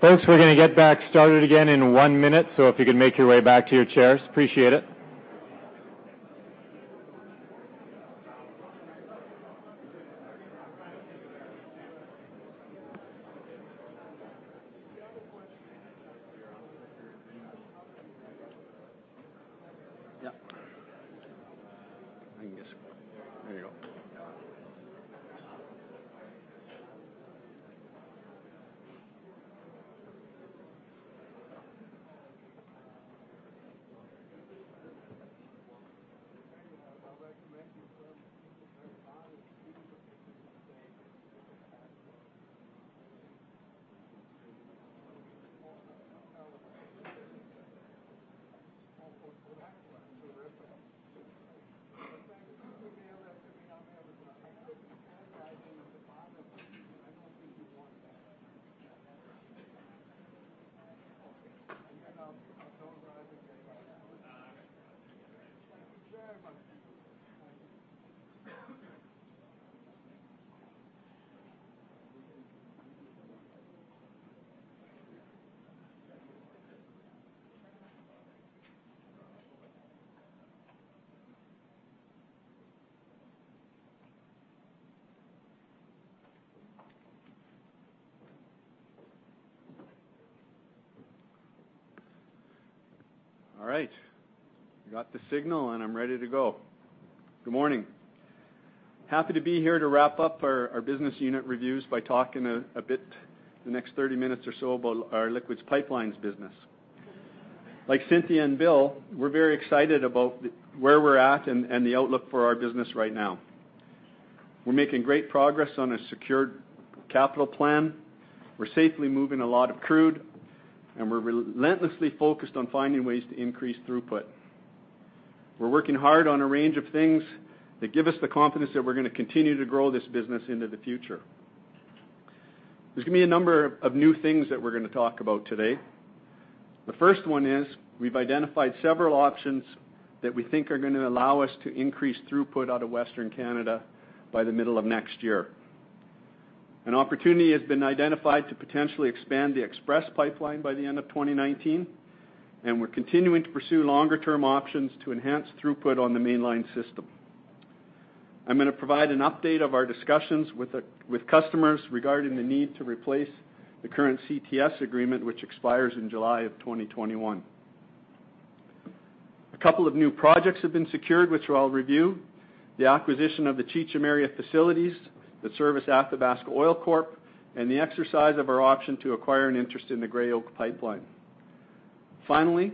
Folks, we're going to get back started again in one minute, so if you could make your way back to your chairs, appreciate it. The other question. Yeah. There you go. I recommend you tell them to keep their bodies All right. Got the signal, I'm ready to go. Good morning. Happy to be here to wrap up our business unit reviews by talking a bit, the next 30 minutes or so, about our liquids pipelines business. Like Cynthia and Bill, we're very excited about where we're at and the outlook for our business right now. We're making great progress on a secured capital plan, we're safely moving a lot of crude, we're relentlessly focused on finding ways to increase throughput. We're working hard on a range of things that give us the confidence that we're going to continue to grow this business into the future. There's going to be a number of new things that we're going to talk about today. The first one is we've identified several options that we think are going to allow us to increase throughput out of Western Canada by the middle of next year. An opportunity has been identified to potentially expand the Express Pipeline by the end of 2019, we're continuing to pursue longer-term options to enhance throughput on the mainline system. I'm going to provide an update of our discussions with customers regarding the need to replace the current CTS agreement which expires in July of 2021. A couple of new projects have been secured, which I'll review. The acquisition of the Cheecham Area facilities that service Athabasca Oil Corp., the exercise of our option to acquire an interest in the Gray Oak Pipeline. Finally,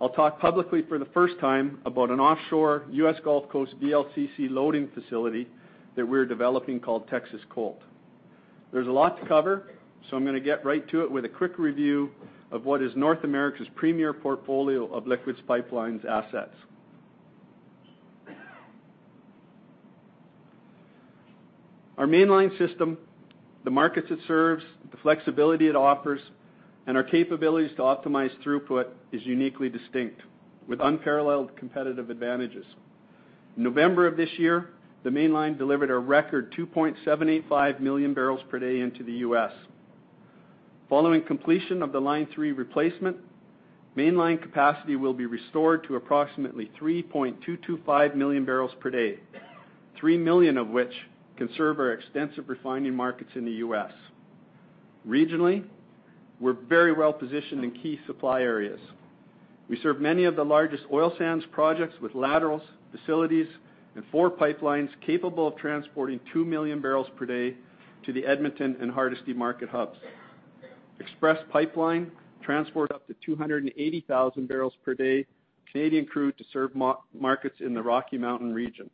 I'll talk publicly for the first time about an offshore U.S. Gulf Coast VLCC loading facility that we're developing called Texas COLT. There's a lot to cover. I'm going to get right to it with a quick review of what is North America's premier portfolio of liquids pipelines assets. Our mainline system, the markets it serves, the flexibility it offers, and our capabilities to optimize throughput is uniquely distinct with unparalleled competitive advantages. In November of this year, the mainline delivered a record 2.785 million barrels per day into the U.S. Following completion of the Line 3 replacement, mainline capacity will be restored to approximately 3.225 million barrels per day, 3 million of which can serve our extensive refining markets in the U.S. Regionally, we're very well-positioned in key supply areas. We serve many of the largest oil sands projects with laterals, facilities, and four pipelines capable of transporting 2 million barrels per day to the Edmonton and Hardisty market hubs. Express Pipeline transports up to 280,000 barrels per day Canadian crude to serve markets in the Rocky Mountain region.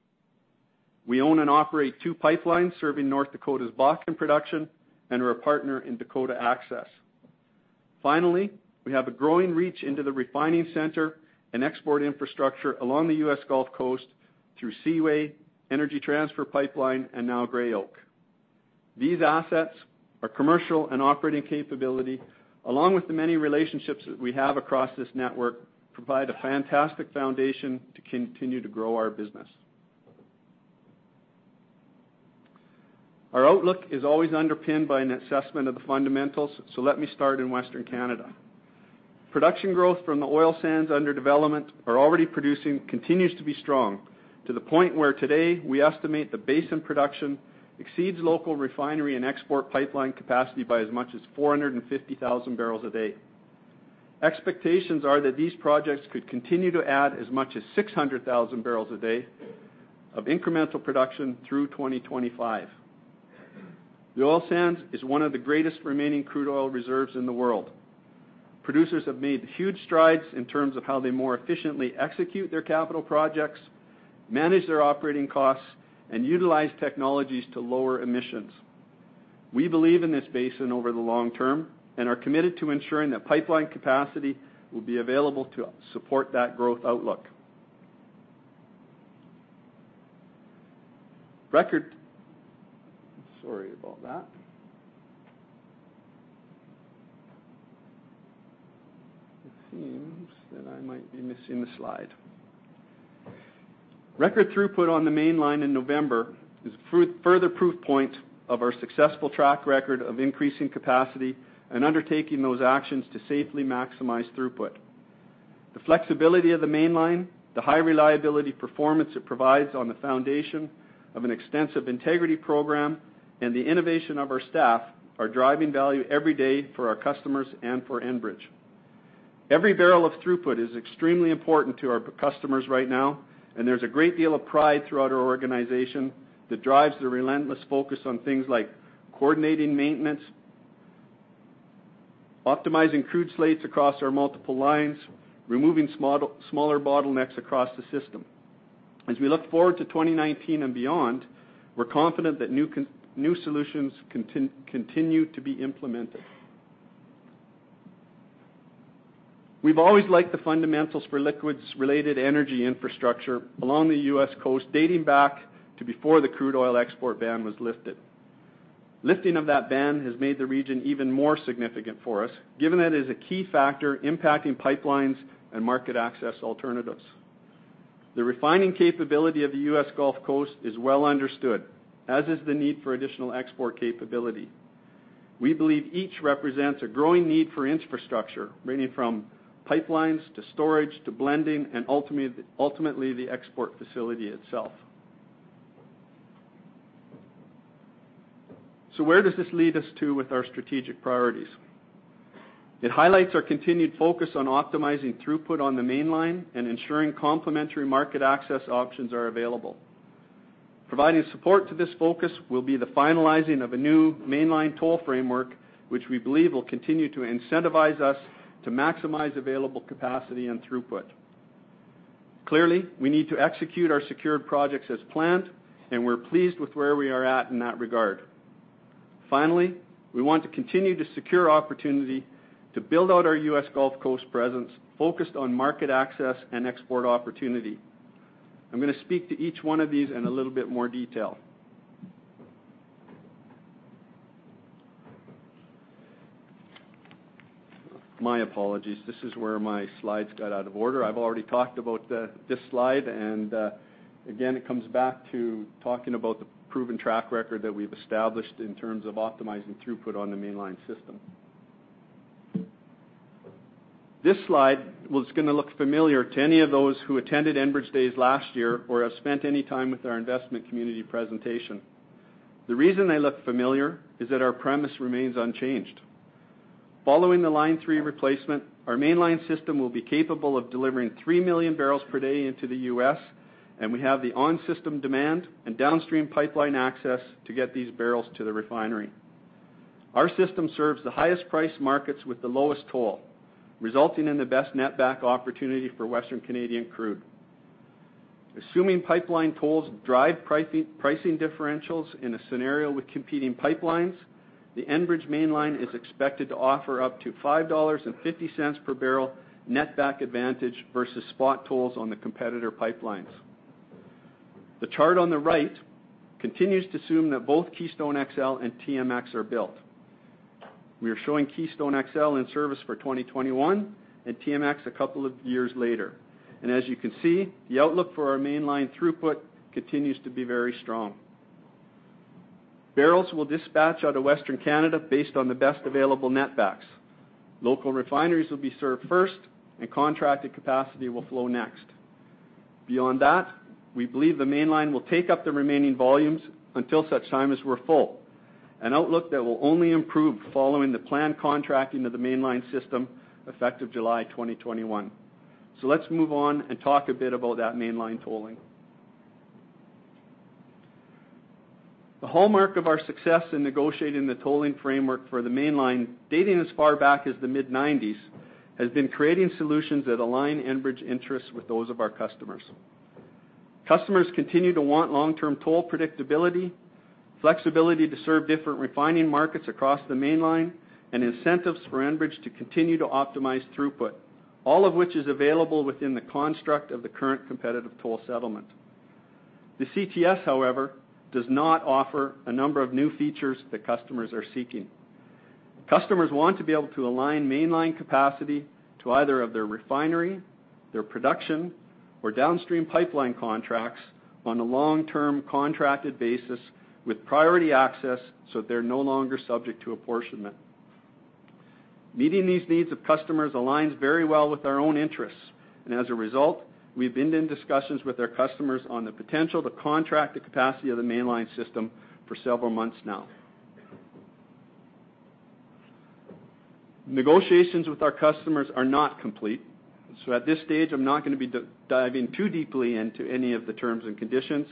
We own and operate two pipelines serving North Dakota's Bakken production, and we're a partner in Dakota Access. We have a growing reach into the refining center and export infrastructure along the U.S. Gulf Coast through Seaway, Energy Transfer Pipeline, and now Gray Oak. These assets are commercial and operating capability, along with the many relationships that we have across this network provide a fantastic foundation to continue to grow our business. Our outlook is always underpinned by an assessment of the fundamentals. Let me start in Western Canada. Production growth from the oil sands under development are already producing continues to be strong to the point where today we estimate the basin production exceeds local refinery and export pipeline capacity by as much as 450,000 barrels a day. Expectations are that these projects could continue to add as much as 600,000 barrels a day of incremental production through 2025. The oil sands is one of the greatest remaining crude oil reserves in the world. Producers have made huge strides in terms of how they more efficiently execute their capital projects, manage their operating costs, and utilize technologies to lower emissions. We believe in this basin over the long term and are committed to ensuring that pipeline capacity will be available to support that growth outlook. Sorry about that. It seems that I might be missing a slide. Record throughput on the mainline in November is further proof point of our successful track record of increasing capacity and undertaking those actions to safely maximize throughput. The flexibility of the mainline, the high reliability performance it provides on the foundation of an extensive integrity program, and the innovation of our staff are driving value every day for our customers and for Enbridge. Every barrel of throughput is extremely important to our customers right now, and there's a great deal of pride throughout our organization that drives the relentless focus on things like coordinating maintenance, optimizing crude slates across our multiple lines, removing smaller bottlenecks across the system. We look forward to 2019 and beyond, we're confident that new solutions continue to be implemented. We've always liked the fundamentals for liquids-related energy infrastructure along the U.S. Coast, dating back to before the crude oil export ban was lifted. Lifting of that ban has made the region even more significant for us, given that it is a key factor impacting pipelines and market access alternatives. The refining capability of the U.S. Gulf Coast is well understood, as is the need for additional export capability. We believe each represents a growing need for infrastructure, ranging from pipelines to storage, to blending, and ultimately, the export facility itself. Where does this lead us to with our strategic priorities? It highlights our continued focus on optimizing throughput on the mainline and ensuring complementary market access options are available. Providing support to this focus will be the finalizing of a new mainline toll framework, which we believe will continue to incentivize us to maximize available capacity and throughput. We need to execute our secured projects as planned, and we're pleased with where we are at in that regard. We want to continue to secure opportunity to build out our U.S. Gulf Coast presence focused on market access and export opportunity. I'm going to speak to each one of these in a little bit more detail. My apologies. This is where my slides got out of order. I've already talked about this slide, and again, it comes back to talking about the proven track record that we've established in terms of optimizing throughput on the mainline system. This slide is going to look familiar to any of those who attended Enbridge Day last year or have spent any time with our investment community presentation. The reason they look familiar is that our premise remains unchanged. Following the Line 3 replacement, our mainline system will be capable of delivering 3 million barrels per day into the U.S., and we have the on-system demand and downstream pipeline access to get these barrels to the refinery. Our system serves the highest priced markets with the lowest toll, resulting in the best net back opportunity for Western Canadian crude. Assuming pipeline tolls drive pricing differentials in a scenario with competing pipelines, the Enbridge mainline is expected to offer up to 5.50 dollars per barrel net back advantage versus spot tolls on the competitor pipelines. The chart on the right continues to assume that both Keystone XL and TMX are built. We are showing Keystone XL in service for 2021 and TMX a couple of years later. As you can see, the outlook for our mainline throughput continues to be very strong. Barrels will dispatch out of Western Canada based on the best available net backs. Local refineries will be served first, and contracted capacity will flow next. Beyond that, we believe the Mainline will take up the remaining volumes until such time as we're full, an outlook that will only improve following the planned contracting of the Mainline system effective July 2021. Let's move on and talk a bit about that Mainline tolling. The hallmark of our success in negotiating the tolling framework for the Mainline, dating as far back as the mid-1990s, has been creating solutions that align Enbridge interests with those of our customers. Customers continue to want long-term toll predictability, flexibility to serve different refining markets across the Mainline, and incentives for Enbridge to continue to optimize throughput, all of which is available within the construct of the current competitive toll settlement. The CTS, however, does not offer a number of new features that customers are seeking. Customers want to be able to align Mainline capacity to either of their refinery, their production, or downstream pipeline contracts on a long-term contracted basis with priority access. They're no longer subject to apportionment. Meeting these needs of customers aligns very well with our own interests. As a result, we've been in discussions with our customers on the potential to contract the capacity of the Mainline system for several months now. Negotiations with our customers are not complete. At this stage, I'm not going to be diving too deeply into any of the terms and conditions.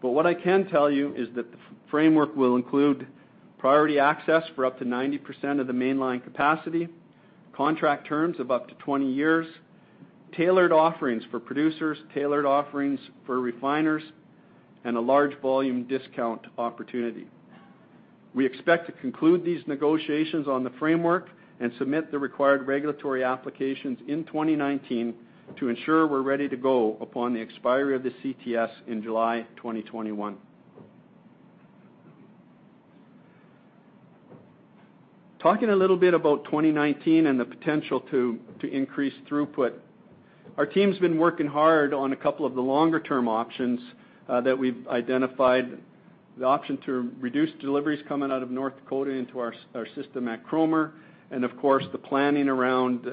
What I can tell you is that the framework will include priority access for up to 90% of the Mainline capacity, contract terms of up to 20 years, tailored offerings for producers, tailored offerings for refiners, and a large volume discount opportunity. We expect to conclude these negotiations on the framework and submit the required regulatory applications in 2019 to ensure we're ready to go upon the expiry of the CTS in July 2021. Talking a little bit about 2019 and the potential to increase throughput. Our team's been working hard on a couple of the longer-term options that we've identified. The option to reduce deliveries coming out of North Dakota into our system at Cromer and, of course, the planning around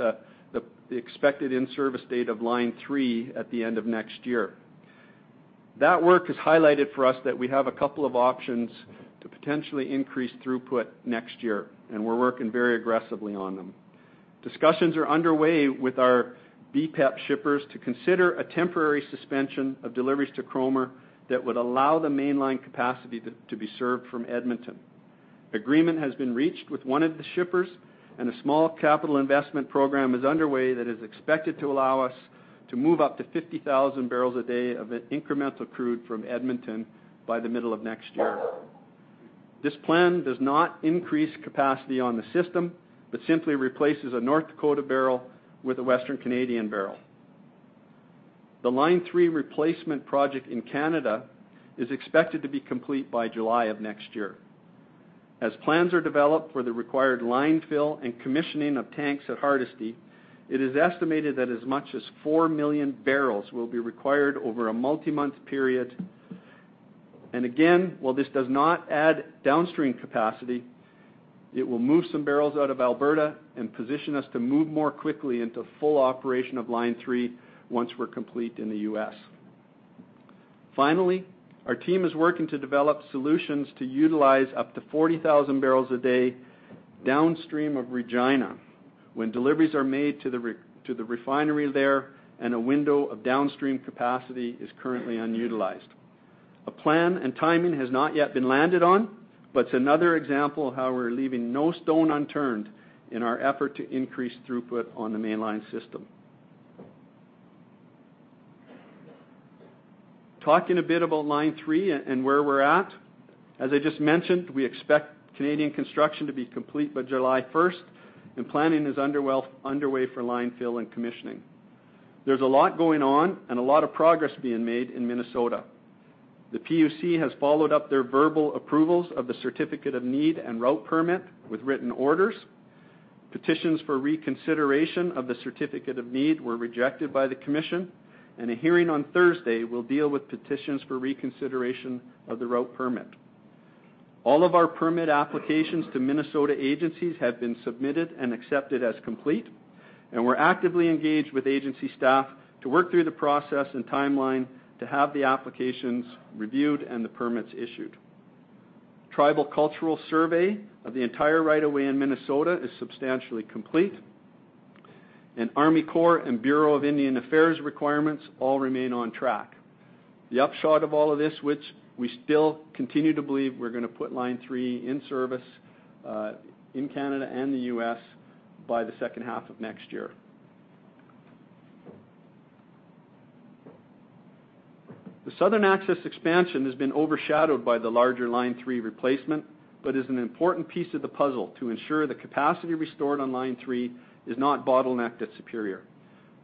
the expected in-service date of Line 3 at the end of next year. That work has highlighted for us that we have a couple of options to potentially increase throughput next year. We're working very aggressively on them. Discussions are underway with our BPAP shippers to consider a temporary suspension of deliveries to Cromer that would allow the Mainline capacity to be served from Edmonton. Agreement has been reached with one of the shippers, and a small capital investment program is underway that is expected to allow us to move up to 50,000 barrels a day of incremental crude from Edmonton by the middle of next year. This plan does not increase capacity on the system, but simply replaces a North Dakota barrel with a Western Canadian barrel. The Line 3 replacement project in Canada is expected to be complete by July of next year. As plans are developed for the required line fill and commissioning of tanks at Hardisty, it is estimated that as much as 4 million barrels will be required over a multi-month period. Again, while this does not add downstream capacity, it will move some barrels out of Alberta and position us to move more quickly into full operation of Line 3 once we're complete in the U.S. Our team is working to develop solutions to utilize up to 40,000 barrels a day downstream of Regina when deliveries are made to the refinery there and a window of downstream capacity is currently unutilized. A plan and timing has not yet been landed on, but it's another example of how we're leaving no stone unturned in our effort to increase throughput on the Mainline system. Talking a bit about Line 3 and where we're at. As I just mentioned, we expect Canadian construction to be complete by July 1st. Planning is underway for line fill and commissioning. There is a lot going on and a lot of progress being made in Minnesota. The PUC has followed up their verbal approvals of the certificate of need and route permit with written orders. Petitions for reconsideration of the certificate of need were rejected by the commission, and a hearing on Thursday will deal with petitions for reconsideration of the route permit. All of our permit applications to Minnesota agencies have been submitted and accepted as complete. We are actively engaged with agency staff to work through the process and timeline to have the applications reviewed and the permits issued. Tribal cultural survey of the entire right of way in Minnesota is substantially complete. Army Corps and Bureau of Indian Affairs requirements all remain on track. The upshot of all of this, which we still continue to believe we are going to put Line 3 in service, in Canada and the U.S., by the second half of next year. The Southern Access expansion has been overshadowed by the larger Line 3 replacement, but is an important piece of the puzzle to ensure the capacity restored on Line 3 is not bottlenecked at Superior.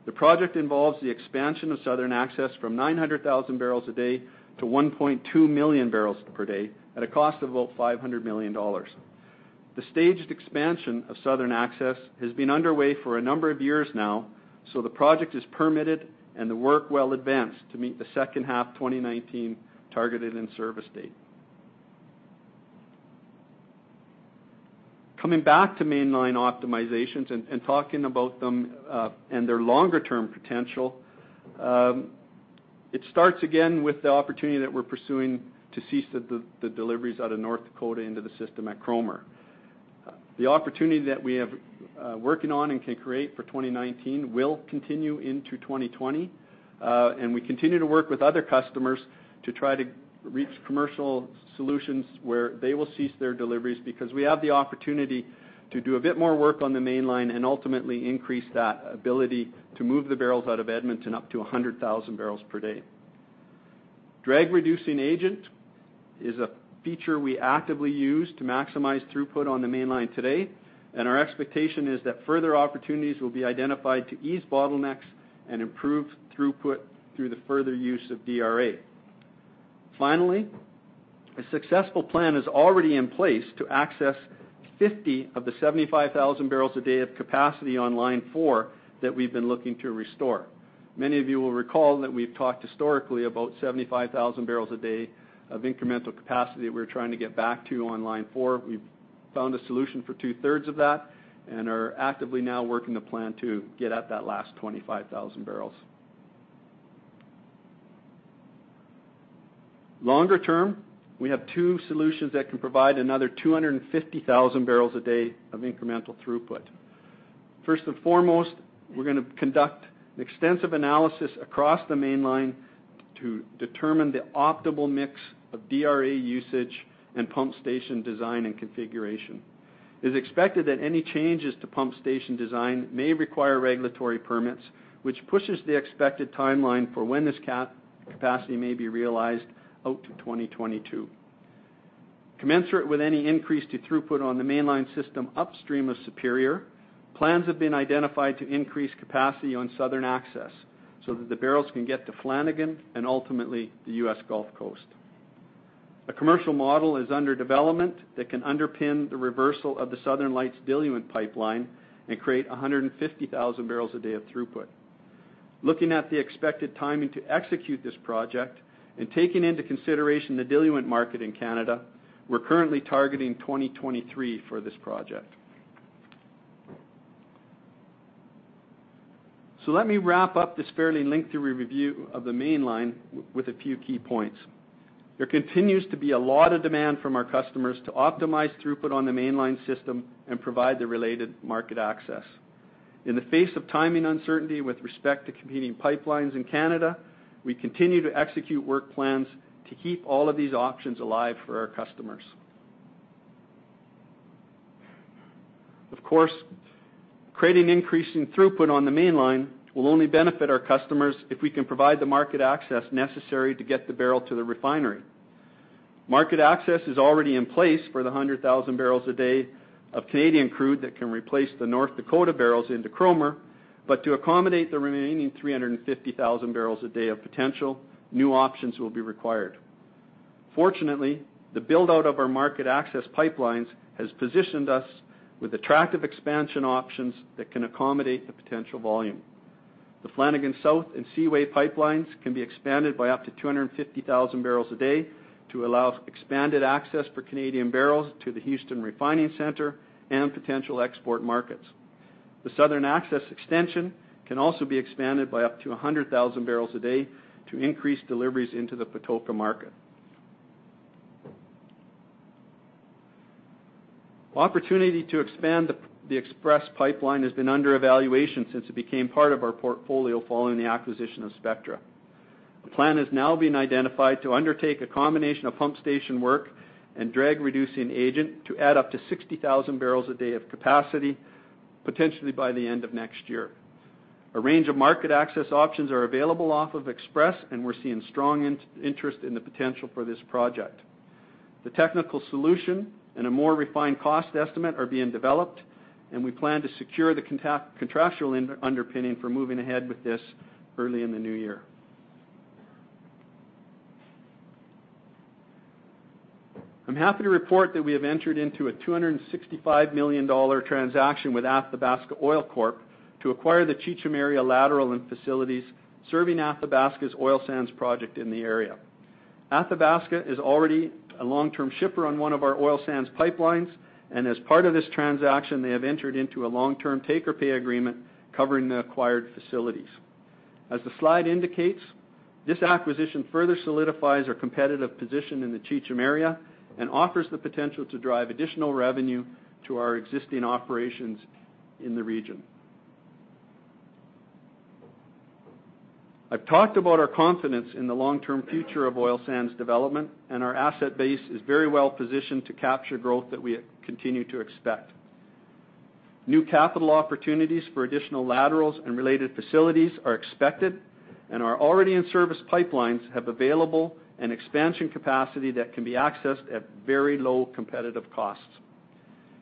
The project involves the expansion of Southern Access from 900,000 barrels a day to 1.2 million barrels per day at a cost of about 500 million dollars. The staged expansion of Southern Access has been underway for a number of years now. The project is permitted and the work well advanced to meet the second half 2019 targeted in-service date. Coming back to Mainline optimizations and talking about them and their longer-term potential, it starts again with the opportunity that we are pursuing to cease the deliveries out of North Dakota into the system at Cromer. The opportunity that we have working on and can create for 2019 will continue into 2020. We continue to work with other customers to try to reach commercial solutions where they will cease their deliveries because we have the opportunity to do a bit more work on the Mainline and ultimately increase that ability to move the barrels out of Edmonton up to 100,000 barrels per day. Drag Reducing Agent is a feature we actively use to maximize throughput on the Mainline today. Our expectation is that further opportunities will be identified to ease bottlenecks and improve throughput through the further use of DRA. Finally, a successful plan is already in place to access 50 of the 75,000 barrels a day of capacity on Line 4 that we have been looking to restore. Many of you will recall that we have talked historically about 75,000 barrels a day of incremental capacity we are trying to get back to on Line 4. We have found a solution for two-thirds of that. Are actively now working a plan to get at that last 25,000 barrels. Longer term, we have two solutions that can provide another 250,000 barrels a day of incremental throughput. First and foremost, we are going to conduct extensive analysis across the Mainline to determine the optimal mix of DRA usage and pump station design and configuration. It is expected that any changes to pump station design may require regulatory permits, which pushes the expected timeline for when this capacity may be realized out to 2022. Commensurate with any increase to throughput on the Mainline system upstream of Superior, plans have been identified to increase capacity on Southern Access so that the barrels can get to Flanagan and ultimately the U.S. Gulf Coast. A commercial model is under development that can underpin the reversal of the Southern Lights diluent pipeline and create 150,000 barrels a day of throughput. Looking at the expected timing to execute this project and taking into consideration the diluent market in Canada, we're currently targeting 2023 for this project. Let me wrap up this fairly lengthy review of the Mainline with a few key points. There continues to be a lot of demand from our customers to optimize throughput on the Mainline system and provide the related market access. In the face of timing uncertainty with respect to competing pipelines in Canada, we continue to execute work plans to keep all of these options alive for our customers. Of course, creating increasing throughput on the Mainline will only benefit our customers if we can provide the market access necessary to get the barrel to the refinery. Market access is already in place for the 100,000 barrels a day of Canadian crude that can replace the North Dakota barrels into Cromer, but to accommodate the remaining 350,000 barrels a day of potential, new options will be required. Fortunately, the build-out of our market access pipelines has positioned us with attractive expansion options that can accommodate the potential volume. The Flanagan South and Seaway pipelines can be expanded by up to 250,000 barrels a day to allow expanded access for Canadian barrels to the Houston Refining Center and potential export markets. The Southern Access Extension can also be expanded by up to 100,000 barrels a day to increase deliveries into the Patoka market. Opportunity to expand the Express Pipeline has been under evaluation since it became part of our portfolio following the acquisition of Spectra Energy. The plan has now been identified to undertake a combination of pump station work and Drag Reducing Agent to add up to 60,000 barrels a day of capacity, potentially by the end of next year. A range of market access options are available off of Express, and we're seeing strong interest in the potential for this project. The technical solution and a more refined cost estimate are being developed, and we plan to secure the contractual underpinning for moving ahead with this early in the new year. I'm happy to report that we have entered into a 265 million dollar transaction with Athabasca Oil Corp to acquire the Cheecham area lateral and facilities serving Athabasca's oil sands project in the area. Athabasca is already a long-term shipper on one of our oil sands pipelines, and as part of this transaction, they have entered into a long-term take-or-pay agreement covering the acquired facilities. As the slide indicates, this acquisition further solidifies our competitive position in the Cheecham area and offers the potential to drive additional revenue to our existing operations in the region. I've talked about our confidence in the long-term future of oil sands development, and our asset base is very well positioned to capture growth that we continue to expect. New capital opportunities for additional laterals and related facilities are expected. Our already in service pipelines have available an expansion capacity that can be accessed at very low competitive costs.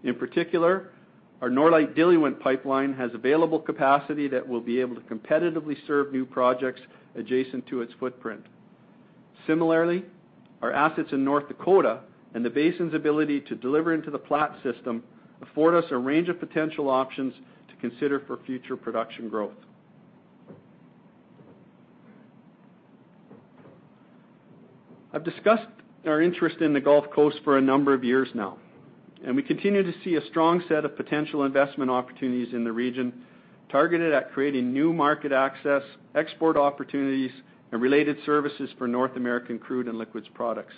In particular, our Norlite diluent pipeline has available capacity that will be able to competitively serve new projects adjacent to its footprint. Similarly, our assets in North Dakota and the basin's ability to deliver into the Platte Pipeline system afford us a range of potential options to consider for future production growth. I've discussed our interest in the Gulf Coast for a number of years now, and we continue to see a strong set of potential investment opportunities in the region targeted at creating new market access, export opportunities, and related services for North American crude and liquids products.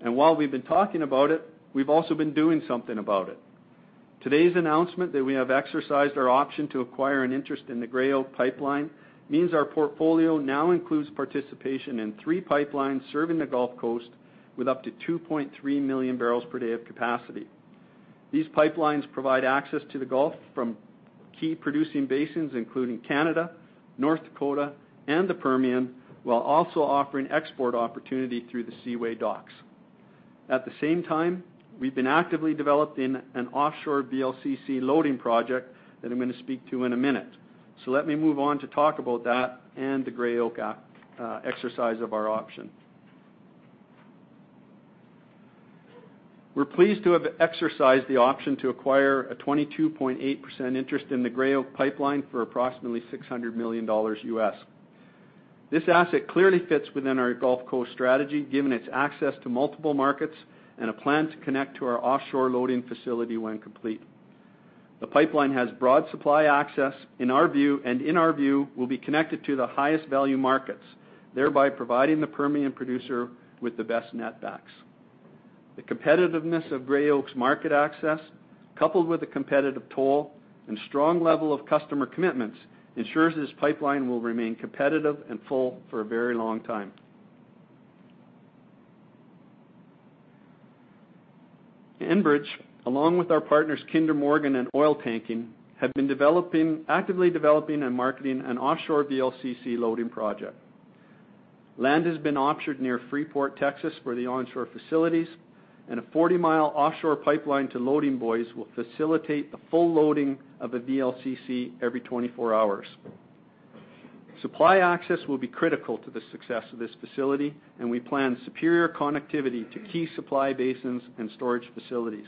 While we've been talking about it, we've also been doing something about it. Today's announcement that we have exercised our option to acquire an interest in the Gray Oak Pipeline means our portfolio now includes participation in 3 pipelines serving the Gulf Coast with up to 2.3 million barrels per day of capacity. These pipelines provide access to the Gulf from key producing basins, including Canada, North Dakota, and the Permian, while also offering export opportunity through the Seaway docks. At the same time, we've been actively developing an offshore VLCC loading project that I'm going to speak to in a minute. Let me move on to talk about that and the Gray Oak Pipeline exercise of our option. We're pleased to have exercised the option to acquire a 22.8% interest in the Gray Oak Pipeline for approximately $600 million. This asset clearly fits within our Gulf Coast strategy, given its access to multiple markets and a plan to connect to our offshore loading facility when complete. The pipeline has broad supply access, and in our view, will be connected to the highest value markets, thereby providing the Permian producer with the best net backs. The competitiveness of Gray Oak Pipeline's market access, coupled with a competitive toll and strong level of customer commitments, ensures this pipeline will remain competitive and full for a very long time. Enbridge, along with our partners Kinder Morgan and Oiltanking, have been actively developing and marketing an offshore VLCC loading project. Land has been auctioned near Freeport, Texas, for the onshore facilities, and a 40-mile offshore pipeline to loading buoys will facilitate the full loading of a VLCC every 24 hours. Supply access will be critical to the success of this facility. We plan superior connectivity to key supply basins and storage facilities.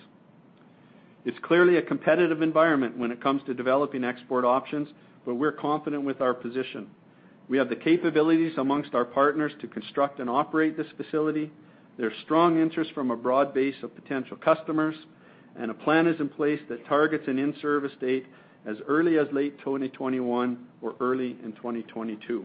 It's clearly a competitive environment when it comes to developing export options, but we're confident with our position. We have the capabilities amongst our partners to construct and operate this facility. A plan is in place that targets an in-service date as early as late 2021 or early in 2022.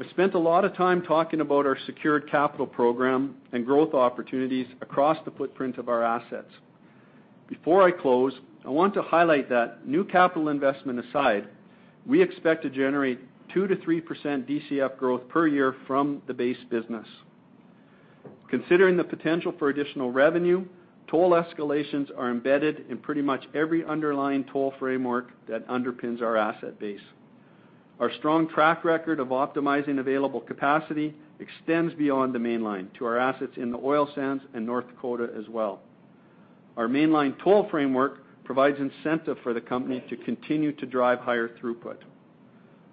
I spent a lot of time talking about our secured capital program and growth opportunities across the footprint of our assets. Before I close, I want to highlight that new capital investment aside, we expect to generate 2%-3% DCF growth per year from the base business. Considering the potential for additional revenue, toll escalations are embedded in pretty much every underlying toll framework that underpins our asset base. Our strong track record of optimizing available capacity extends beyond the Mainline to our assets in the oil sands and North Dakota as well. Our Mainline toll framework provides incentive for the company to continue to drive higher throughput.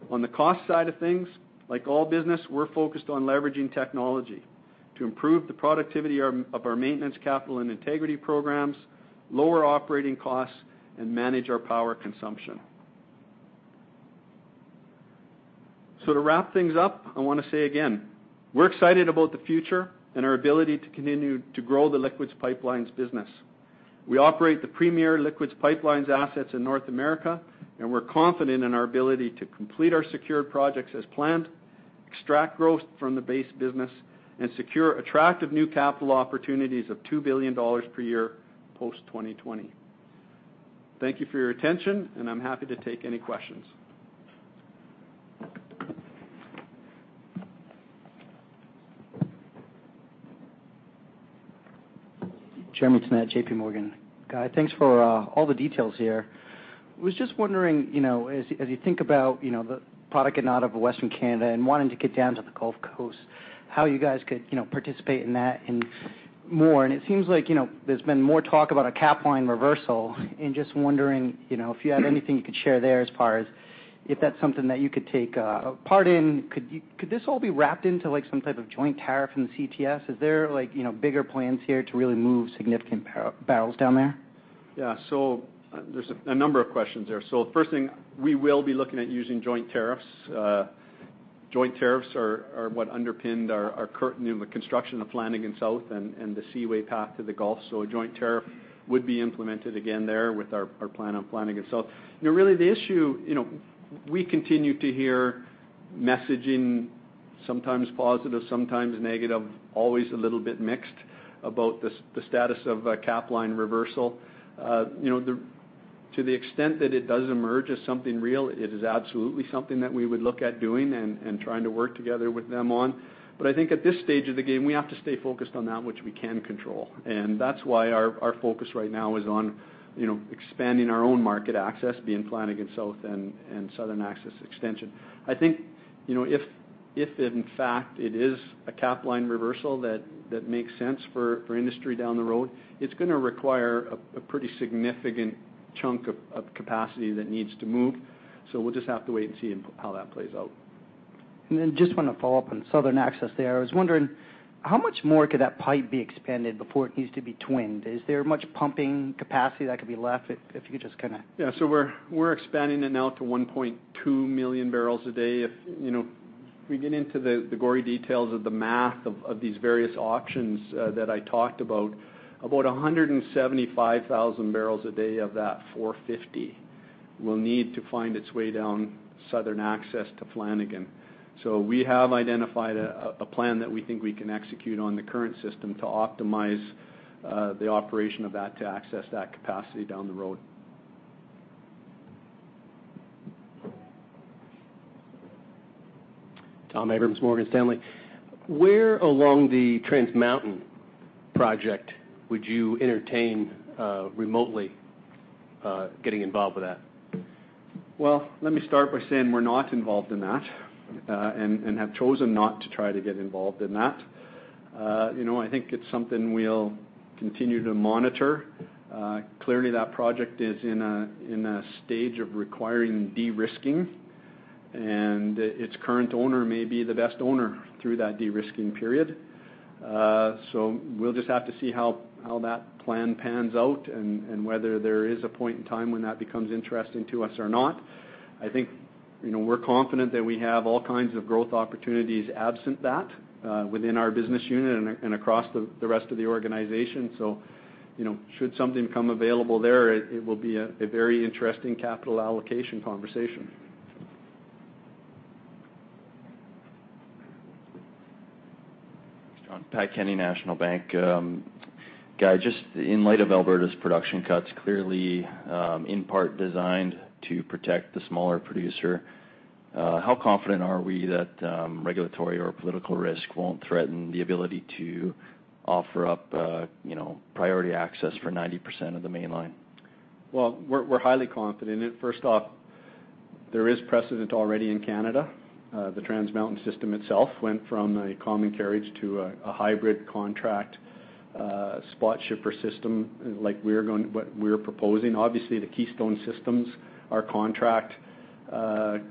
On the cost side of things, like all business, we're focused on leveraging technology to improve the productivity of our maintenance, capital, and integrity programs, lower operating costs, and manage our power consumption. To wrap things up, I want to say again, we're excited about the future and our ability to continue to grow the liquids pipelines business. We operate the premier liquids pipelines assets in North America, we're confident in our ability to complete our secured projects as planned, extract growth from the base business, and secure attractive new capital opportunities of 2 billion dollars per year, post 2020. Thank you for your attention, I'm happy to take any questions. Jeremy Tonet, J.P. Morgan. Guy, thanks for all the details here. Was just wondering, as you think about the product getting out of Western Canada and wanting to get down to the Gulf Coast, how you guys could participate in that and more. It seems like there's been more talk about a Capline reversal and just wondering if you had anything you could share there as far as if that's something that you could take a part in. Could this all be wrapped into some type of joint tariff in the CTS? Is there bigger plans here to really move significant barrels down there? Yeah. There's a number of questions there. First thing, we will be looking at using joint tariffs. Joint tariffs are what underpinned our current new construction of Flanagan South and the Seaway path to the Gulf. A joint tariff would be implemented again there with our plan on Flanagan South. Really the issue, we continue to hear messaging, sometimes positive, sometimes negative, always a little bit mixed, about the status of a Capline reversal. To the extent that it does emerge as something real, it is absolutely something that we would look at doing and trying to work together with them on. I think at this stage of the game, we have to stay focused on that which we can control. That's why our focus right now is on expanding our own market access, being Flanagan South and Southern Access Extension. I think, if in fact it is a Capline reversal that makes sense for industry down the road, it is going to require a pretty significant chunk of capacity that needs to move. We will just have to wait and see how that plays out. Just want to follow up on Southern Access there. I was wondering, how much more could that pipe be expanded before it needs to be twinned? Is there much pumping capacity that could be left if you could just kind of We are expanding it now to 1.2 million barrels a day. If we get into the gory details of the math of these various auctions that I talked about 175,000 barrels a day of that 450 will need to find its way down Southern Access to Flanagan. We have identified a plan that we think we can execute on the current system to optimize the operation of that to access that capacity down the road. Tom Abrams, Morgan Stanley. Where along the Trans Mountain project would you entertain remotely getting involved with that? Well, let me start by saying we're not involved in that, have chosen not to try to get involved in that. I think it's something we'll continue to monitor. Clearly that project is in a stage of requiring de-risking, and its current owner may be the best owner through that de-risking period. We'll just have to see how that plan pans out and whether there is a point in time when that becomes interesting to us or not. I think we're confident that we have all kinds of growth opportunities absent that within our business unit and across the rest of the organization. Should something come available there, it will be a very interesting capital allocation conversation. Thanks, John. Pat Kenny, National Bank. Guy, just in light of Alberta's production cuts, clearly in part designed to protect the smaller producer, how confident are we that regulatory or political risk won't threaten the ability to offer up priority access for 90% of the Mainline? Well, we're highly confident in it. First off, there is precedent already in Canada. The Trans Mountain system itself went from a common carriage to a hybrid contract, a spot shipper system like what we're proposing. Obviously, the Keystone systems are contract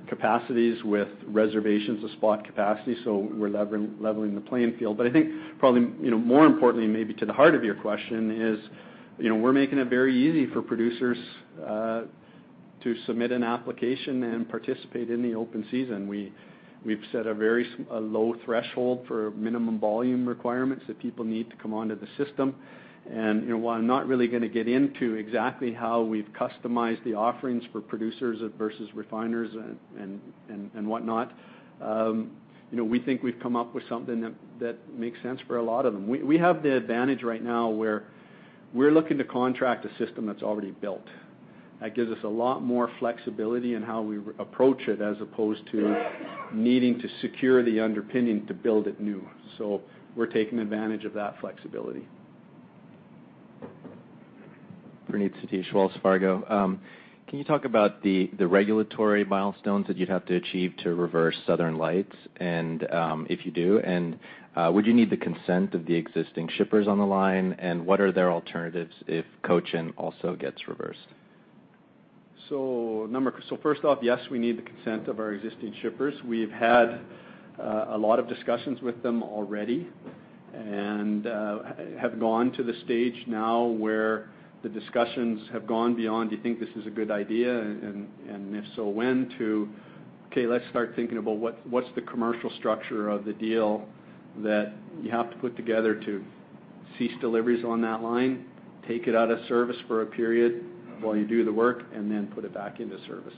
capacities with reservations of spot capacity, we're leveling the playing field. I think probably more importantly, maybe to the heart of your question is, we're making it very easy for producers to submit an application and participate in the open season. We've set a very low threshold for minimum volume requirements that people need to come onto the system. While I'm not really going to get into exactly how we've customized the offerings for producers versus refiners and whatnot, we think we've come up with something that makes sense for a lot of them. We have the advantage right now where we're looking to contract a system that's already built. That gives us a lot more flexibility in how we approach it, as opposed to needing to secure the underpinning to build it new. We're taking advantage of that flexibility. Praneeth Satish, Wells Fargo. Can you talk about the regulatory milestones that you'd have to achieve to reverse Southern Lights? If you do, would you need the consent of the existing shippers on the line? What are their alternatives if Cochin also gets reversed? First off, yes, we need the consent of our existing shippers. We've had a lot of discussions with them already and have gone to the stage now where the discussions have gone beyond, do you think this is a good idea, and if so, when, to, okay, let's start thinking about what's the commercial structure of the deal that you have to put together to cease deliveries on that line, take it out of service for a period while you do the work, and then put it back into service.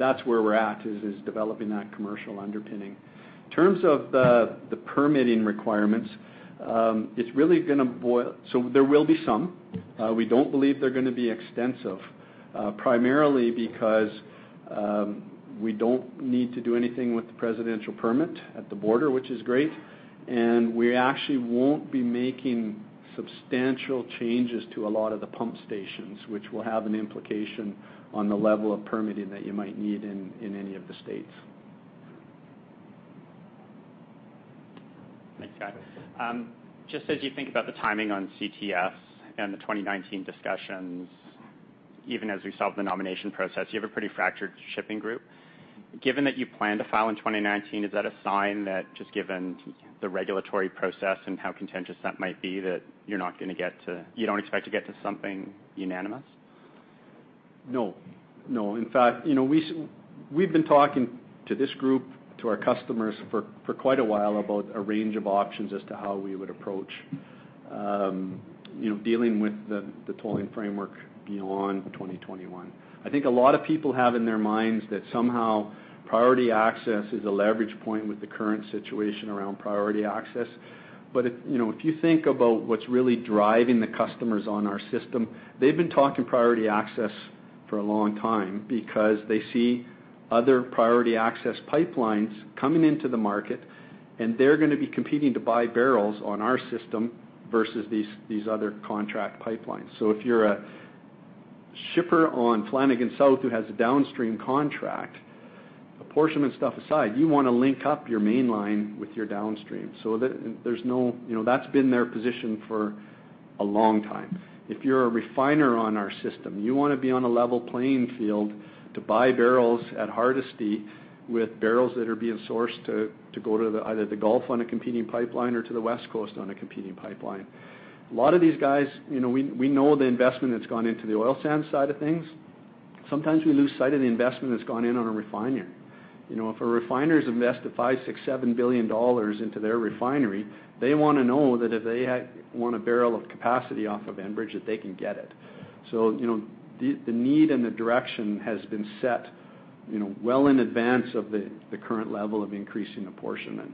That's where we're at, is developing that commercial underpinning. In terms of the permitting requirements, there will be some. We don't believe they're going to be extensive, primarily because we don't need to do anything with the presidential permit at the border, which is great, and we actually won't be making substantial changes to a lot of the pump stations, which will have an implication on the level of permitting that you might need in any of the states. Thanks, guys. Just as you think about the timing on CTS and the 2019 discussions, even as we solve the nomination process, you have a pretty fractured shipping group. Given that you plan to file in 2019, is that a sign that just given the regulatory process and how contentious that might be, that you don't expect to get to something unanimous? No. In fact, we've been talking to this group, to our customers for quite a while about a range of options as to how we would approach dealing with the tolling framework beyond 2021. I think a lot of people have in their minds that somehow priority access is a leverage point with the current situation around priority access. If you think about what's really driving the customers on our system, they've been talking priority access for a long time because they see other priority access pipelines coming into the market, and they're going to be competing to buy barrels on our system versus these other contract pipelines. If you're a shipper on Flanagan South who has a downstream contract, apportionment stuff aside, you want to link up your Mainline with your downstream. That's been their position for a long time. If you're a refiner on our system, you want to be on a level playing field to buy barrels at Hardisty with barrels that are being sourced to go to either the Gulf on a competing pipeline or to the West Coast on a competing pipeline. A lot of these guys, we know the investment that's gone into the oil sand side of things. Sometimes we lose sight of the investment that's gone in on a refinery. If a refiner's invested 5 billion, 6 billion, 7 billion dollars into their refinery, they want to know that if they want a barrel of capacity off of Enbridge, that they can get it. The need and the direction has been set well in advance of the current level of increasing apportionment.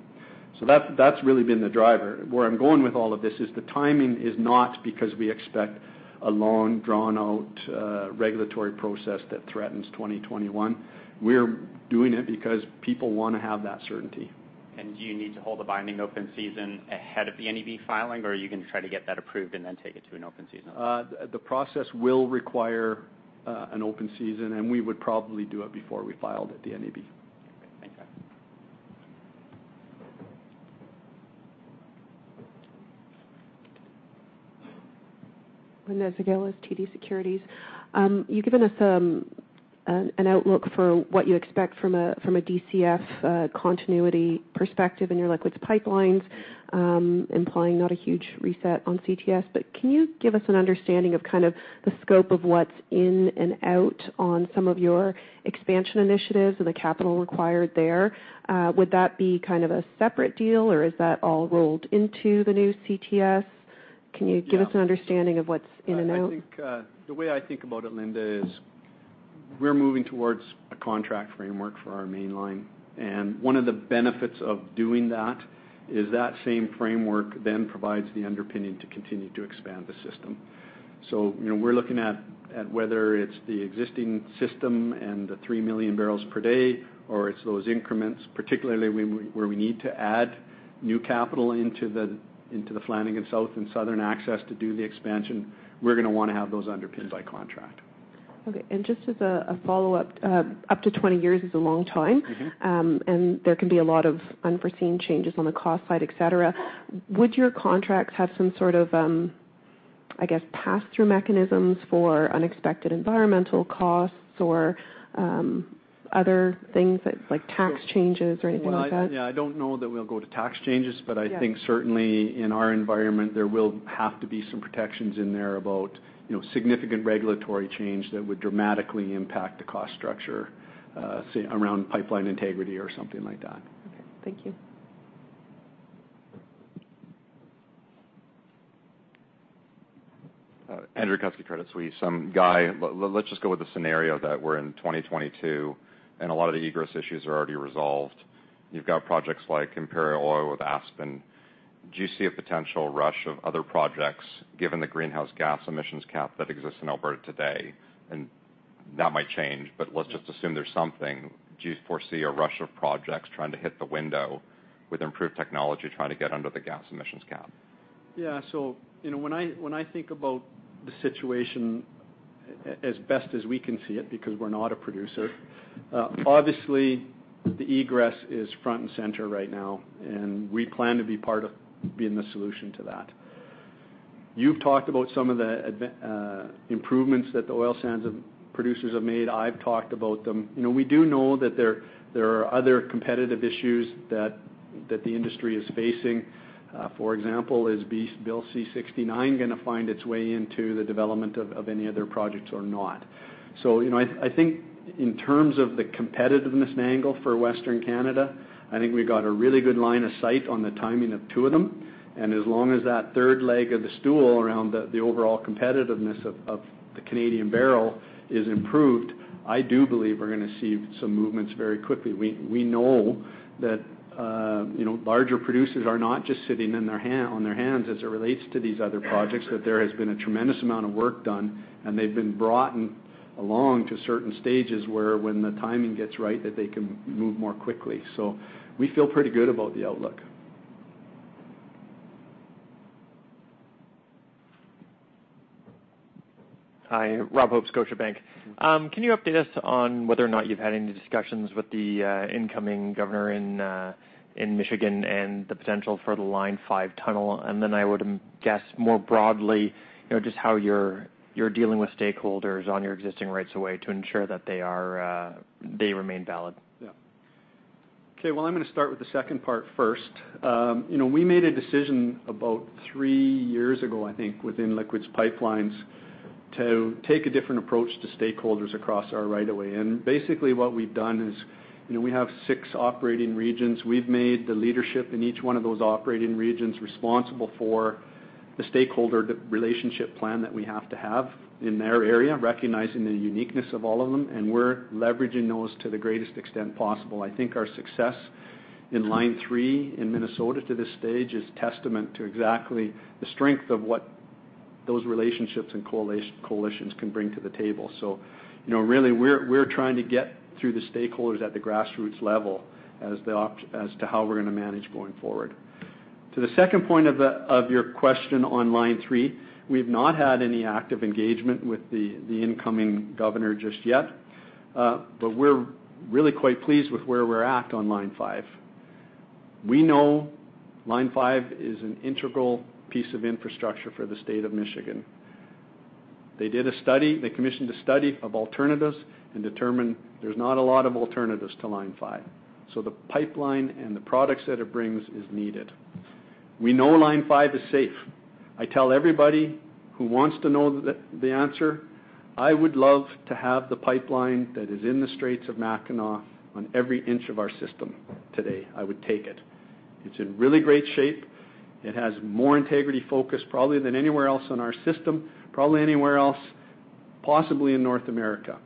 That's really been the driver. Where I'm going with all of this is the timing is not because we expect a long, drawn-out regulatory process that threatens 2021. We're doing it because people want to have that certainty. Do you need to hold a binding open season ahead of the NEB filing, or are you going to try to get that approved and then take it to an open season? The process will require an open season. We would probably do it before we filed at the NEB. Okay. Thanks, guys. Linda Ezergailis, TD Securities. You've given us an outlook for what you expect from a DCF continuity perspective in your liquids pipelines, implying not a huge reset on CTS. Can you give us an understanding of kind of the scope of what's in and out on some of your expansion initiatives and the capital required there? Would that be kind of a separate deal, or is that all rolled into the new CTS? Can you give us an understanding of what's in and out? The way I think about it, Linda, is we're moving towards a contract framework for our mainline. One of the benefits of doing that is that same framework then provides the underpinning to continue to expand the system. We're looking at whether it's the existing system and the 3 million barrels per day, or it's those increments, particularly where we need to add new capital into the Flanagan South and Southern Access to do the expansion. We're going to want to have those underpinned by contract. Okay. Just as a follow-up, up to 20 years is a long time. There can be a lot of unforeseen changes on the cost side, et cetera. Would your contracts have some sort of pass-through mechanisms for unexpected environmental costs or other things, like tax changes or anything like that? Well, I don't know that we'll go to tax changes. Yeah I think certainly in our environment, there will have to be some protections in there about significant regulatory change that would dramatically impact the cost structure, say, around pipeline integrity or something like that. Okay. Thank you. Andrew Kuske, Credit Suisse. Guy, let's just go with the scenario that we're in 2022, and a lot of the egress issues are already resolved. You've got projects like Imperial Oil with Aspen. Do you see a potential rush of other projects, given the greenhouse gas emissions cap that exists in Alberta today? That might change, but let's just assume there's something. Do you foresee a rush of projects trying to hit the window with improved technology to try to get under the gas emissions cap? Yeah. When I think about the situation, as best as we can see it, because we're not a producer, obviously, the egress is front and center right now, and we plan to be part of being the solution to that. You've talked about some of the improvements that the oil sands producers have made. I've talked about them. We do know that there are other competitive issues that the industry is facing. For example, is Bill C-69 going to find its way into the development of any other projects or not? I think in terms of the competitiveness angle for Western Canada, I think we've got a really good line of sight on the timing of two of them, and as long as that third leg of the stool around the overall competitiveness of the Canadian barrel is improved, I do believe we're going to see some movements very quickly. We know that larger producers are not just sitting on their hands as it relates to these other projects, that there has been a tremendous amount of work done, and they've been brought along to certain stages where when the timing gets right, that they can move more quickly. We feel pretty good about the outlook. Hi. Robert Hope, Scotiabank. Can you update us on whether or not you've had any discussions with the incoming governor in Michigan and the potential for the Line 5 tunnel? I would guess more broadly, just how you're dealing with stakeholders on your existing rights of way to ensure that they remain valid. Yeah. Okay. Well, I'm going to start with the second part first. We made a decision about three years ago, I think, within liquids pipelines to take a different approach to stakeholders across our right of way. What we've done is we have six operating regions. We've made the leadership in each one of those operating regions responsible for the stakeholder relationship plan that we have to have in their area, recognizing the uniqueness of all of them, and we're leveraging those to the greatest extent possible. I think our success in Line 3 in Minnesota to this stage is testament to exactly the strength of what those relationships and coalitions can bring to the table. Really, we're trying to get through the stakeholders at the grassroots level as to how we're going to manage going forward. To the second point of your question on Line 3, we've not had any active engagement with the incoming governor just yet. We're really quite pleased with where we're at on Line 5. We know Line 5 is an integral piece of infrastructure for the state of Michigan. They commissioned a study of alternatives and determined there's not a lot of alternatives to Line 5. The pipeline and the products that it brings is needed. We know Line 5 is safe. I tell everybody who wants to know the answer, I would love to have the pipeline that is in the Straits of Mackinac on every inch of our system today. I would take it. It's in really great shape. It has more integrity focus probably than anywhere else in our system, probably anywhere else, possibly in North America.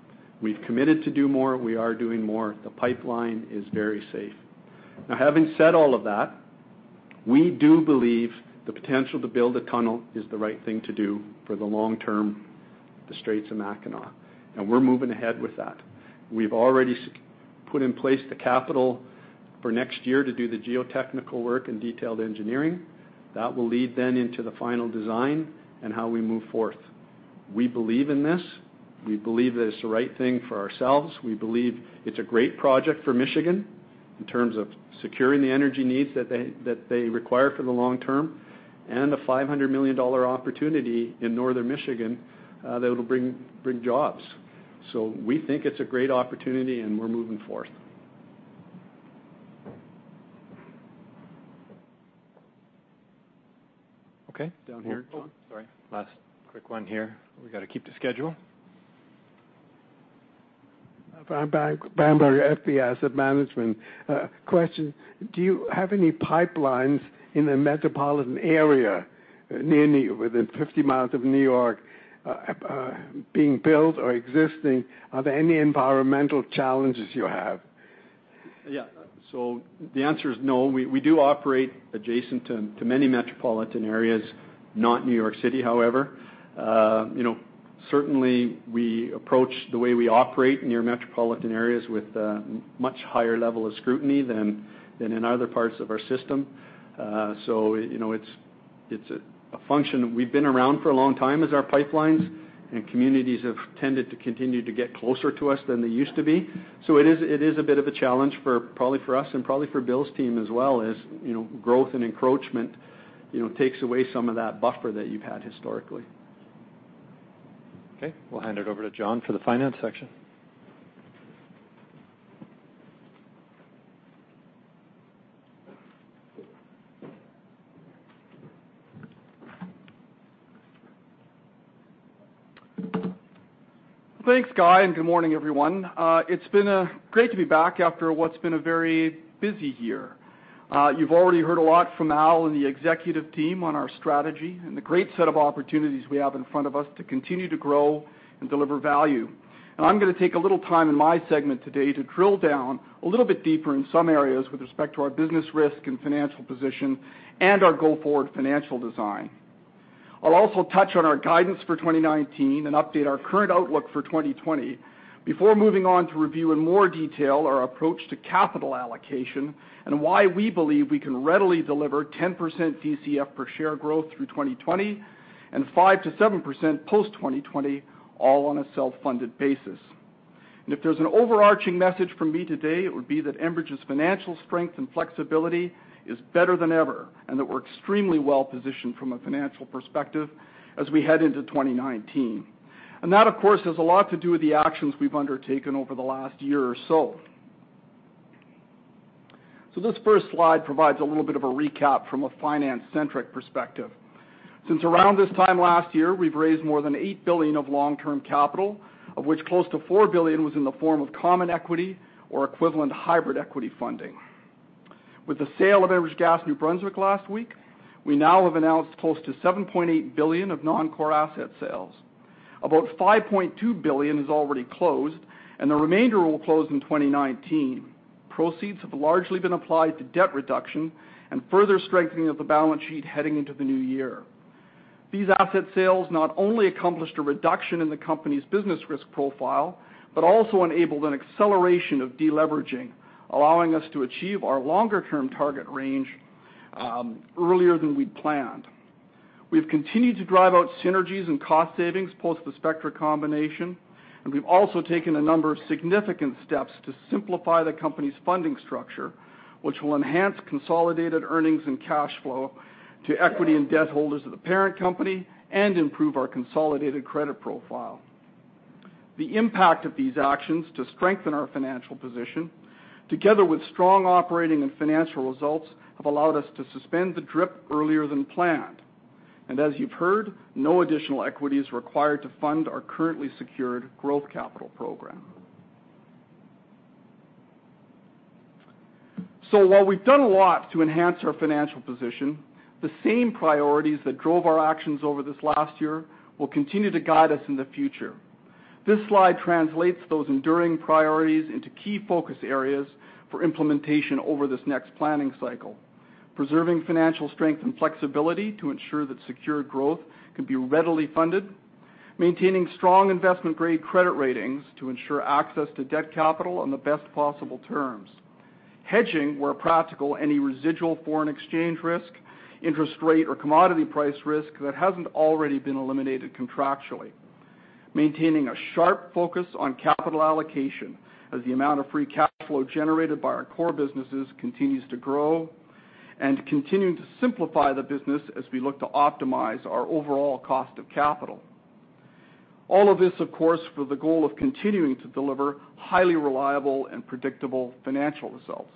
We've committed to do more. We are doing more. The pipeline is very safe. Having said all of that, we do believe the potential to build a tunnel is the right thing to do for the long term, the Straits of Mackinac, and we're moving ahead with that. We've already put in place the capital for next year to do the geotechnical work and detailed engineering. That will lead then into the final design and how we move forth. We believe in this. We believe that it's the right thing for ourselves. We believe it's a great project for Michigan in terms of securing the energy needs that they require for the long term and a 500 million dollar opportunity in Northern Michigan that it'll bring jobs. We think it's a great opportunity, and we're moving forth. Okay. Down here. Sorry. Last quick one here. We got to keep the schedule. Frank Bamberger, FBA Asset Management. Question: Do you have any pipelines in the metropolitan area within 50 miles of New York being built or existing? Are there any environmental challenges you have? The answer is no. We do operate adjacent to many metropolitan areas, not New York City, however. Certainly, we approach the way we operate near metropolitan areas with a much higher level of scrutiny than in other parts of our system. It's a function that we've been around for a long time as our pipelines, and communities have tended to continue to get closer to us than they used to be. It is a bit of a challenge, probably for us and probably for Bill's team as well as growth and encroachment takes away some of that buffer that you've had historically. We'll hand it over to John for the finance section. Thanks, Guy. Good morning, everyone. It's been great to be back after what's been a very busy year. You've already heard a lot from Al and the executive team on our strategy and the great set of opportunities we have in front of us to continue to grow and deliver value. I'm going to take a little time in my segment today to drill down a little bit deeper in some areas with respect to our business risk and financial position and our go-forward financial design. I'll also touch on our guidance for 2019 and update our current outlook for 2020 before moving on to review in more detail our approach to capital allocation and why we believe we can readily deliver 10% DCF per share growth through 2020 and 5%-7% post-2020, all on a self-funded basis. If there's an overarching message from me today, it would be that Enbridge's financial strength and flexibility is better than ever, that we're extremely well-positioned from a financial perspective as we head into 2019. That, of course, has a lot to do with the actions we've undertaken over the last year or so. This first slide provides a little bit of a recap from a finance-centric perspective. Since around this time last year, we've raised more than 8 billion of long-term capital, of which close to 4 billion was in the form of common equity or equivalent hybrid equity funding. With the sale of Enbridge Gas New Brunswick last week, we now have announced close to 7.8 billion of non-core asset sales. About 5.2 billion is already closed, and the remainder will close in 2019. Proceeds have largely been applied to debt reduction and further strengthening of the balance sheet heading into the new year. These asset sales not only accomplished a reduction in the company's business risk profile, also enabled an acceleration of de-leveraging, allowing us to achieve our longer-term target range earlier than we'd planned. We've continued to drive out synergies and cost savings post the Spectra combination, we've also taken a number of significant steps to simplify the company's funding structure, which will enhance consolidated earnings and cash flow to equity and debt holders of the parent company and improve our consolidated credit profile. The impact of these actions to strengthen our financial position, together with strong operating and financial results, have allowed us to suspend the DRIP earlier than planned. As you've heard, no additional equity is required to fund our currently secured growth capital program. While we've done a lot to enhance our financial position, the same priorities that drove our actions over this last year will continue to guide us in the future. This slide translates those enduring priorities into key focus areas for implementation over this next planning cycle. Preserving financial strength and flexibility to ensure that secure growth can be readily funded. Maintaining strong investment-grade credit ratings to ensure access to debt capital on the best possible terms. Hedging, where practical, any residual foreign exchange risk, interest rate, or commodity price risk that hasn't already been eliminated contractually. Maintaining a sharp focus on capital allocation as the amount of free cash flow generated by our core businesses continues to grow. Continuing to simplify the business as we look to optimize our overall cost of capital. All of this, of course, for the goal of continuing to deliver highly reliable and predictable financial results.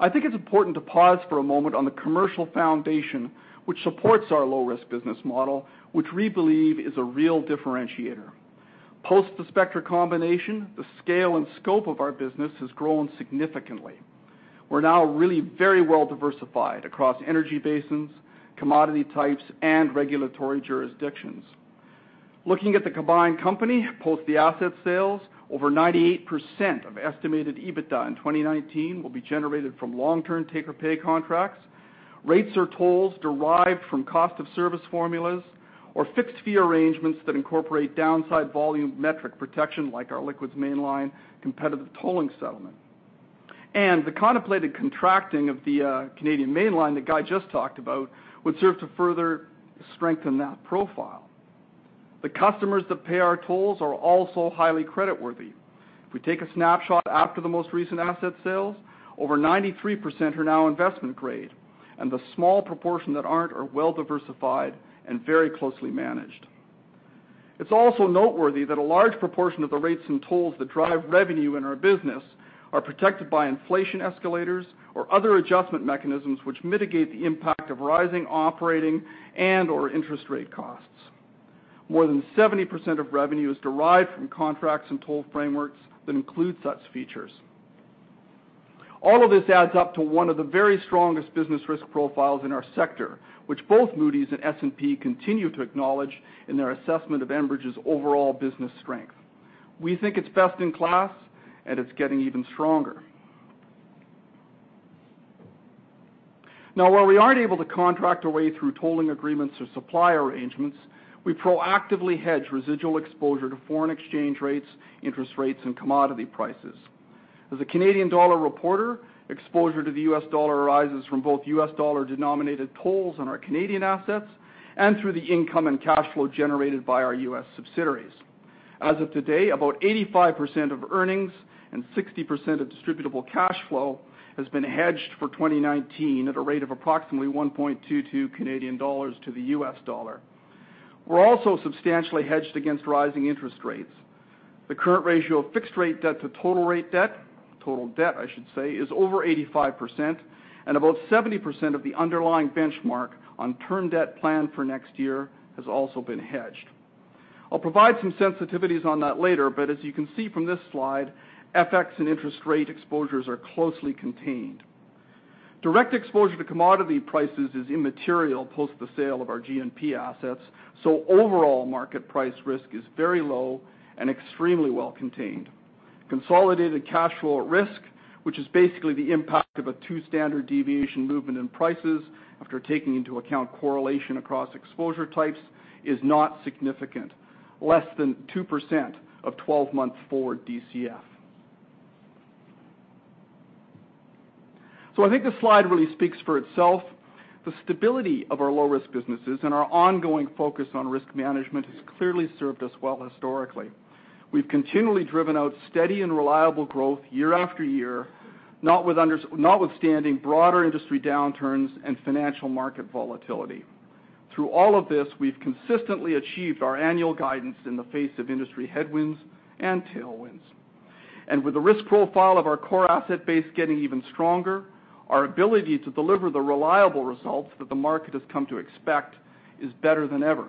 I think it's important to pause for a moment on the commercial foundation, which supports our low-risk business model, which we believe is a real differentiator. Post the Spectra combination, the scale and scope of our business has grown significantly. We're now really very well-diversified across energy basins, commodity types, and regulatory jurisdictions. Looking at the combined company post the asset sales, over 98% of estimated EBITDA in 2019 will be generated from long-term take-or-pay contracts, rates or tolls derived from cost of service formulas or fixed-fee arrangements that incorporate downside volumetric protection like our Liquids Mainline competitive tolling settlement. The contemplated contracting of the Canadian Mainline that Guy just talked about would serve to further strengthen that profile. The customers that pay our tolls are also highly creditworthy. If we take a snapshot after the most recent asset sales, over 93% are now investment-grade, and the small proportion that aren't are well-diversified and very closely managed. It's also noteworthy that a large proportion of the rates and tolls that drive revenue in our business are protected by inflation escalators or other adjustment mechanisms which mitigate the impact of rising operating and/or interest rate costs. More than 70% of revenue is derived from contracts and toll frameworks that include such features. All of this adds up to one of the very strongest business risk profiles in our sector, which both Moody's and S&P continue to acknowledge in their assessment of Enbridge's overall business strength. We think it's best in class, and it's getting even stronger. While we aren't able to contract away through tolling agreements or supply arrangements, we proactively hedge residual exposure to foreign exchange rates, interest rates, and commodity prices. As a Canadian dollar reporter, exposure to the U.S. dollar arises from both U.S. dollar-denominated tolls on our Canadian assets and through the income and cash flow generated by our U.S. subsidiaries. As of today, about 85% of earnings and 60% of distributable cash flow has been hedged for 2019 at a rate of approximately 1.22 Canadian dollars to the U.S. dollar. We're also substantially hedged against rising interest rates. The current ratio of fixed-rate debt to total debt, I should say, is over 85%, and about 70% of the underlying benchmark on term debt planned for next year has also been hedged. I'll provide some sensitivities on that later, but as you can see from this slide, FX and interest rate exposures are closely contained. Direct exposure to commodity prices is immaterial post the sale of our G&P assets, so overall market price risk is very low and extremely well contained. Consolidated cash flow at risk, which is basically the impact of a two standard deviation movement in prices after taking into account correlation across exposure types, is not significant. Less than 2% of 12 months forward DCF. I think this slide really speaks for itself. The stability of our low-risk businesses and our ongoing focus on risk management has clearly served us well historically. We've continually driven out steady and reliable growth year after year, notwithstanding broader industry downturns and financial market volatility. Through all of this, we've consistently achieved our annual guidance in the face of industry headwinds and tailwinds. With the risk profile of our core asset base getting even stronger, our ability to deliver the reliable results that the market has come to expect is better than ever.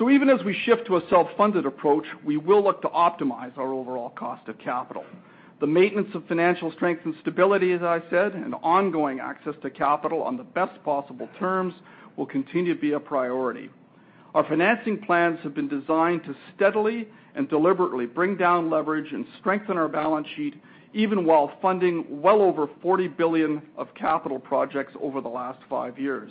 Even as we shift to a self-funded approach, we will look to optimize our overall cost of capital. The maintenance of financial strength and stability, as I said, and ongoing access to capital on the best possible terms will continue to be a priority. Our financing plans have been designed to steadily and deliberately bring down leverage and strengthen our balance sheet, even while funding well over 40 billion of capital projects over the last five years.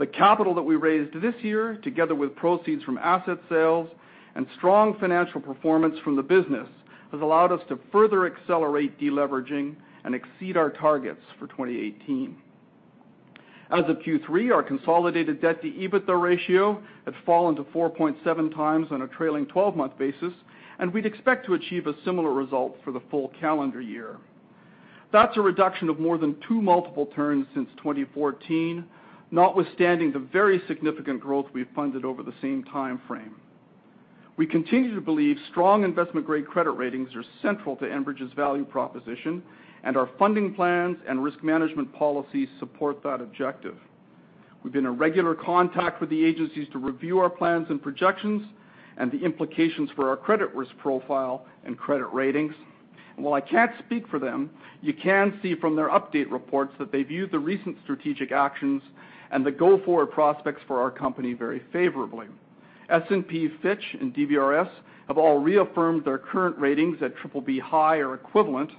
The capital that we raised this year, together with proceeds from asset sales and strong financial performance from the business, has allowed us to further accelerate de-leveraging and exceed our targets for 2018. As of Q3, our consolidated debt-to-EBITDA ratio had fallen to 4.7 times on a trailing 12-month basis, and we'd expect to achieve a similar result for the full calendar year. That's a reduction of more than two multiple turns since 2014, notwithstanding the very significant growth we've funded over the same time frame. We continue to believe strong investment-grade credit ratings are central to Enbridge's value proposition, and our funding plans and risk management policies support that objective. We've been in regular contact with the agencies to review our plans and projections and the implications for our credit risk profile and credit ratings. While I can't speak for them, you can see from their update reports that they view the recent strategic actions and the go-forward prospects for our company very favorably. S&P, Fitch, and DBRS have all reaffirmed their current ratings at BBB high or equivalent.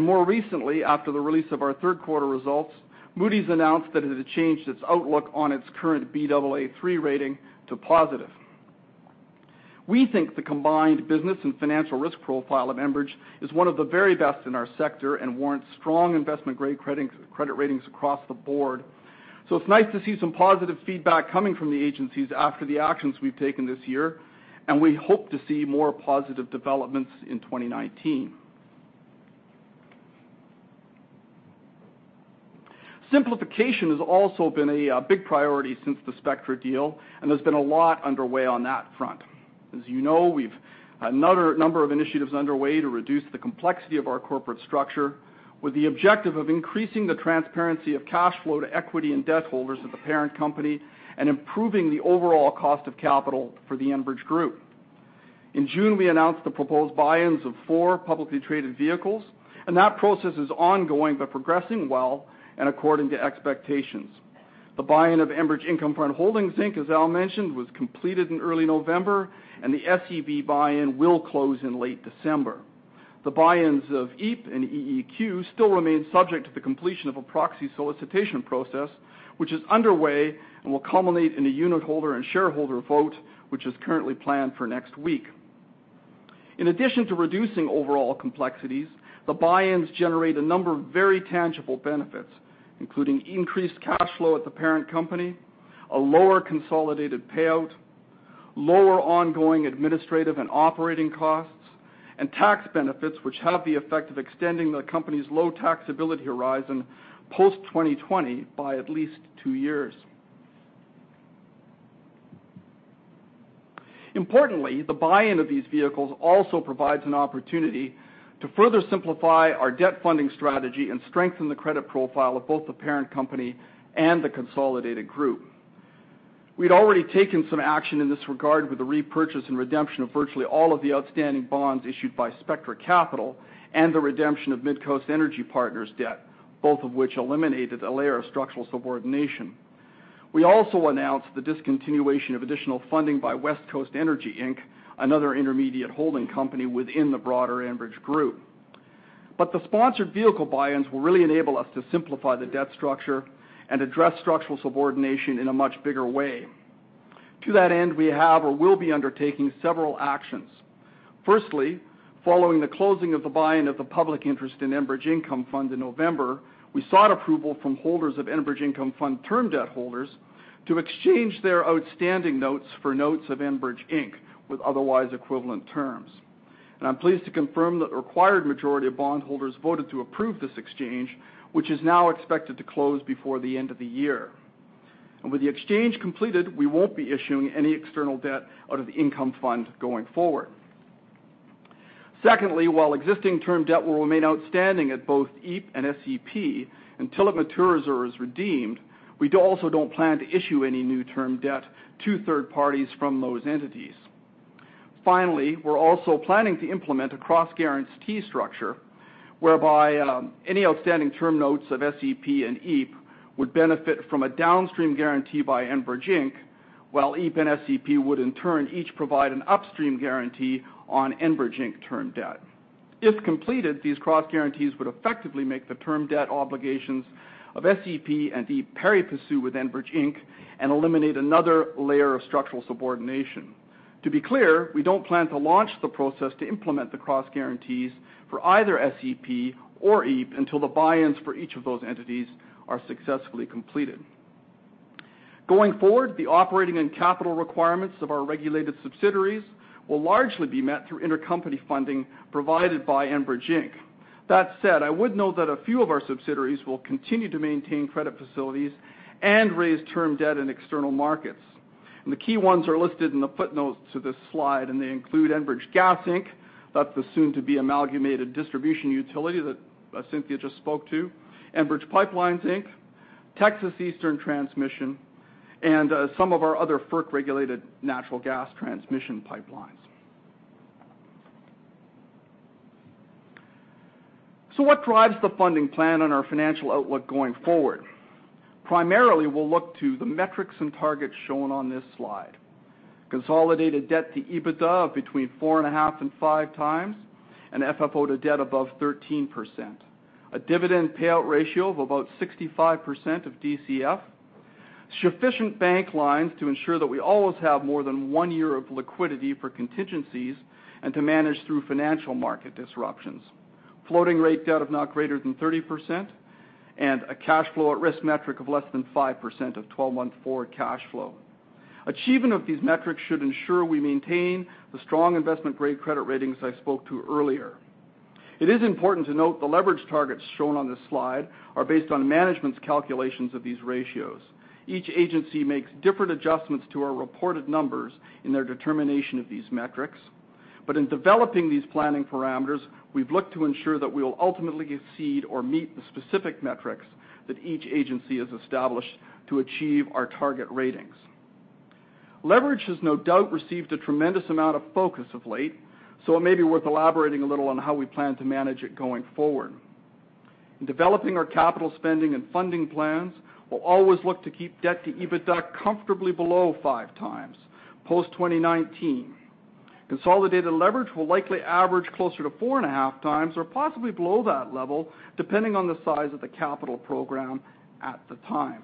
More recently, after the release of our third quarter results, Moody's announced that it had changed its outlook on its current Baa3 rating to positive. We think the combined business and financial risk profile of Enbridge is one of the very best in our sector and warrants strong investment-grade credit ratings across the board. It's nice to see some positive feedback coming from the agencies after the actions we've taken this year, and we hope to see more positive developments in 2019. Simplification has also been a big priority since the Spectra deal, there's been a lot underway on that front. As you know, we've a number of initiatives underway to reduce the complexity of our corporate structure, with the objective of increasing the transparency of cash flow to equity and debt holders of the parent company and improving the overall cost of capital for the Enbridge group. In June, we announced the proposed buy-ins of four publicly traded vehicles, that process is ongoing but progressing well and according to expectations. The buy-in of Enbridge Income Fund Holdings Inc., as Al mentioned, was completed in early November, and the SEP buy-in will close in late December. The buy-ins of EEP and EEQ still remain subject to the completion of a proxy solicitation process, which is underway and will culminate in a unitholder and shareholder vote, which is currently planned for next week. In addition to reducing overall complexities, the buy-ins generate a number of very tangible benefits, including increased cash flow at the parent company, a lower consolidated payout, lower ongoing administrative and operating costs, and tax benefits which have the effect of extending the company's low taxability horizon post 2020 by at least two years. Importantly, the buy-in of these vehicles also provides an opportunity to further simplify our debt funding strategy and strengthen the credit profile of both the parent company and the consolidated group. We'd already taken some action in this regard with the repurchase and redemption of virtually all of the outstanding bonds issued by Spectra Capital and the redemption of Midcoast Energy Partners' debt, both of which eliminated a layer of structural subordination. We also announced the discontinuation of additional funding by Westcoast Energy Inc., another intermediate holding company within the broader Enbridge group. The sponsored vehicle buy-ins will really enable us to simplify the debt structure and address structural subordination in a much bigger way. To that end, we have or will be undertaking several actions. Firstly, following the closing of the buy-in of the public interest in Enbridge Income Fund in November, we sought approval from holders of Enbridge Income Fund term debt holders to exchange their outstanding notes for notes of Enbridge Inc. with otherwise equivalent terms. I'm pleased to confirm that the required majority of bondholders voted to approve this exchange, which is now expected to close before the end of the year. With the exchange completed, we won't be issuing any external debt out of the income fund going forward. Secondly, while existing term debt will remain outstanding at both EEP and SEP until it matures or is redeemed, we also don't plan to issue any new term debt to third parties from those entities. Finally, we're also planning to implement a cross guarantee structure, whereby any outstanding term notes of SEP and EEP would benefit from a downstream guarantee by Enbridge Inc., while EEP and SEP would, in turn, each provide an upstream guarantee on Enbridge Inc. term debt. If completed, these cross guarantees would effectively make the term debt obligations of SEP and EEP pari passu with Enbridge Inc., and eliminate another layer of structural subordination. To be clear, we don't plan to launch the process to implement the cross guarantees for either SEP or EEP until the buy-ins for each of those entities are successfully completed. Going forward, the operating and capital requirements of our regulated subsidiaries will largely be met through intercompany funding provided by Enbridge Inc. That said, I would note that a few of our subsidiaries will continue to maintain credit facilities and raise term debt in external markets, and the key ones are listed in the footnotes to this slide, and they include Enbridge Gas Inc., that's the soon-to-be amalgamated distribution utility that Cynthia just spoke to, Enbridge Pipelines Inc., Texas Eastern Transmission, and some of our other FERC-regulated natural gas transmission pipelines. What drives the funding plan on our financial outlook going forward? Primarily, we'll look to the metrics and targets shown on this slide. Consolidated debt to EBITDA of between 4.5 and 5 times, and FFO to debt above 13%. A dividend payout ratio of about 65% of DCF. Sufficient bank lines to ensure that we always have more than one year of liquidity for contingencies and to manage through financial market disruptions. Floating-rate debt of not greater than 30%, and a cash flow at risk metric of less than 5% of 12-month forward cash flow. Achievement of these metrics should ensure we maintain the strong investment-grade credit ratings I spoke to earlier. It is important to note the leverage targets shown on this slide are based on management's calculations of these ratios. Each agency makes different adjustments to our reported numbers in their determination of these metrics. In developing these planning parameters, we've looked to ensure that we'll ultimately exceed or meet the specific metrics that each agency has established to achieve our target ratings. Leverage has no doubt received a tremendous amount of focus of late, it may be worth elaborating a little on how we plan to manage it going forward. In developing our capital spending and funding plans, we'll always look to keep debt to EBITDA comfortably below 5 times post-2019. Consolidated leverage will likely average closer to 4.5 times or possibly below that level, depending on the size of the capital program at the time.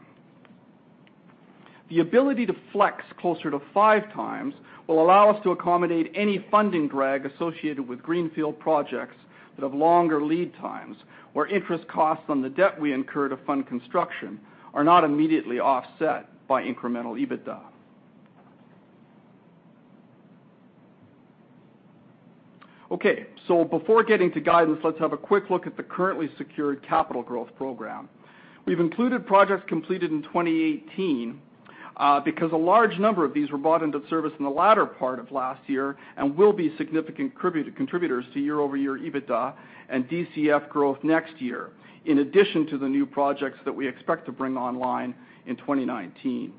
The ability to flex closer to 5 times will allow us to accommodate any funding drag associated with greenfield projects that have longer lead times, where interest costs on the debt we incur to fund construction are not immediately offset by incremental EBITDA. Before getting to guidance, let's have a quick look at the currently secured capital growth program. We've included projects completed in 2018, because a large number of these were brought into service in the latter part of last year and will be significant contributors to year-over-year EBITDA and DCF growth next year, in addition to the new projects that we expect to bring online in 2019.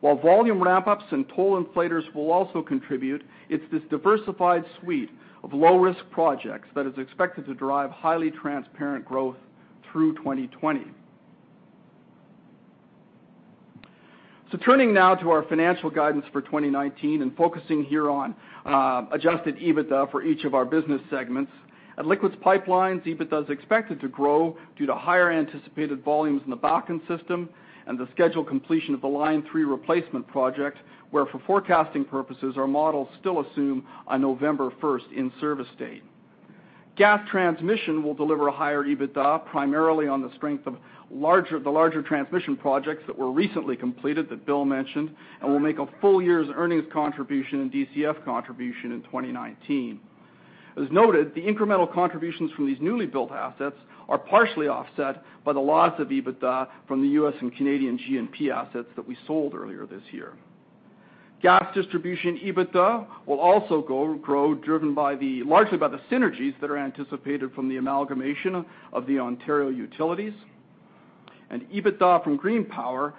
While volume ramp-ups and toll inflators will also contribute, it's this diversified suite of low-risk projects that is expected to drive highly transparent growth through 2020. Turning now to our financial guidance for 2019 and focusing here on adjusted EBITDA for each of our business segments. At Liquids Pipelines, EBITDA is expected to grow due to higher anticipated volumes in the Bakken system and the scheduled completion of the Line 3 Replacement Project, where for forecasting purposes, our models still assume a November 1st in-service date. Gas Transmission will deliver a higher EBITDA, primarily on the strength of the larger transmission projects that were recently completed that Bill mentioned and will make a full year's earnings contribution and DCF contribution in 2019. As noted, the incremental contributions from these newly built assets are partially offset by the loss of EBITDA from the U.S. and Canadian G&P assets that we sold earlier this year. Gas Distribution EBITDA will also grow, driven largely by the synergies that are anticipated from the amalgamation of the Ontario utilities. EBITDA from Green Power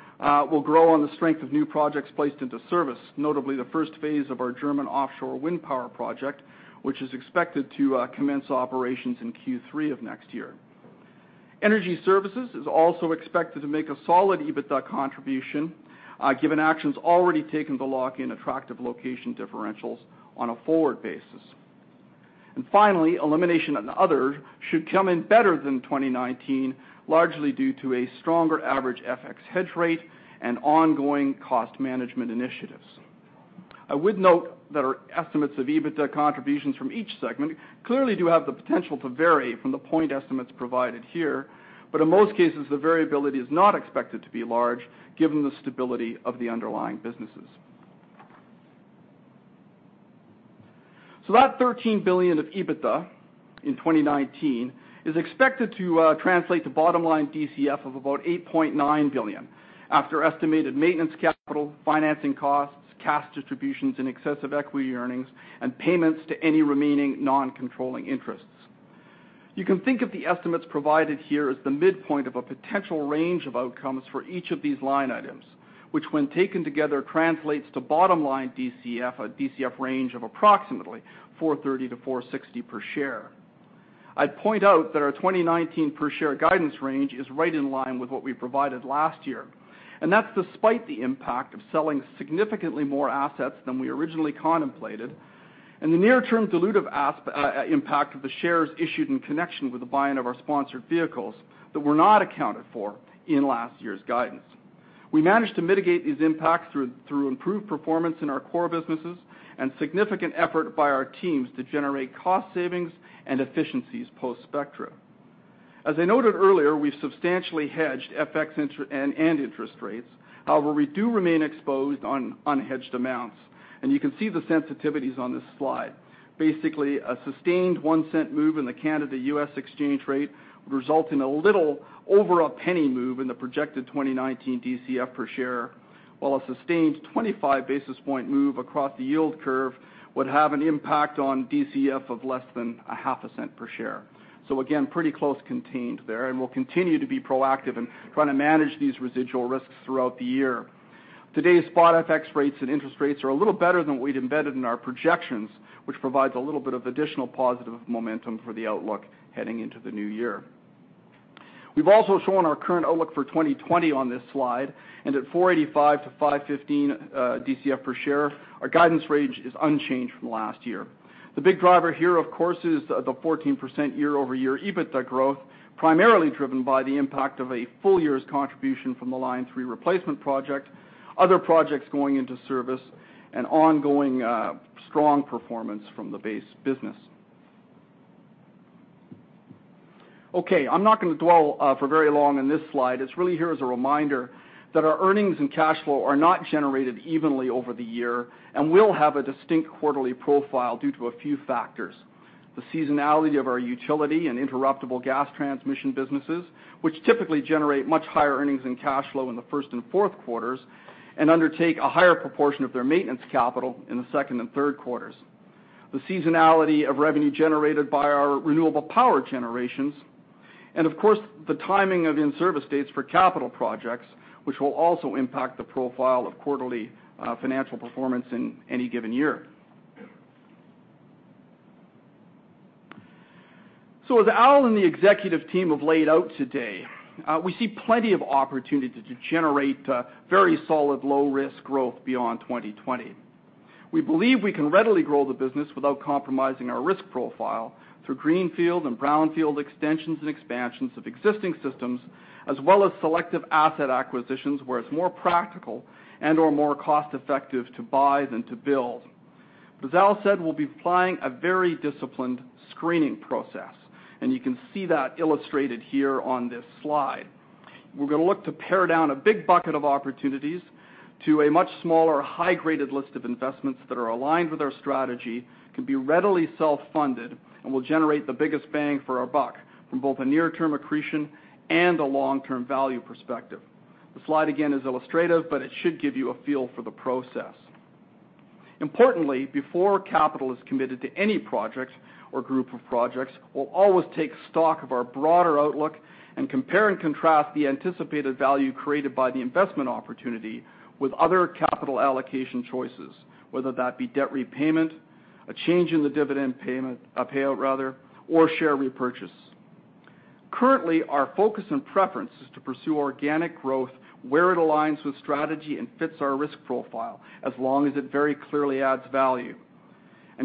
will grow on the strength of new projects placed into service, notably the first phase of our German offshore wind power project, which is expected to commence operations in Q3 of next year. Energy services is also expected to make a solid EBITDA contribution, given actions already taken to lock in attractive location differentials on a forward basis. Finally, elimination and other should come in better than 2019, largely due to a stronger average FX hedge rate and ongoing cost management initiatives. I would note that our estimates of EBITDA contributions from each segment clearly do have the potential to vary from the point estimates provided here, but in most cases, the variability is not expected to be large given the stability of the underlying businesses. That 13 billion of EBITDA in 2019 is expected to translate to bottom-line DCF of about 8.9 billion after estimated maintenance capital, financing costs, cash distributions in excess of equity earnings, and payments to any remaining non-controlling interests. You can think of the estimates provided here as the midpoint of a potential range of outcomes for each of these line items, which, when taken together, translates to bottom-line DCF, a DCF range of approximately 4.30 to 4.60 per share. I'd point out that our 2019 per share guidance range is right in line with what we provided last year, and that's despite the impact of selling significantly more assets than we originally contemplated and the near-term dilutive impact of the shares issued in connection with the buying of our sponsored vehicles that were not accounted for in last year's guidance. We managed to mitigate these impacts through improved performance in our core businesses and significant effort by our teams to generate cost savings and efficiencies post-Spectra. As I noted earlier, we've substantially hedged FX and interest rates. However, we do remain exposed on unhedged amounts, and you can see the sensitivities on this slide. A sustained one-cent move in the Canada-U.S. exchange rate would result in a little over a CAD 0.01 move in the projected 2019 DCF per share, while a sustained 25-basis-point move across the yield curve would have an impact on DCF of less than a half a CAD 0.01 per share. So again, pretty close contained there, and we'll continue to be proactive in trying to manage these residual risks throughout the year. Today's spot FX rates and interest rates are a little better than what we'd embedded in our projections, which provides a little bit of additional positive momentum for the outlook heading into the new year. We've also shown our current outlook for 2020 on this slide, and at 4.85 to 5.15 DCF per share, our guidance range is unchanged from last year. The big driver here, of course, is the 14% year-over-year EBITDA growth, primarily driven by the impact of a full year's contribution from the Line 3 Replacement Project, other projects going into service, and ongoing strong performance from the base business. I'm not going to dwell for very long on this slide. It's really here as a reminder that our earnings and cash flow are not generated evenly over the year and will have a distinct quarterly profile due to a few factors. The seasonality of our utility and interruptible gas transmission businesses, which typically generate much higher earnings and cash flow in the first and fourth quarters and undertake a higher proportion of their maintenance capital in the second and third quarters. The seasonality of revenue generated by our renewable power generations, and of course, the timing of in-service dates for capital projects, which will also impact the profile of quarterly financial performance in any given year. As Al and the executive team have laid out today, we see plenty of opportunity to generate very solid, low-risk growth beyond 2020. We believe we can readily grow the business without compromising our risk profile through greenfield and brownfield extensions and expansions of existing systems, as well as selective asset acquisitions where it's more practical and/or more cost-effective to buy than to build. As Al said, we'll be applying a very disciplined screening process, and you can see that illustrated here on this slide. We're going to look to pare down a big bucket of opportunities to a much smaller, high-graded list of investments that are aligned with our strategy, can be readily self-funded, and will generate the biggest bang for our buck from both a near-term accretion and a long-term value perspective. The slide, again, is illustrative, but it should give you a feel for the process. Importantly, before capital is committed to any project or group of projects, we'll always take stock of our broader outlook and compare and contrast the anticipated value created by the investment opportunity with other capital allocation choices, whether that be debt repayment, a change in the dividend payment, a payout rather, or share repurchase. Currently, our focus and preference is to pursue organic growth where it aligns with strategy and fits our risk profile, as long as it very clearly adds value.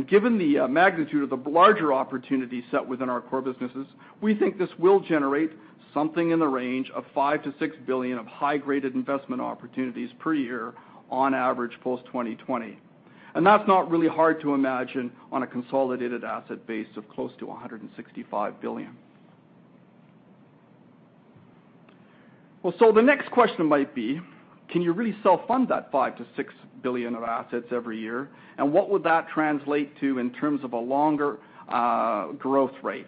Given the magnitude of the larger opportunity set within our core businesses, we think this will generate something in the range of 5 billion-6 billion of high-graded investment opportunities per year on average post-2020. That's not really hard to imagine on a consolidated asset base of close to 165 billion. The next question might be, can you really self-fund that 5 billion-6 billion of assets every year? What would that translate to in terms of a longer growth rate?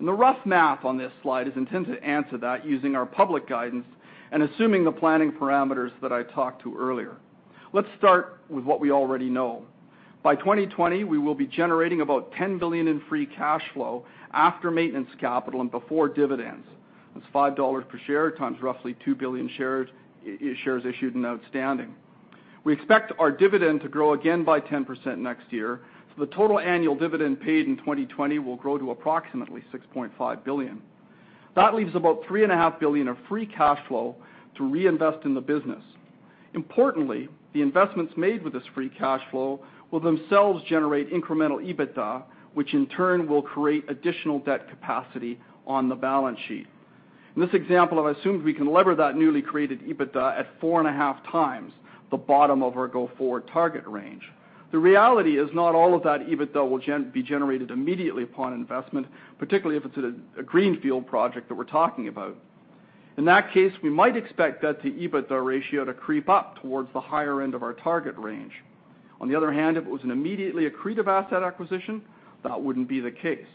The rough math on this slide is intended to answer that using our public guidance and assuming the planning parameters that I talked to earlier. Let's start with what we already know. By 2020, we will be generating about 10 billion in free cash flow after maintenance capital and before dividends. That's 5 dollars per share times roughly 2 billion shares issued and outstanding. We expect our dividend to grow again by 10% next year, so the total annual dividend paid in 2020 will grow to approximately 6.5 billion. That leaves about 3.5 billion of free cash flow to reinvest in the business. Importantly, the investments made with this free cash flow will themselves generate incremental EBITDA, which in turn will create additional debt capacity on the balance sheet. In this example, I've assumed we can lever that newly created EBITDA at 4.5 times, the bottom of our go-forward target range. The reality is not all of that EBITDA will be generated immediately upon investment, particularly if it's a greenfield project that we're talking about. In that case, we might expect debt-to-EBITDA ratio to creep up towards the higher end of our target range. On the other hand, if it was an immediately accretive asset acquisition, that wouldn't be the case.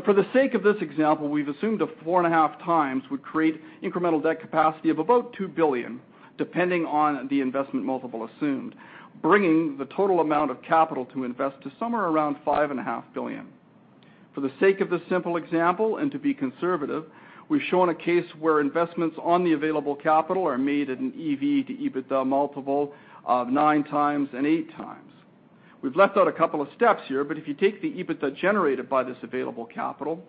For the sake of this example, we've assumed a 4.5 times would create incremental debt capacity of about 2 billion, depending on the investment multiple assumed, bringing the total amount of capital to invest to somewhere around 5.5 billion. For the sake of this simple example, and to be conservative, we've shown a case where investments on the available capital are made at an EV to EBITDA multiple of 9 times and 8 times. We've left out a couple of steps here, if you take the EBITDA generated by this available capital,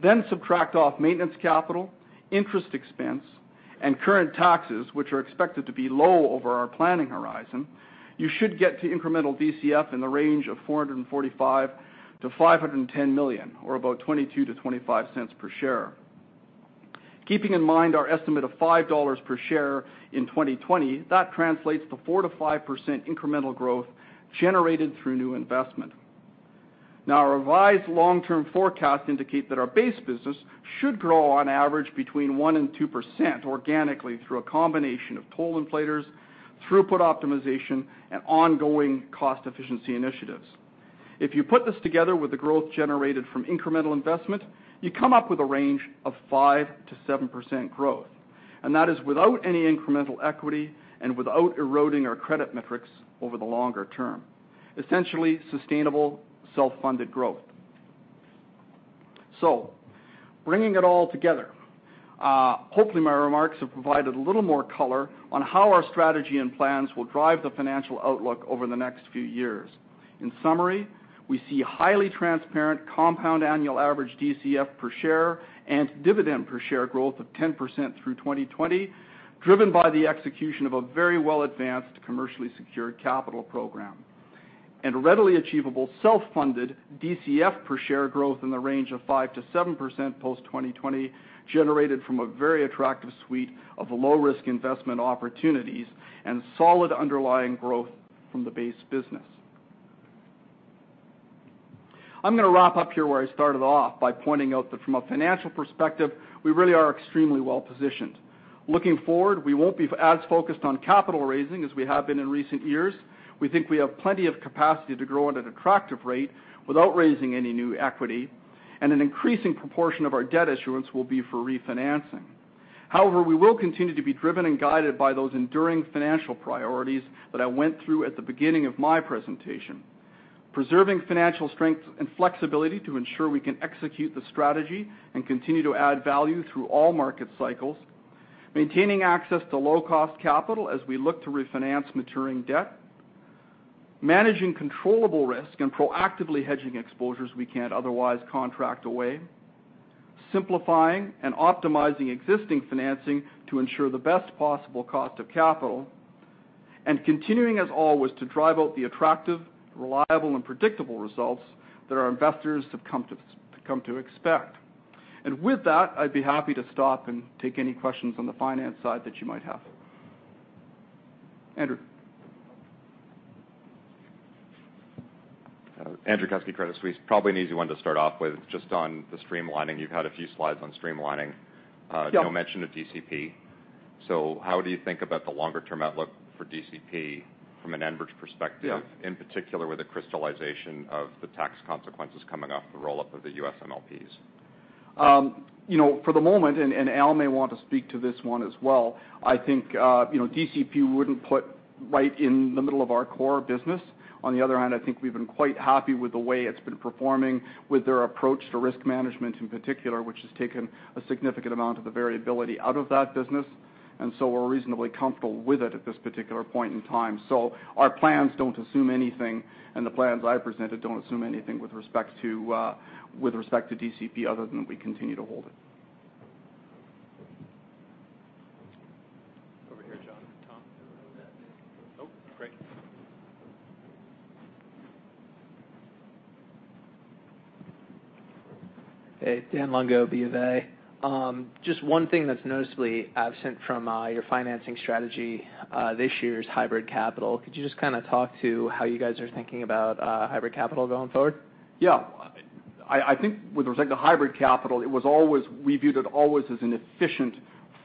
then subtract off maintenance capital, interest expense, and current taxes, which are expected to be low over our planning horizon, you should get to incremental DCF in the range of 445 million-510 million, or about 0.22-0.25 per share. Keeping in mind our estimate of 5 dollars per share in 2020, that translates to 4%-5% incremental growth generated through new investment. Our revised long-term forecast indicate that our base business should grow on average between 1%-2% organically through a combination of toll inflators, throughput optimization, and ongoing cost efficiency initiatives. If you put this together with the growth generated from incremental investment, you come up with a range of 5%-7% growth, that is without any incremental equity and without eroding our credit metrics over the longer term. Essentially, sustainable, self-funded growth. Bringing it all together. Hopefully, my remarks have provided a little more color on how our strategy and plans will drive the financial outlook over the next few years. In summary, we see highly transparent compound annual average DCF per share and dividend per share growth of 10% through 2020, driven by the execution of a very well-advanced, commercially secured capital program. Readily achievable, self-funded DCF per share growth in the range of 5%-7% post-2020, generated from a very attractive suite of low-risk investment opportunities and solid underlying growth from the base business. I'm going to wrap up here where I started off by pointing out that from a financial perspective, we really are extremely well-positioned. Looking forward, we won't be as focused on capital raising as we have been in recent years. We think we have plenty of capacity to grow at an attractive rate without raising any new equity, an increasing proportion of our debt issuance will be for refinancing. We will continue to be driven and guided by those enduring financial priorities that I went through at the beginning of my presentation. Preserving financial strength and flexibility to ensure we can execute the strategy and continue to add value through all market cycles. Maintaining access to low-cost capital as we look to refinance maturing debt. Managing controllable risk and proactively hedging exposures we can't otherwise contract away. Simplifying and optimizing existing financing to ensure the best possible cost of capital. Continuing as always to drive out the attractive, reliable, and predictable results that our investors have come to expect. With that, I'd be happy to stop and take any questions on the finance side that you might have. Andrew. Andrew Kuske, Credit Suisse. Probably an easy one to start off with, just on the streamlining. You've had a few slides on streamlining. Yeah. You mentioned a DCP. How do you think about the longer-term outlook for DCP from an Enbridge perspective? Yeah. In particular, with the crystallization of the tax consequences coming off the roll-up of the U.S. MLPs. For the moment, and Al may want to speak to this one as well, I think DCP we wouldn't put right in the middle of our core business. On the other hand, I think we've been quite happy with the way it's been performing with their approach to risk management in particular, which has taken a significant amount of the variability out of that business, and so we're reasonably comfortable with it at this particular point in time. Our plans don't assume anything, and the plans I presented don't assume anything with respect to DCP other than that we continue to hold it. Over here, John, Tom. Oh, Greg. Hey. Dan Longo, Bank of America. Just one thing that's noticeably absent from your financing strategy this year is hybrid capital. Could you just talk to how you guys are thinking about hybrid capital going forward? Yeah. I think with respect to hybrid capital, we viewed it always as an efficient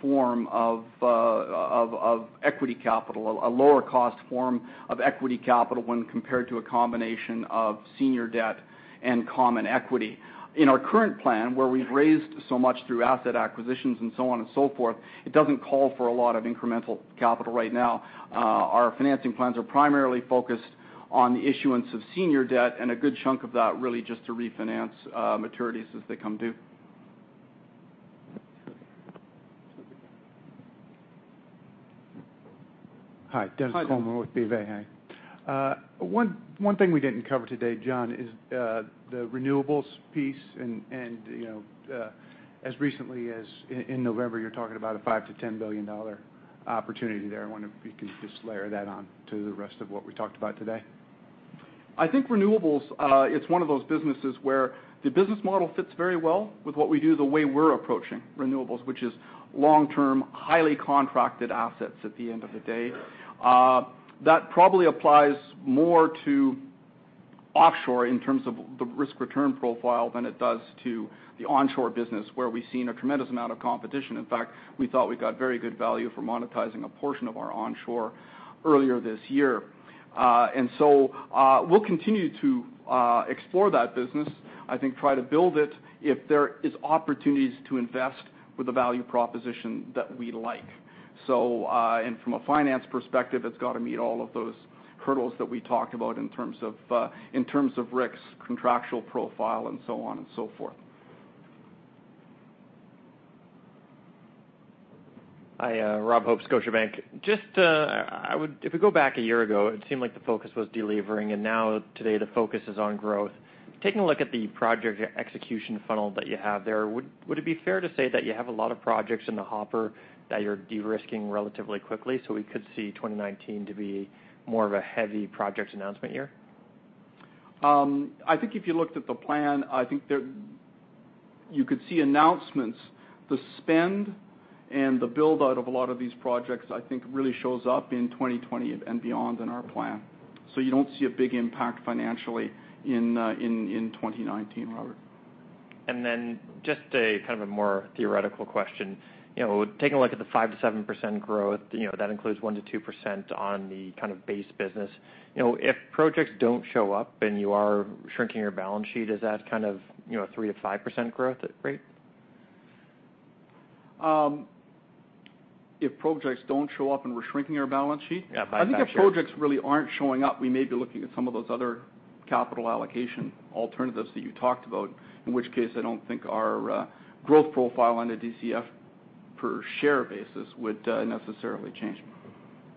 form of equity capital, a lower cost form of equity capital when compared to a combination of senior debt and common equity. In our current plan, where we've raised so much through asset acquisitions and so on and so forth, it doesn't call for a lot of incremental capital right now. Our financing plans are primarily focused on the issuance of senior debt and a good chunk of that really just to refinance maturities as they come due. Hi. Hi. Dennis Coleman with BofA. Hi. One thing we didn't cover today, John, is the renewables piece. As recently as in November, you're talking about a 5 billion-10 billion dollar opportunity there. I wonder if you could just layer that on to the rest of what we talked about today. I think renewables, it's one of those businesses where the business model fits very well with what we do, the way we're approaching renewables, which is long-term, highly contracted assets at the end of the day. That probably applies more to offshore in terms of the risk-return profile than it does to the onshore business, where we've seen a tremendous amount of competition. In fact, we thought we got very good value for monetizing a portion of our onshore earlier this year. We'll continue to explore that business, I think try to build it if there is opportunities to invest with a value proposition that we like. From a finance perspective, it's got to meet all of those hurdles that we talked about in terms of risks, contractual profile and so on and so forth. Hi, Robert Hope, Scotiabank. If we go back a year ago, it seemed like the focus was delevering, and now today the focus is on growth. Taking a look at the project execution funnel that you have there, would it be fair to say that you have a lot of projects in the hopper that you're de-risking relatively quickly, so we could see 2019 to be more of a heavy project announcement year? I think if you looked at the plan, I think you could see announcements. The spend and the build-out of a lot of these projects, I think really shows up in 2020 and beyond in our plan. You don't see a big impact financially in 2019, Robert. Just a more theoretical question. Taking a look at the 5%-7% growth, that includes 1%-2% on the base business. If projects don't show up and you are shrinking your balance sheet, is that a 3%-5% growth rate? If projects don't show up and we're shrinking our balance sheet? Yeah, by a fair share. I think if projects really aren't showing up, we may be looking at some of those other capital allocation alternatives that you talked about, in which case, I don't think our growth profile on a DCF per share basis would necessarily change.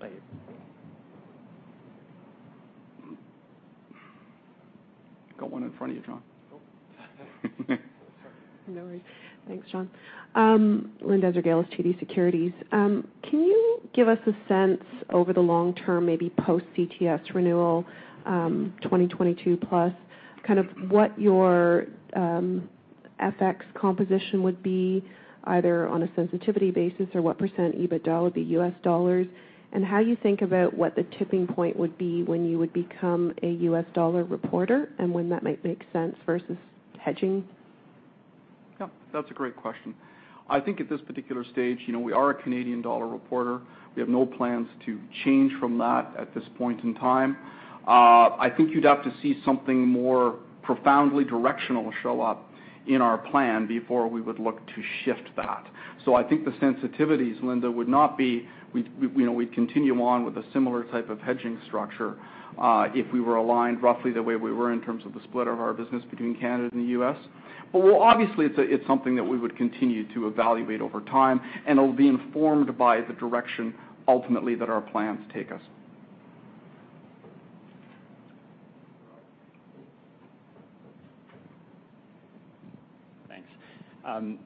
Thank you. Got one in front of you, John. Oh. Sorry. No worries. Thanks, John. Linda Ezergailis, TD Securities. Can you give us a sense over the long term, maybe post CTS renewal, 2022 plus, what your FX composition would be, either on a sensitivity basis or what % EBITDA would be U.S. dollars, and how you think about what the tipping point would be when you would become a U.S. dollar reporter, and when that might make sense versus hedging? Yeah, that's a great question. I think at this particular stage, we are a Canadian dollar reporter. We have no plans to change from that at this point in time. I think you'd have to see something more profoundly directional show up in our plan before we would look to shift that. I think the sensitivities, Linda, would not be we'd continue on with a similar type of hedging structure, if we were aligned roughly the way we were in terms of the split of our business between Canada and the U.S. Obviously, it's something that we would continue to evaluate over time, and it'll be informed by the direction ultimately that our plans take us. Thanks.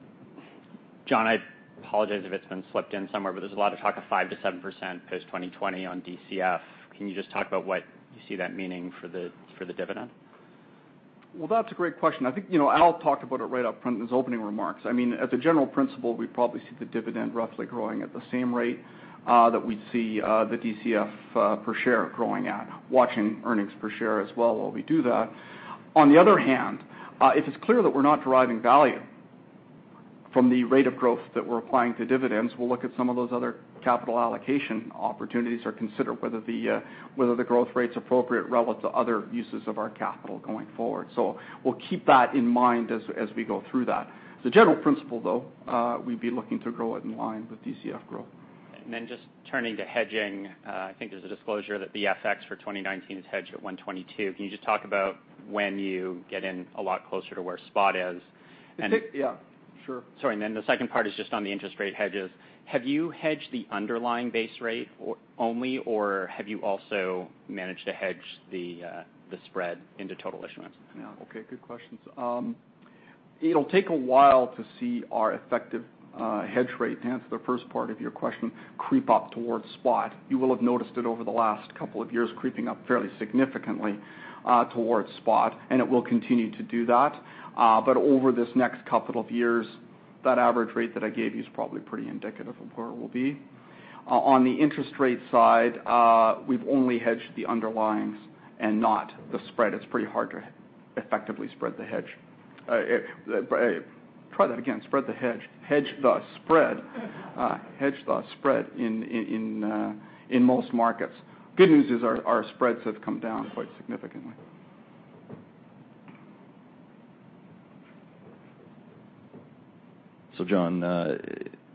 John, I apologize if it's been slipped in somewhere, there's a lot of talk of 5%-7% post-2020 on DCF. Can you just talk about what you see that meaning for the dividend? Well, that's a great question. I think Al talked about it right up front in his opening remarks. As a general principle, we probably see the dividend roughly growing at the same rate that we'd see the DCF per share growing at, watching earnings per share as well while we do that. On the other hand, if it's clear that we're not deriving value from the rate of growth that we're applying to dividends, we'll look at some of those other capital allocation opportunities or consider whether the growth rate's appropriate relative to other uses of our capital going forward. We'll keep that in mind as we go through that. As a general principle, though, we'd be looking to grow it in line with DCF growth. Just turning to hedging, I think there's a disclosure that the FX for 2019 is hedged at 122. Can you just talk about when you get in a lot closer to where spot is? Yeah, sure. The second part is just on the interest rate hedges. Have you hedged the underlying base rate only, or have you also managed to hedge the spread into total issuance? Good questions. It'll take a while to see our effective hedge rate, to answer the first part of your question, creep up towards spot. You will have noticed it over the last couple of years creeping up fairly significantly towards spot, and it will continue to do that. Over this next couple of years, that average rate that I gave you is probably pretty indicative of where it will be. On the interest rate side, we've only hedged the underlyings and not the spread. It's pretty hard to effectively spread the hedge. Try that again. Spread the hedge. Hedge the spread in most markets. Good news is our spreads have come down quite significantly. John,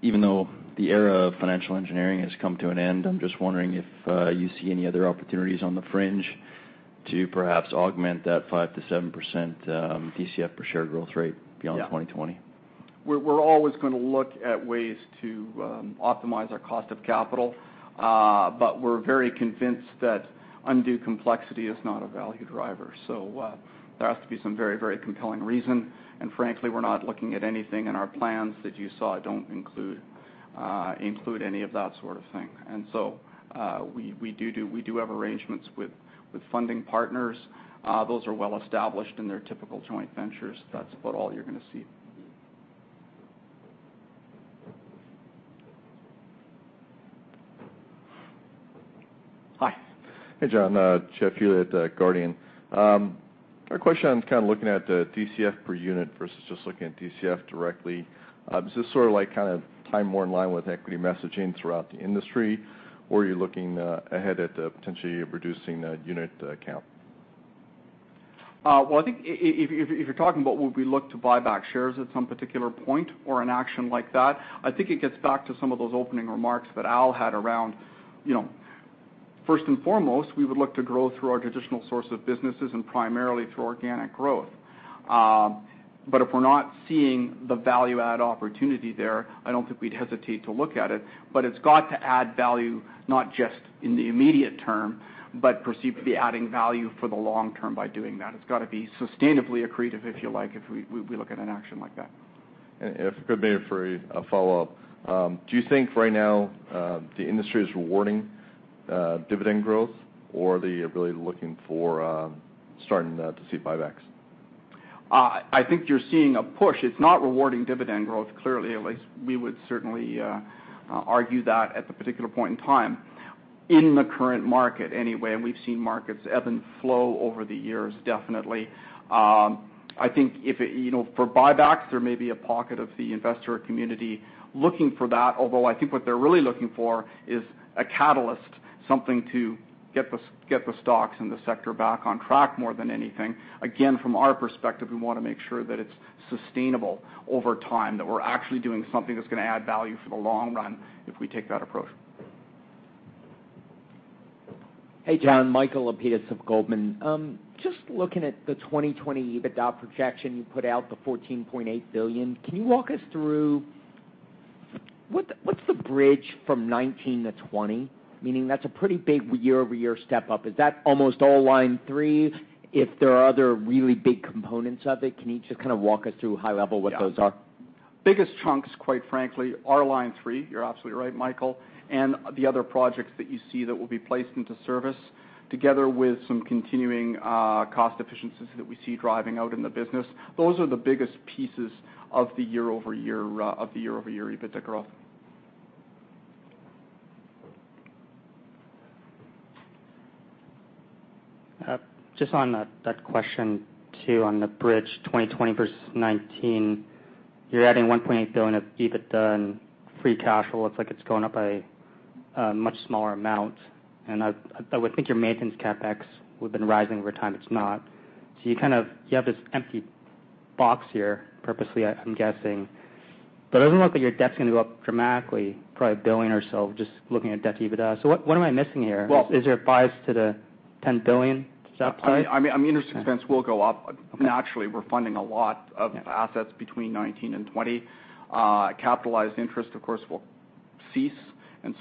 even though the era of financial engineering has come to an end, I'm just wondering if you see any other opportunities on the fringe To perhaps augment that 5%-7% DCF per share growth rate beyond 2020? Yeah. We're always going to look at ways to optimize our cost of capital. We're very convinced that undue complexity is not a value driver. There has to be some very compelling reason. Frankly, we're not looking at anything in our plans that you saw don't include any of that sort of thing. We do have arrangements with funding partners. Those are well-established in their typical joint ventures. That's about all you're going to see. Hi. Hey, John, Jeff Hewitt at Guardian. Our question is looking at the DCF per unit versus just looking at DCF directly. Is this sort of more in line with equity messaging throughout the industry, or are you looking ahead at potentially reducing the unit count? Well, I think if you're talking about would we look to buy back shares at some particular point or an action like that, I think it gets back to some of those opening remarks that Al had. First and foremost, we would look to grow through our traditional source of businesses and primarily through organic growth. If we're not seeing the value-add opportunity there, I don't think we'd hesitate to look at it, but it's got to add value, not just in the immediate term, but perceived to be adding value for the long term by doing that. It's got to be sustainably accretive, if you like, if we look at an action like that. If it could be for a follow-up, do you think right now, the industry is rewarding dividend growth, or are they really looking for starting to see buybacks? I think you're seeing a push. It's not rewarding dividend growth, clearly, at least we would certainly argue that at the particular point in time in the current market anyway, and we've seen markets ebb and flow over the years, definitely. I think for buybacks, there may be a pocket of the investor community looking for that, although I think what they're really looking for is a catalyst, something to get the stocks in the sector back on track more than anything. From our perspective, we want to make sure that it's sustainable over time, that we're actually doing something that's going to add value for the long run if we take that approach. Hey, John. Michael Lapides of Goldman Sachs. Just looking at the 2020 EBITDA projection, you put out the 14.8 billion. Can you walk us through what's the bridge from 2019 to 2020? Meaning, that's a pretty big year-over-year step-up. Is that almost all Line 3? If there are other really big components of it, can you just walk us through high level what those are? Yeah. Biggest chunks, quite frankly, are Line 3. You're absolutely right, Michael. The other projects that you see that will be placed into service, together with some continuing cost efficiencies that we see driving out in the business. Those are the biggest pieces of the year-over-year EBITDA growth. Just on that question, too, on the bridge, 2020 versus 2019. You're adding 1.8 billion of EBITDA and free cash flow. It's like it's going up a much smaller amount. I would think your maintenance CapEx would've been rising over time. It's not. You have this empty box here purposely, I'm guessing. It doesn't look like your debt's going to go up dramatically, probably 1 billion or so, just looking at debt-to-EBITDA. What am I missing here? Well- Is there a bias to the 10 billion, is that part? I mean, interest expense will go up. Okay. Naturally, we're funding a lot of. Yeah assets between 2019 and 2020. Capitalized interest, of course, will cease,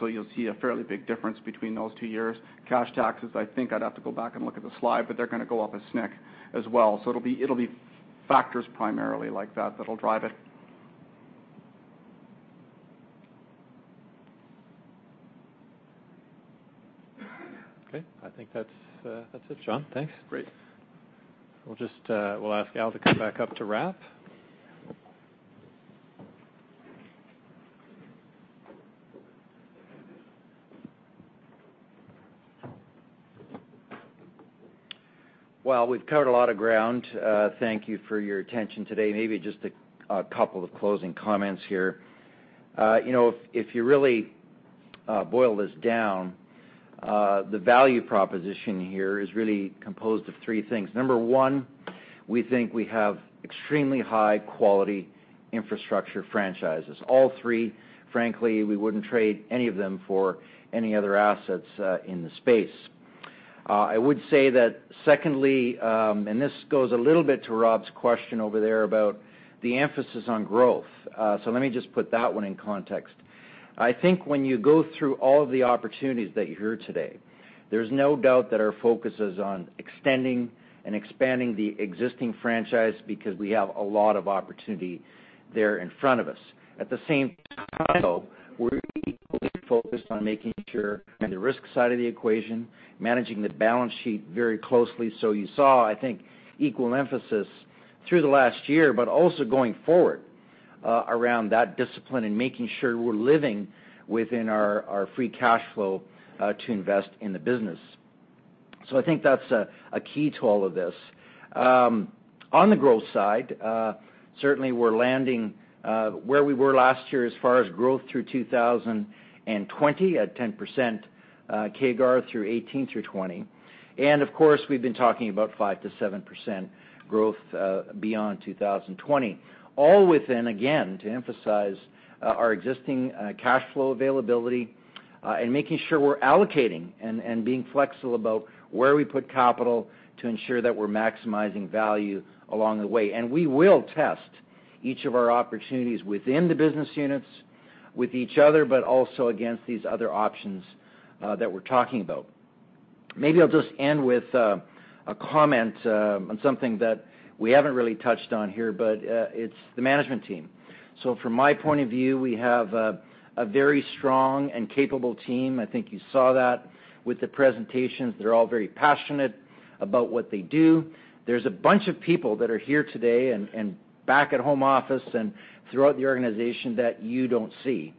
you'll see a fairly big difference between those two years. Cash taxes, I think I'd have to go back and look at the slide, they're going to go up a snick as well. It'll be factors primarily like that that'll drive it. Okay. I think that's it, John. Thanks. Great. We'll ask Al to come back up to wrap. Well, we've covered a lot of ground. Thank you for your attention today. Maybe just a couple of closing comments here. If you really boil this down, the value proposition here is really composed of three things. Number 1, we think we have extremely high-quality infrastructure franchises. All three, frankly, we wouldn't trade any of them for any other assets in the space. I would say that secondly, and this goes a little bit to Rob's question over there about the emphasis on growth. Let me just put that one in context. I think when you go through all of the opportunities that you hear today, there's no doubt that our focus is on extending and expanding the existing franchise because we have a lot of opportunity there in front of us. At the same time, though, we're equally focused on making sure on the risk side of the equation, managing the balance sheet very closely. You saw, I think, equal emphasis through the last year, but also going forward, around that discipline and making sure we're living within our free cash flow to invest in the business. I think that's a key to all of this. On the growth side, certainly we're landing where we were last year as far as growth through 2020 at 10% CAGR through 2018 through 2020. Of course, we've been talking about 5%-7% growth beyond 2020. All within, again, to emphasize our existing cash flow availability, and making sure we're allocating and being flexible about where we put capital to ensure that we're maximizing value along the way. We will test each of our opportunities within the business units with each other, but also against these other options that we're talking about. Maybe I'll just end with a comment on something that we haven't really touched on here, but it's the management team. From my point of view, we have a very strong and capable team. I think you saw that with the presentations. They're all very passionate about what they do. There's a bunch of people that are here today and back at home office and throughout the organization that you don't see,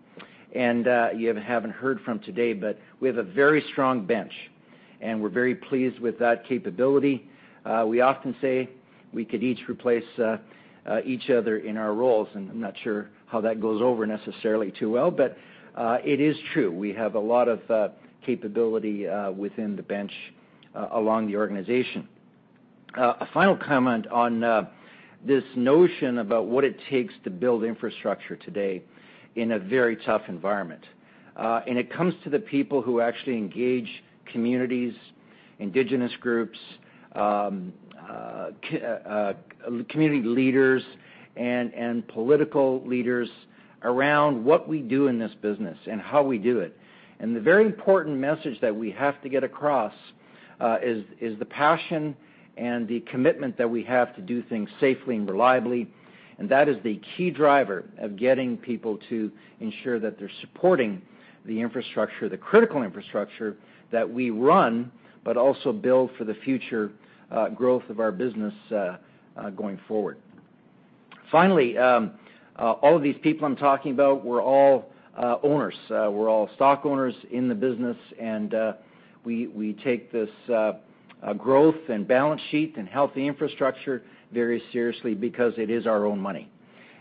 and you haven't heard from today, but we have a very strong bench and we're very pleased with that capability. We often say we could each replace each other in our roles, and I'm not sure how that goes over necessarily too well, but it is true. We have a lot of capability within the bench along the organization. A final comment on this notion about what it takes to build infrastructure today in a very tough environment. It comes to the people who actually engage communities, indigenous groups, community leaders, and political leaders around what we do in this business and how we do it. The very important message that we have to get across is the passion and the commitment that we have to do things safely and reliably. That is the key driver of getting people to ensure that they're supporting the infrastructure, the critical infrastructure that we run, but also build for the future growth of our business going forward. Finally, all of these people I'm talking about, we're all owners. We're all stock owners in the business, and we take this growth and balance sheet and healthy infrastructure very seriously because it is our own money,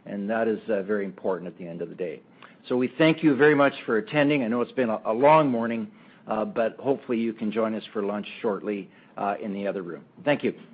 and that is very important at the end of the day. We thank you very much for attending. I know it's been a long morning, but hopefully, you can join us for lunch shortly in the other room. Thank you.